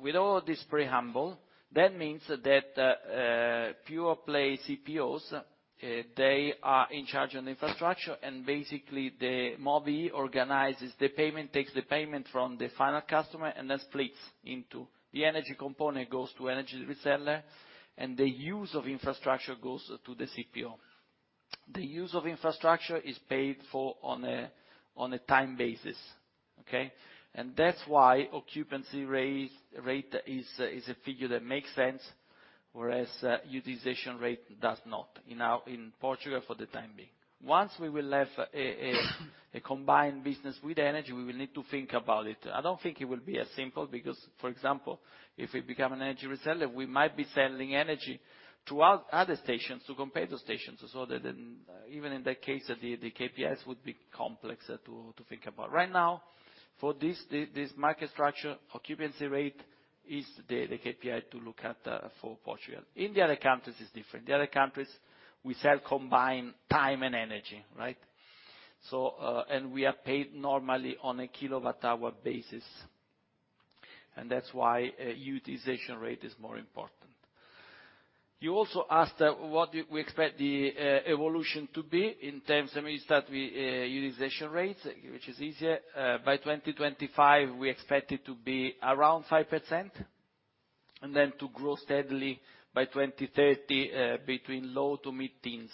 With all this preamble, that means that pure play CPOs, they are in charge of the infrastructure, basically, the MOBI.E organizes the payment, takes the payment from the final customer, then splits into the energy component, goes to energy reseller, the use of infrastructure goes to the CPO. The use of infrastructure is paid for on a time basis, okay. That's why occupancy rate is a figure that makes sense, whereas utilization rate does not, in Portugal for the time being. Once we will have a combined business with energy, we will need to think about it. I don't think it will be as simple because, for example, if we become an energy reseller, we might be selling energy to other stations, to compare those stations, so that even in that case, the KPIs would be complex to think about. Right now, for this market structure, occupancy rate is the KPI to look at for Portugal. In the other countries, it's different. The other countries, we sell combined time and energy, right? We are paid normally on a kilowatt hour basis, and that's why utilization rate is more important. You also asked, what do we expect the evolution to be in terms of, let me start with utilization rates, which is easier. By 2025, we expect it to be around 5%, and then to grow steadily by 2030, between low to mid-teens.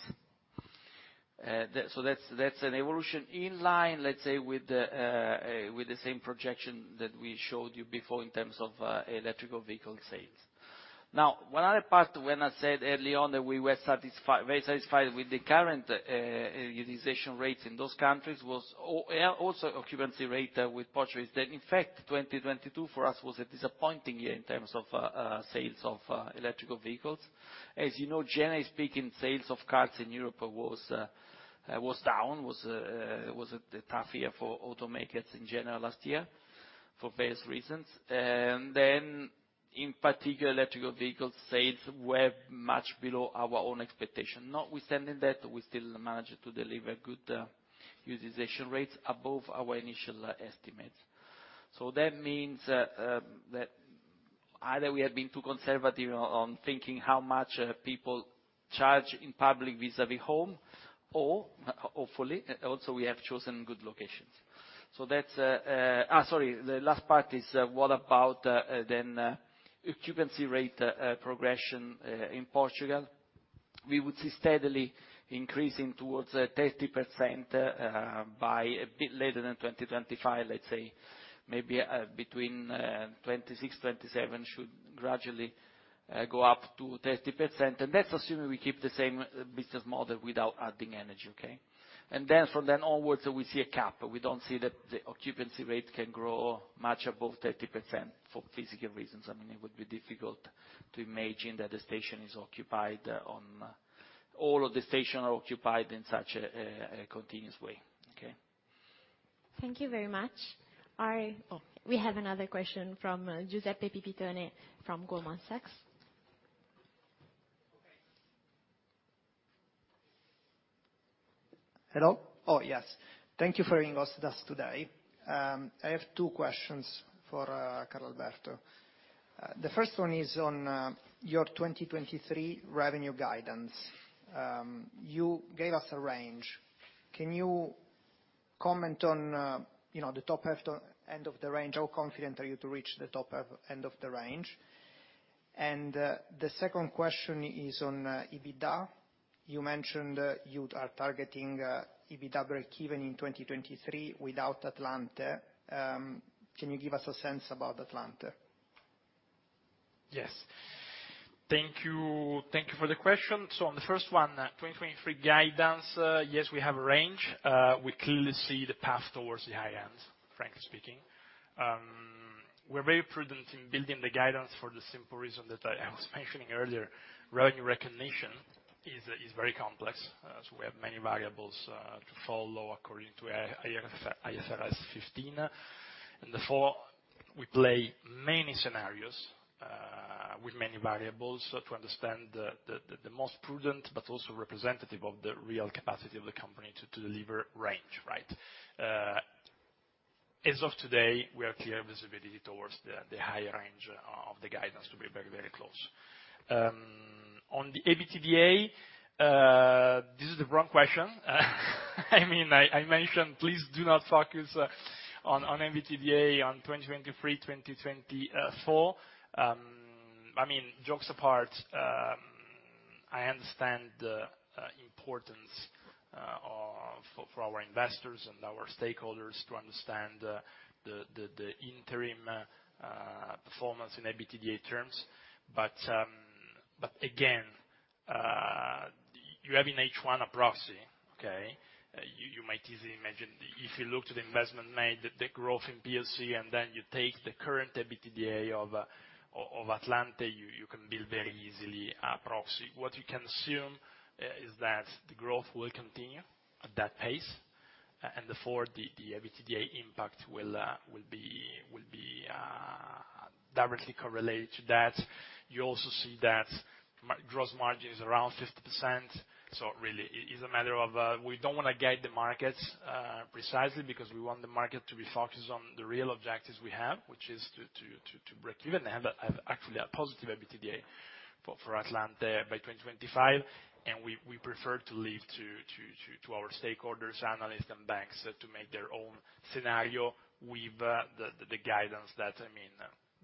That's, that's an evolution in line, let's say, with the same projection that we showed you before in terms of electrical vehicle sales. One other part, when I said early on that we were very satisfied with the current utilization rates in those countries, was also occupancy rate, with Portugal, is that, in fact, 2022 for us, was a disappointing year in terms of sales of electrical vehicles. As you know, generally speaking, sales of cars in Europe was down, was a tough year for automakers in general last year, for various reasons. In particular, electrical vehicle sales were much below our own expectation. Notwithstanding that, we still managed to deliver good utilization rates above our initial estimates. That means that either we have been too conservative on thinking how much people charge in public vis-a-vis home, or hopefully, also, we have chosen good locations. That's. Sorry, the last part is, what about then occupancy rate progression in Portugal? We would see steadily increasing towards 30% by a bit later than 2025, let's say, maybe between 26, 27, should gradually go up to 30%. That's assuming we keep the same business model without adding energy, okay? From then onwards, we see a cap. We don't see that the occupancy rate can grow much above 30% for physical reasons. I mean, it would be difficult to imagine that the station is occupied. All of the stations are occupied in such a continuous way, okay? Thank you very much. Oh, we have another question from Giuseppe Pipitone from Goldman Sachs. Hello? Oh, yes. Thank you for hosting us today. I have two questions for Carlalberto. The first one is on your 2023 revenue guidance. You gave us a range. Can you comment on, you know, the top end of the range? How confident are you to reach the top end of the range? The second question is on EBITDA. You mentioned you are targeting EBITDA breakeven in 2023 without Atlante. Can you give us a sense about Atlante? Yes. Thank you, thank you for the question. On the first one, 2023 guidance, yes, we have a range. We clearly see the path towards the high end, frankly speaking. We're very prudent in building the guidance for the simple reason that I was mentioning earlier, revenue recognition is very complex. So we have many variables to follow according to IFRS 15. Therefore, we play many scenarios with many variables to understand the most prudent, but also representative of the real capacity of the company to deliver range, right? As of today, we are clear visibility towards the higher range of the guidance to be very, very close. On the EBITDA, this is the wrong question. I mentioned, please do not focus on EBITDA on 2023, 2024. Jokes apart, I understand the importance for our investors and our stakeholders to understand the interim performance in EBITDA terms. Again, you have in H1 a proxy, okay? You might easily imagine, if you look to the investment made, the growth in PLC, and then you take the current EBITDA of Atlante, you can build very easily a proxy. What you can assume is that the growth will continue at that pace, and therefore, the EBITDA impact will be directly correlated to that. You also see that gross margin is around 50%, really, it is a matter of. We don't want to guide the markets, precisely because we want the market to be focused on the real objectives we have, which is to break even, and have actually a positive EBITDA for Atlante by 2025. We prefer to leave to our stakeholders, analysts, and banks, to make their own scenario with the guidance that, I mean,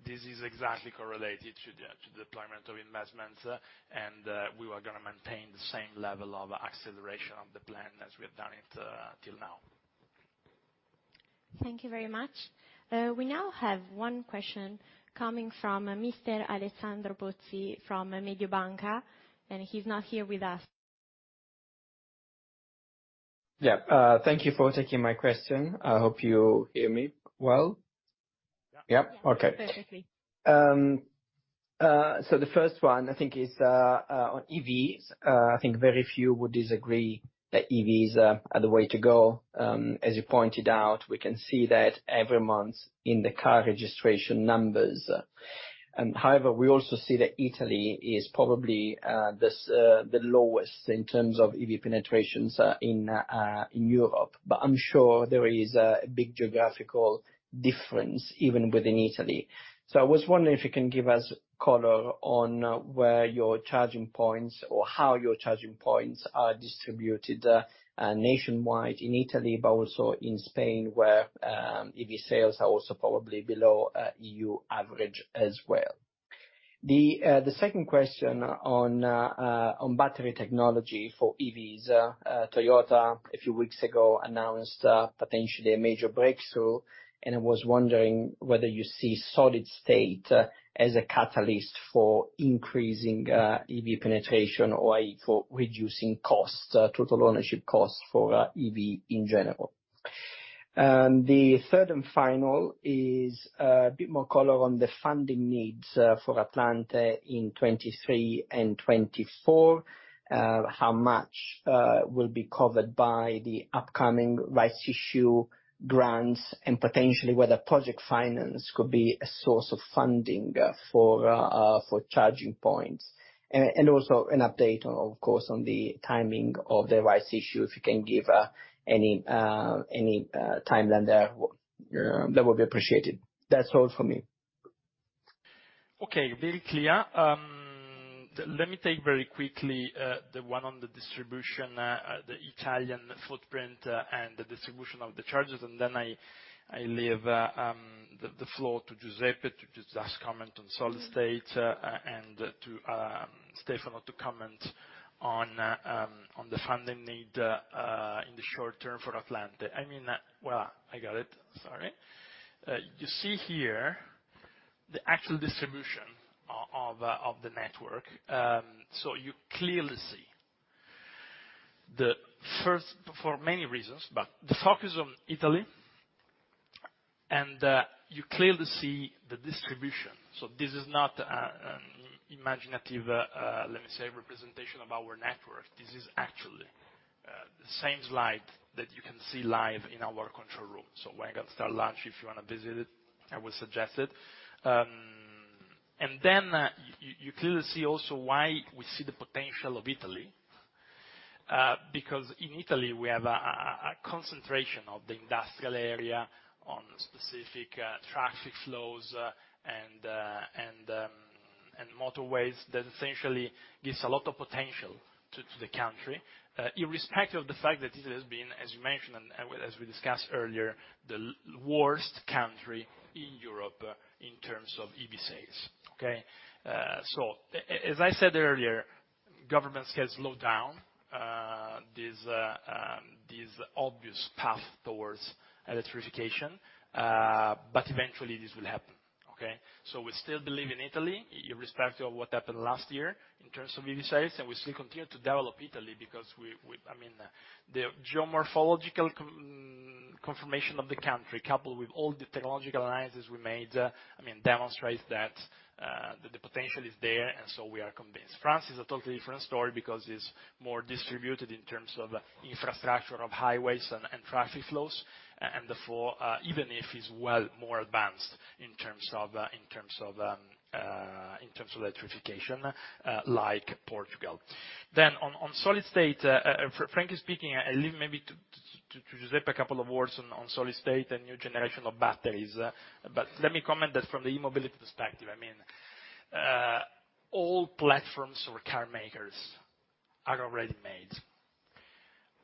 this is exactly correlated to the deployment of investments, and we are going to maintain the same level of acceleration of the plan as we have done it till now. Thank you very much. We now have one question coming from Mr. Alessandro Pozzi, from Mediobanca, and he's not here with us. Yeah, thank you for taking my question. I hope you hear me well? Yep, okay. Perfectly. The first one, I think, is on EVs. I think very few would disagree that EVs are the way to go. As you pointed out, we can see that every month in the car registration numbers. However, we also see that Italy is probably the lowest in terms of EV penetrations in Europe, but I'm sure there is a big geographical difference even within Italy. I was wondering if you can give us color on where your charging points, or how your charging points are distributed nationwide in Italy, but also in Spain, where EV sales are also probably below EU average as well. The second question on battery technology for EVs. Toyota, a few weeks ago, announced potentially a major breakthrough. I was wondering whether you see solid state as a catalyst for increasing EV penetration, or for reducing costs, total ownership costs for EV in general. The third and final is a bit more color on the funding needs for Atlante in 2023 and 2024. How much will be covered by the upcoming rights issue grants, potentially whether project finance could be a source of funding for charging points? Also an update on, of course, on the timing of the rights issue, if you can give any timeline there, that would be appreciated. That's all for me. Let me take very quickly the one on the distribution, the Italian footprint, and the distribution of the charges, and then I leave the floor to Giuseppe to just comment on solid state, and to Stefano to comment on the funding need in the short term for Atlante. I mean, well, I got it. Sorry. You see here the actual distribution of the network. So you clearly see the first, for many reasons, but the focus on Italy, and you clearly see the distribution. So this is not imaginative representation of our network. This is actually the same slide that you can see live in our control room. When you got to start lunch, if you want to visit it, I would suggest it. You clearly see also why we see the potential of Italy, because in Italy, we have a concentration of the industrial area on specific traffic flows, and motorways that essentially gives a lot of potential to the country. Irrespective of the fact that Italy has been, as you mentioned, and as we discussed earlier, the worst country in Europe in terms of EV sales. Okay? As I said earlier, governments have slowed down, this obvious path towards electrification, eventually, this will happen. Okay? We still believe in Italy, irrespective of what happened last year in terms of EV sales, and we still continue to develop Italy because I mean, the geomorphological confirmation of the country, coupled with all the technological analysis we made, I mean, demonstrates that the potential is there, and so we are convinced. France is a totally different story because it's more distributed in terms of infrastructure, of highways and traffic flows, and therefore, even if it's well more advanced in terms of electrification, like Portugal. On solid state, frankly speaking, I leave maybe to Giuseppe, a couple of words on solid state and new generation of batteries. Let me comment that from the e-mobility perspective, I mean, all platforms or car makers are already made.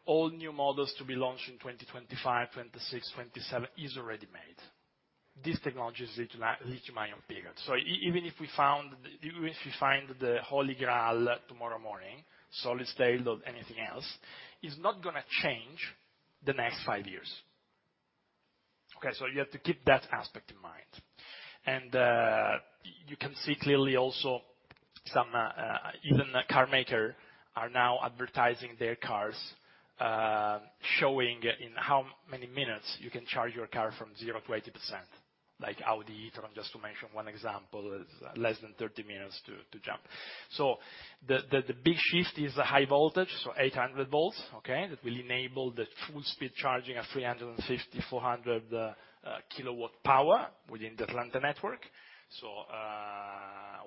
All new models to be launched in 2025, 2026, 2027, is already made. This technology is in a lithium ion period. Even if we find the Holy Grail tomorrow morning, solid state or anything else, it's not gonna change the next five years. Okay, you have to keep that aspect in mind. You can see clearly also some, even the carmaker are now advertising their cars, showing in how many minutes you can charge your car from 0% to 80%, like Audi e-tron, just to mention 1 example, is less than 30 minutes to jump. The big shift is the high voltage, 800 volts, okay? That will enable the full speed charging at 350-400 kW power within the Atlante network.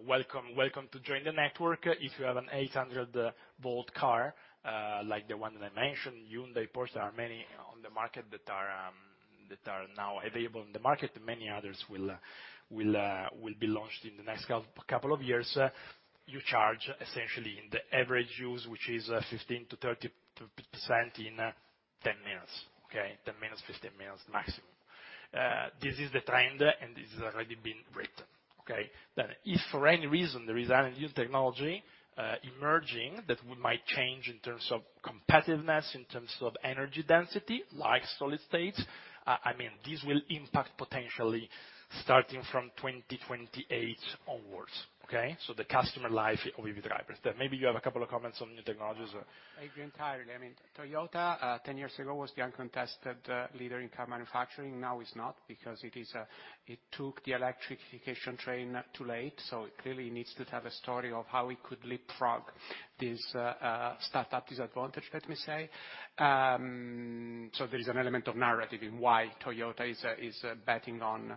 Welcome to join the network if you have an 800 volt car, like the one that I mentioned, Hyundai, Porsche, there are many on the market that are now available in the market. Many others will be launched in the next couple of years. You charge essentially in the average use, which is, 15% to 30% in 10 minutes, okay. 10 minutes, 15 minutes maximum. This is the trend, and this is already been written. If for any reason there is a new technology emerging that we might change in terms of competitiveness, in terms of energy density, like solid state, I mean, this will impact potentially starting from 2028 onwards, okay. The customer life of EV drivers. Maybe you have a couple of comments on new technologies, or? I agree entirely. I mean, Toyota, 10 years ago, was the uncontested leader in car manufacturing. Now it's not, because it took the electrification train too late, so it clearly needs to tell a story of how it could leapfrog this startup disadvantage, let me say. There is an element of narrative in why Toyota is betting on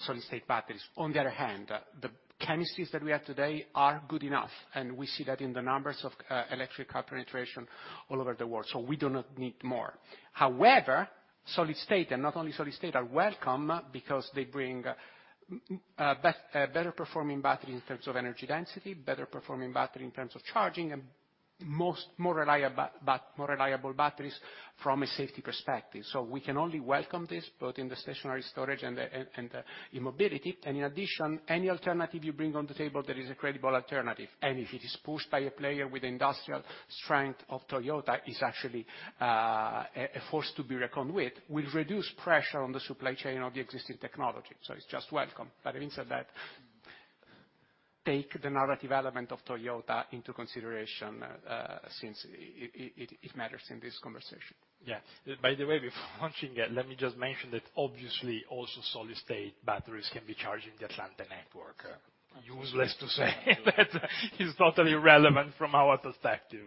solid-state batteries. On the other hand, the chemistries that we have today are good enough, and we see that in the numbers of electric car penetration all over the world, so we do not need more. However, solid state, and not only solid state, are welcome because they bring better performing battery in terms of energy density, better performing battery in terms of charging, and most more reliable batteries from a safety perspective. We can only welcome this, both in the stationary storage and in mobility. In addition, any alternative you bring on the table that is a credible alternative, and if it is pushed by a player with industrial strength of Toyota, is actually a force to be reckoned with, will reduce pressure on the supply chain of the existing technology. It's just welcome. Having said that, take the narrative element of Toyota into consideration, since it matters in this conversation. Yeah. By the way, before launching, let me just mention that obviously, also solid-state batteries can be charged in the Atlante network. Useless to say, but it's totally irrelevant from our perspective.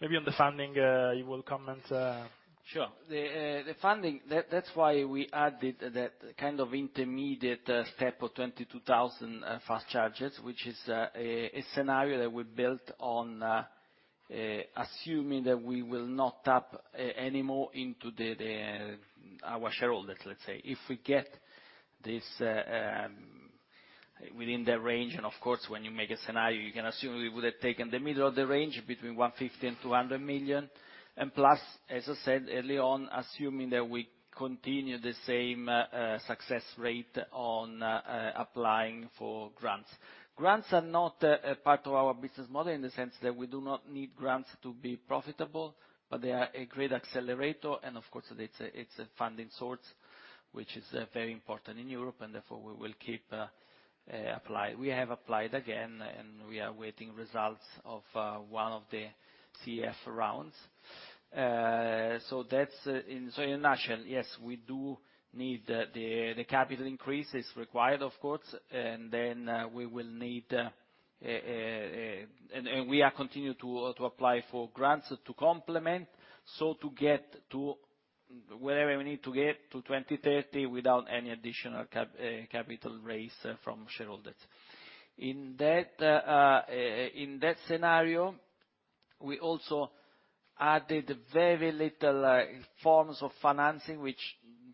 Maybe on the funding, you will comment... Sure. The funding, that's why we added that kind of intermediate step of 22,000 fast chargers, which is a scenario that we built on assuming that we will not tap anymore into our shareholders, let's say. If we get this within the range, of course, when you make a scenario, you can assume we would have taken the middle of the range, between 150 million and 200 million. Plus, as I said early on, assuming that we continue the same success rate on applying for grants. Grants are not a part of our business model, in the sense that we do not need grants to be profitable, but they are a great accelerator. Of course, it's a funding source, which is very important in Europe. Therefore, we will keep. We have applied again, and we are waiting results of one of the CEF rounds. That's in a nutshell. Yes, we do need. The capital increase is required, of course. Then we will need. We are continue to apply for grants to complement, so to get to wherever we need to get to 2030 without any additional capital raise from shareholders. In that, in that scenario, we also added very little forms of financing, which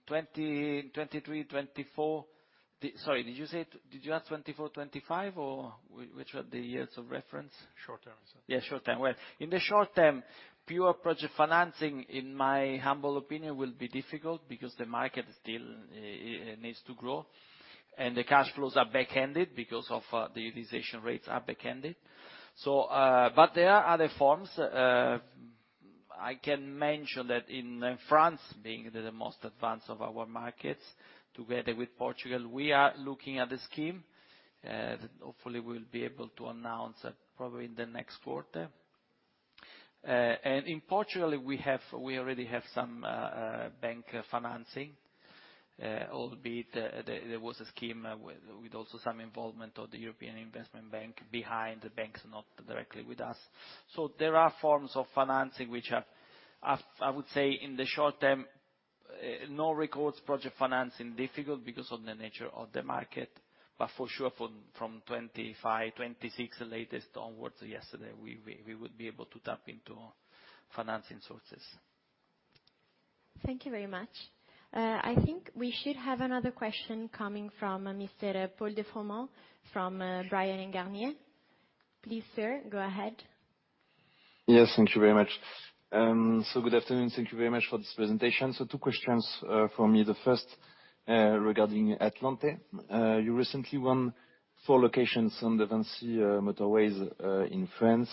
2023, 2024. Sorry, did you say, did you ask 2024, 2025, or which were the years of reference? Short term. Yeah, short term. Well, in the short term, pure project financing, in my humble opinion, will be difficult because the market still needs to grow, and the cash flows are back-ended because of the utilization rates are back-ended. There are other forms. I can mention that in France, being the most advanced of our markets, together with Portugal, we are looking at a scheme that hopefully we'll be able to announce probably in the next quarter. In Portugal, we already have some bank financing, albeit there was a scheme with also some involvement of the European Investment Bank behind the banks, not directly with us. There are forms of financing which are, I would say, in the short term, no records, project financing difficult because of the nature of the market, but for sure, from 2025-2026, latest onwards, yesterday, we would be able to tap into financing sources. Thank you very much. I think we should have another question coming from Mr. Paul de Froment, from Bryan, Garnier & Co. Please, sir, go ahead. Yes, thank you very much. Good afternoon, thank you very much for this presentation. Two questions from me. The first regarding Atlante. You recently won four locations on the Vinci motorways in France.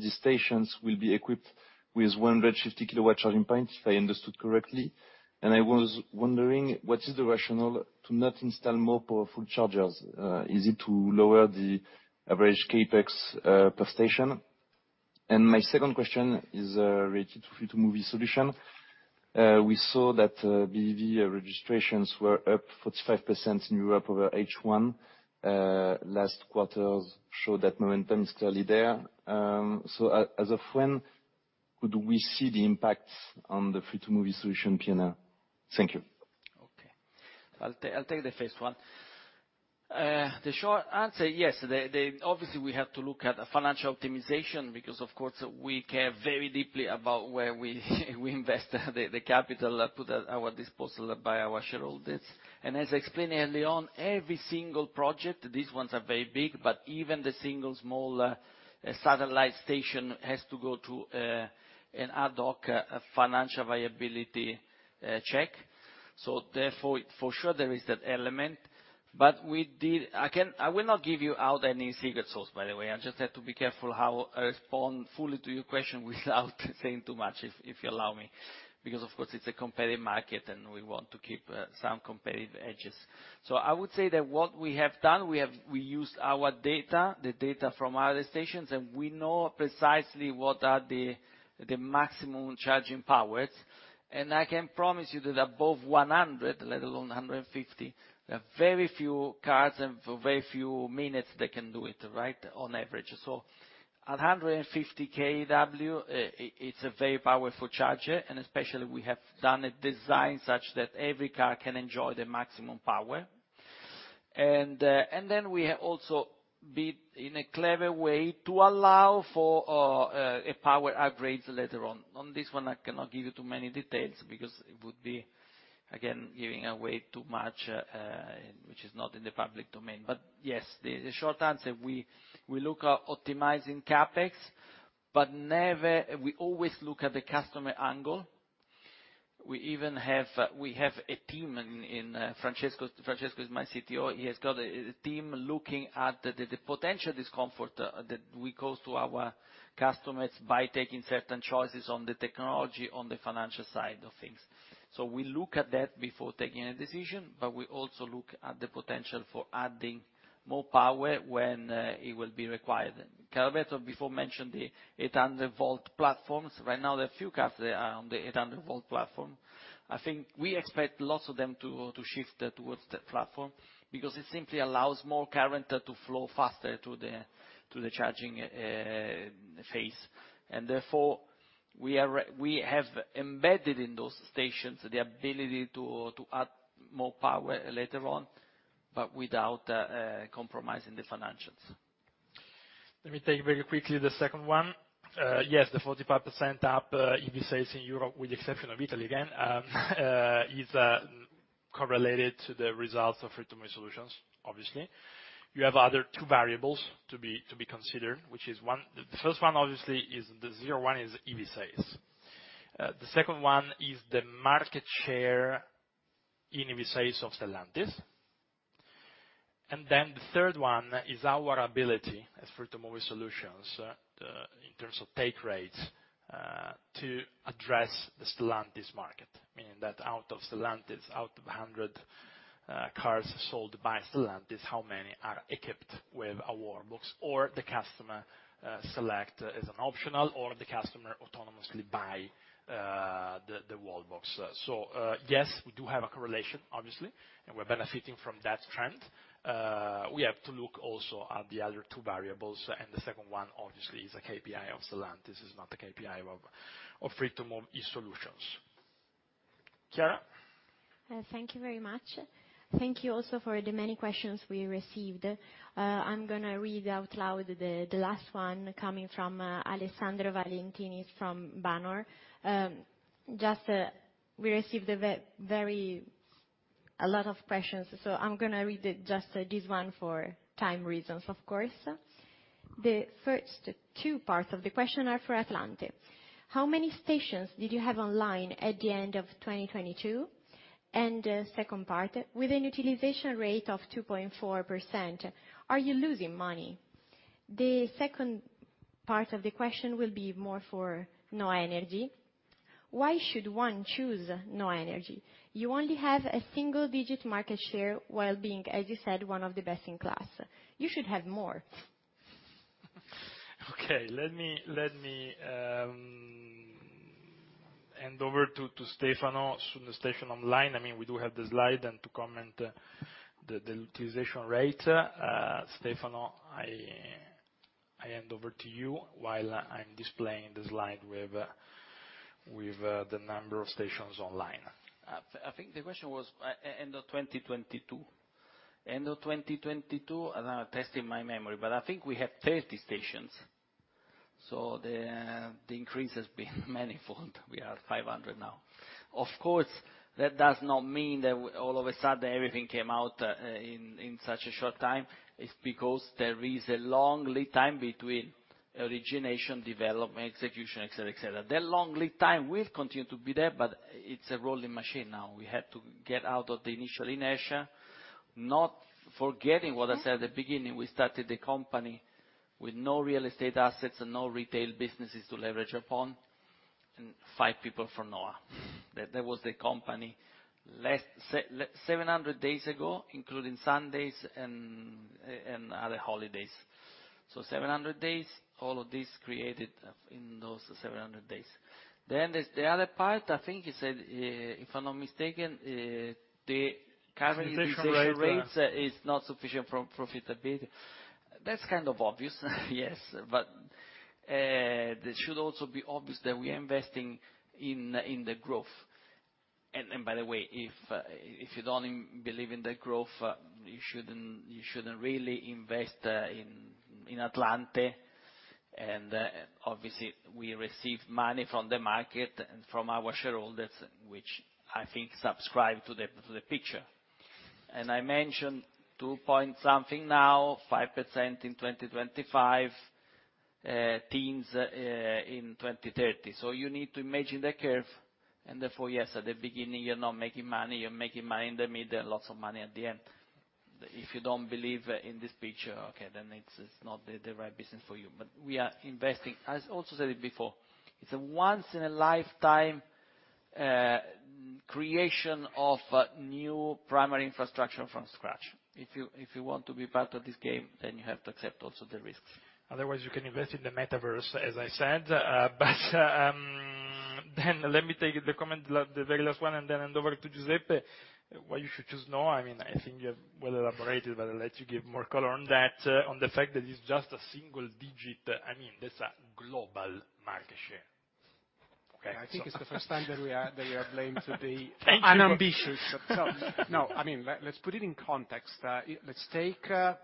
These stations will be equipped with 150 kW charging points, if I understood correctly, and I was wondering, what is the rationale to not install more powerful chargers? Is it to lower the average CapEx per station? My second question is related to Free2move eSolutions. We saw that BEV registrations were up 45% in Europe over H1. Last quarter's show that momentum is still there. As of when could we see the impacts on the Free2move eSolutions P&L? Thank you. Okay. I'll take the first one. The short answer, yes, the obviously, we have to look at the financial optimization, because, of course, we care very deeply about where we invest the capital at our disposal by our shareholders. As I explained early on, every single project, these ones are very big, but even the single small satellite station has to go through an ad hoc financial viability check. Therefore, for sure there is that element, but I can, I will not give you out any secret sauce, by the way. I just have to be careful how I respond fully to your question without saying too much, if you allow me, because, of course, it's a competitive market, and we want to keep some competitive edges. I would say that what we have done, we used our data, the data from our stations, and we know precisely what are the maximum charging powers. I can promise you that above 100, let alone 150, there are very few cars and for very few minutes they can do it, right, on average. At 150 kW, it's a very powerful charger, and especially we have done a design such that every car can enjoy the maximum power. We have also built, in a clever way, to allow for a power upgrade later on. On this one, I cannot give you too many details because it would be, again, giving away too much, which is not in the public domain. Yes, the short answer, we look at optimizing CapEx. We always look at the customer angle. We even have a team. Francesco is my CTO, he has got the team looking at the potential discomfort that we cause to our customers by taking certain choices on the technology, on the financial side of things. We look at that before taking a decision, but we also look at the potential for adding more power when it will be required. Carlobetto before mentioned the 800 volt platforms. Right now, there are few cars that are on the 800 volt platform. I think we expect lots of them to shift towards that platform because it simply allows more current to flow faster to the charging phase. Therefore, we have embedded in those stations the ability to add more power later on, but without compromising the financials. Let me take very quickly the second one. Yes, the 45% up EV sales in Europe, with the exception of Italy, again, is correlated to the results of Free2move eSolutions, obviously. You have other two variables to be considered. The first one, obviously, is the 01, is EV sales. The second one is the market share in EV sales of Stellantis. The third one is our ability, as Free2move eSolutions, in terms of take rates, to address the Stellantis market, meaning that out of Stellantis, out of 100 cars sold by Stellantis, how many are equipped with a wall box, or the customer select as an optional, or the customer autonomously buy the wall box. Yes, we do have a correlation, obviously, and we're benefiting from that trend. We have to look also at the other two variables, and the second one, obviously, is a KPI of Stellantis, is not a KPI of Free2move eSolutions. Chiara? Thank you very much. Thank you also for the many questions we received. I'm going to read out loud the last one coming from Alessandro Valentinis from Banor. Just, we received a lot of questions, so I'm going to read it, just this one for time reasons, of course. The first two parts of the question are for Atlante: How many stations did you have online at the end of 2022? Second part: With a utilization rate of 2.4%, are you losing money? The second part of the question will be more for NHOA Energy: Why should one choose NHOA Energy? You only have a single-digit market share, while being, as you said, one of the best in class. You should have more. Okay, let me hand over to Stefano, on the station online. I mean, we do have the slide and to comment the utilization rate. Stefano, I hand over to you while I'm displaying the slide with the number of stations online. I think the question was end of 2022. End of 2022, I'm testing my memory, but I think we have 30 stations, so the increase has been manifold. We are 500 now. Of course, that does not mean that all of a sudden, everything came out in such a short time. It's because there is a long lead time between origination, development, execution, et cetera, et cetera. That long lead time will continue to be there, but it's a rolling machine now. We had to get out of the initial inertia, not forgetting what I said at the beginning, we started the company with no real estate assets and no retail businesses to leverage upon, and five people from NHOA. That was the company less 700 days ago, including Sundays and other holidays. 700 days, all of this created in those 700 days. There's the other part, I think you said, if I'm not mistaken. (crosstalk) Utilization rates is not sufficient for profitability. That's kind of obvious, yes, but it should also be obvious that we are investing in the growth. By the way, if you don't believe in the growth, you shouldn't really invest in Atlante. Obviously, we received money from the market and from our shareholders, which I think subscribe to the picture. I mentioned 2.something now, 5% in 2025, teens in 2030. You need to imagine the curve, and therefore, yes, at the beginning, you're not making money. You're making money in the middle and lots of money at the end. If you don't believe in this picture, okay, then it's not the right business for you. We are investing. As I also said it before, it's a once-in-a-lifetime, creation of, new primary infrastructure from scratch. If you want to be part of this game, you have to accept also the risks. Otherwise, you can invest in the metaverse, as I said. Let me take the comment, the very last one, and hand over to Giuseppe. Why you should choose NHOA, I mean, I think you have well elaborated, but I'll let you give more color on that, on the fact that it's just a single digit. I mean, that's a global market share. Okay? I think it's the first time that we are blamed to be. (crosstalk) Unambitious. No, I mean, let's put it in context. Let's take a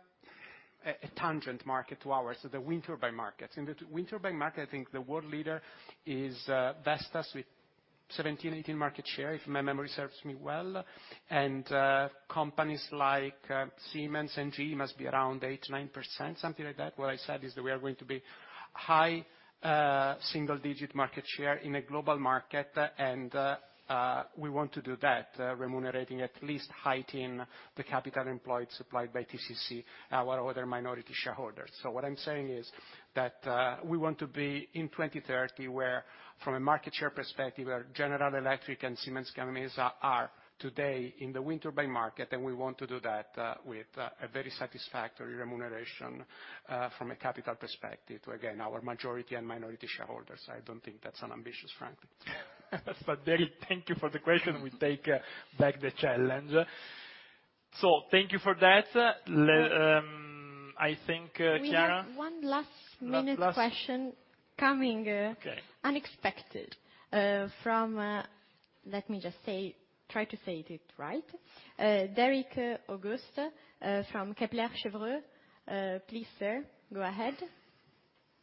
tangent market to ours, so the wind turbine market. In the wind turbine market, I think the world leader is Vestas with 17-18% market share, if my memory serves me well. Companies like Siemens and GE must be around 8-9%, something like that. What I said is that we are going to be high, single digit market share in a global market, we want to do that, remunerating at least height in the capital employed, supplied by TCC, our other minority shareholders. What I'm saying is that we want to be, in 2030, where from a market share perspective, where General Electric and Siemens companies are today in the wind turbine market, and we want to do that with a very satisfactory remuneration from a capital perspective. To, again, our majority and minority shareholders. I don't think that's unambitious, frankly. Thank you for the question. We take back the challenge. Thank you for that. I think Chiara. We have one last-minute question. Last, last- Coming. Okay. Unexpected, from... Let me just say it right. Auguste Deryckx, from Kepler Cheuvreux. Please, sir, go ahead.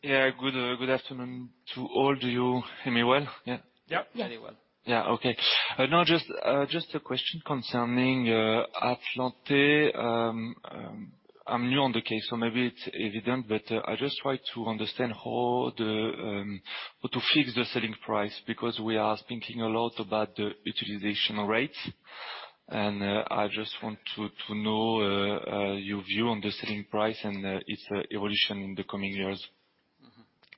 Yeah, good afternoon to all of you. Hear me well? Yeah. Yep. Yes. Very well. Yeah. Okay. now just a question concerning Atlante. I'm new on the case, so maybe it's evident, but I just try to understand how the how to fix the selling price, because we are thinking a lot about the utilization rates? I just want to know your view on the selling price and its evolution in the coming years.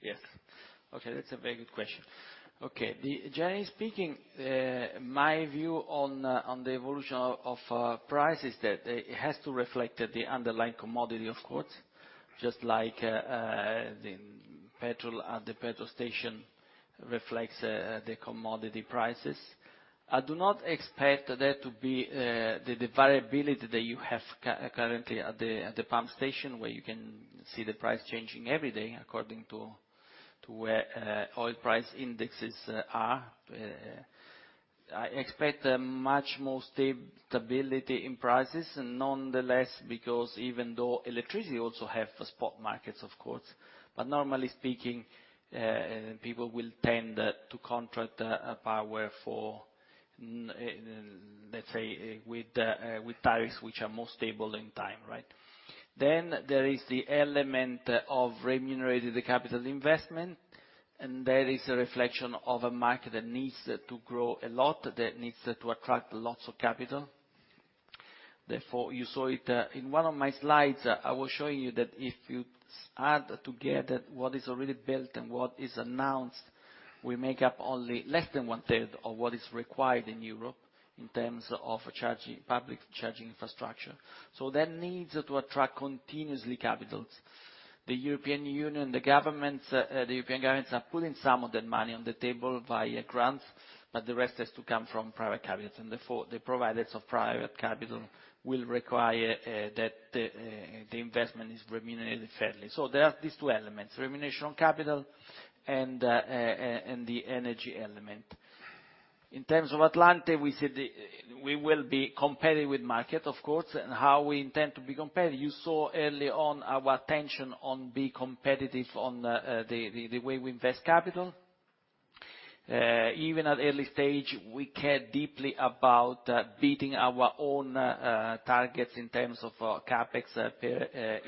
Yes. That's a very good question. Generally speaking, my view on the evolution of price is that it has to reflect the underlying commodity, of course, just like the petrol at the petrol station reflects the commodity prices. I do not expect there to be the variability that you have currently at the pump station, where you can see the price changing every day, according to where oil price indexes are. I expect a much more stability in prices, nonetheless, because even though electricity also has spot markets, of course, but normally speaking, people will tend to contract power for, let's say, with tariffs, which are more stable in time, right? There is the element of remunerating the capital investment, and there is a reflection of a market that needs to grow a lot, that needs to attract lots of capital. You saw it, in one of my slides, I was showing you that if you add together what is already built and what is announced, we make up only less than one-third of what is required in Europe in terms of charging, public charging infrastructure. That needs to attract continuously capital. The European Union, the governments, the European governments, are putting some of that money on the table via grants, but the rest has to come from private capital. Therefore, the providers of private capital will require, that, the investment is remunerated fairly. There are these two elements, remuneration on capital and the energy element. In terms of Atlante, we said we will be competitive with market, of course, and how we intend to be competitive. You saw early on our attention on being competitive on the way we invest capital. Even at early stage, we care deeply about beating our own targets in terms of CapEx per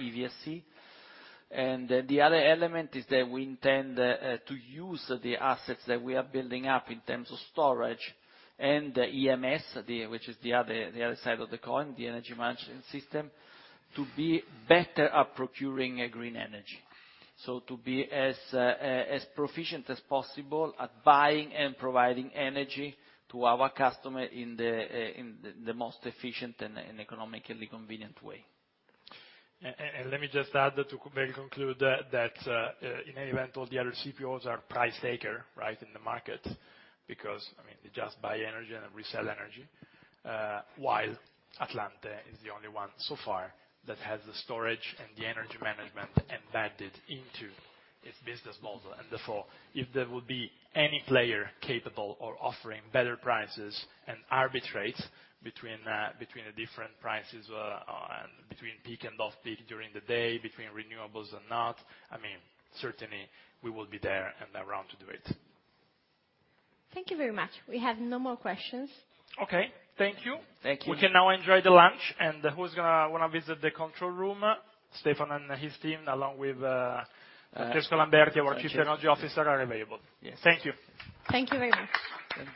EVSE. The other element is that we intend to use the assets that we are building up in terms of storage and EMS, which is the other side of the coin, the energy management system, to be better at procuring a green energy. To be as proficient as possible at buying and providing energy to our customer in the most efficient and economically convenient way. Let me just add to conclude that, in any event, all the other CPOs are price taker, right, in the market. I mean, they just buy energy and resell energy, while Atlante is the only one so far that has the storage and the energy management embedded into its business model. Therefore, if there would be any player capable of offering better prices and arbitrates between the different prices, and between peak and off-peak, during the day, between renewables and not, I mean, certainly we will be there and around to do it. Thank you very much. We have no more questions. Okay, thank you. Thank you. We can now enjoy the lunch. Wanna visit the control room, Stefan and his team, along with Jesco Lamberti, our Chief Energy Officer, are available. Yes. Thank you. Thank you very much.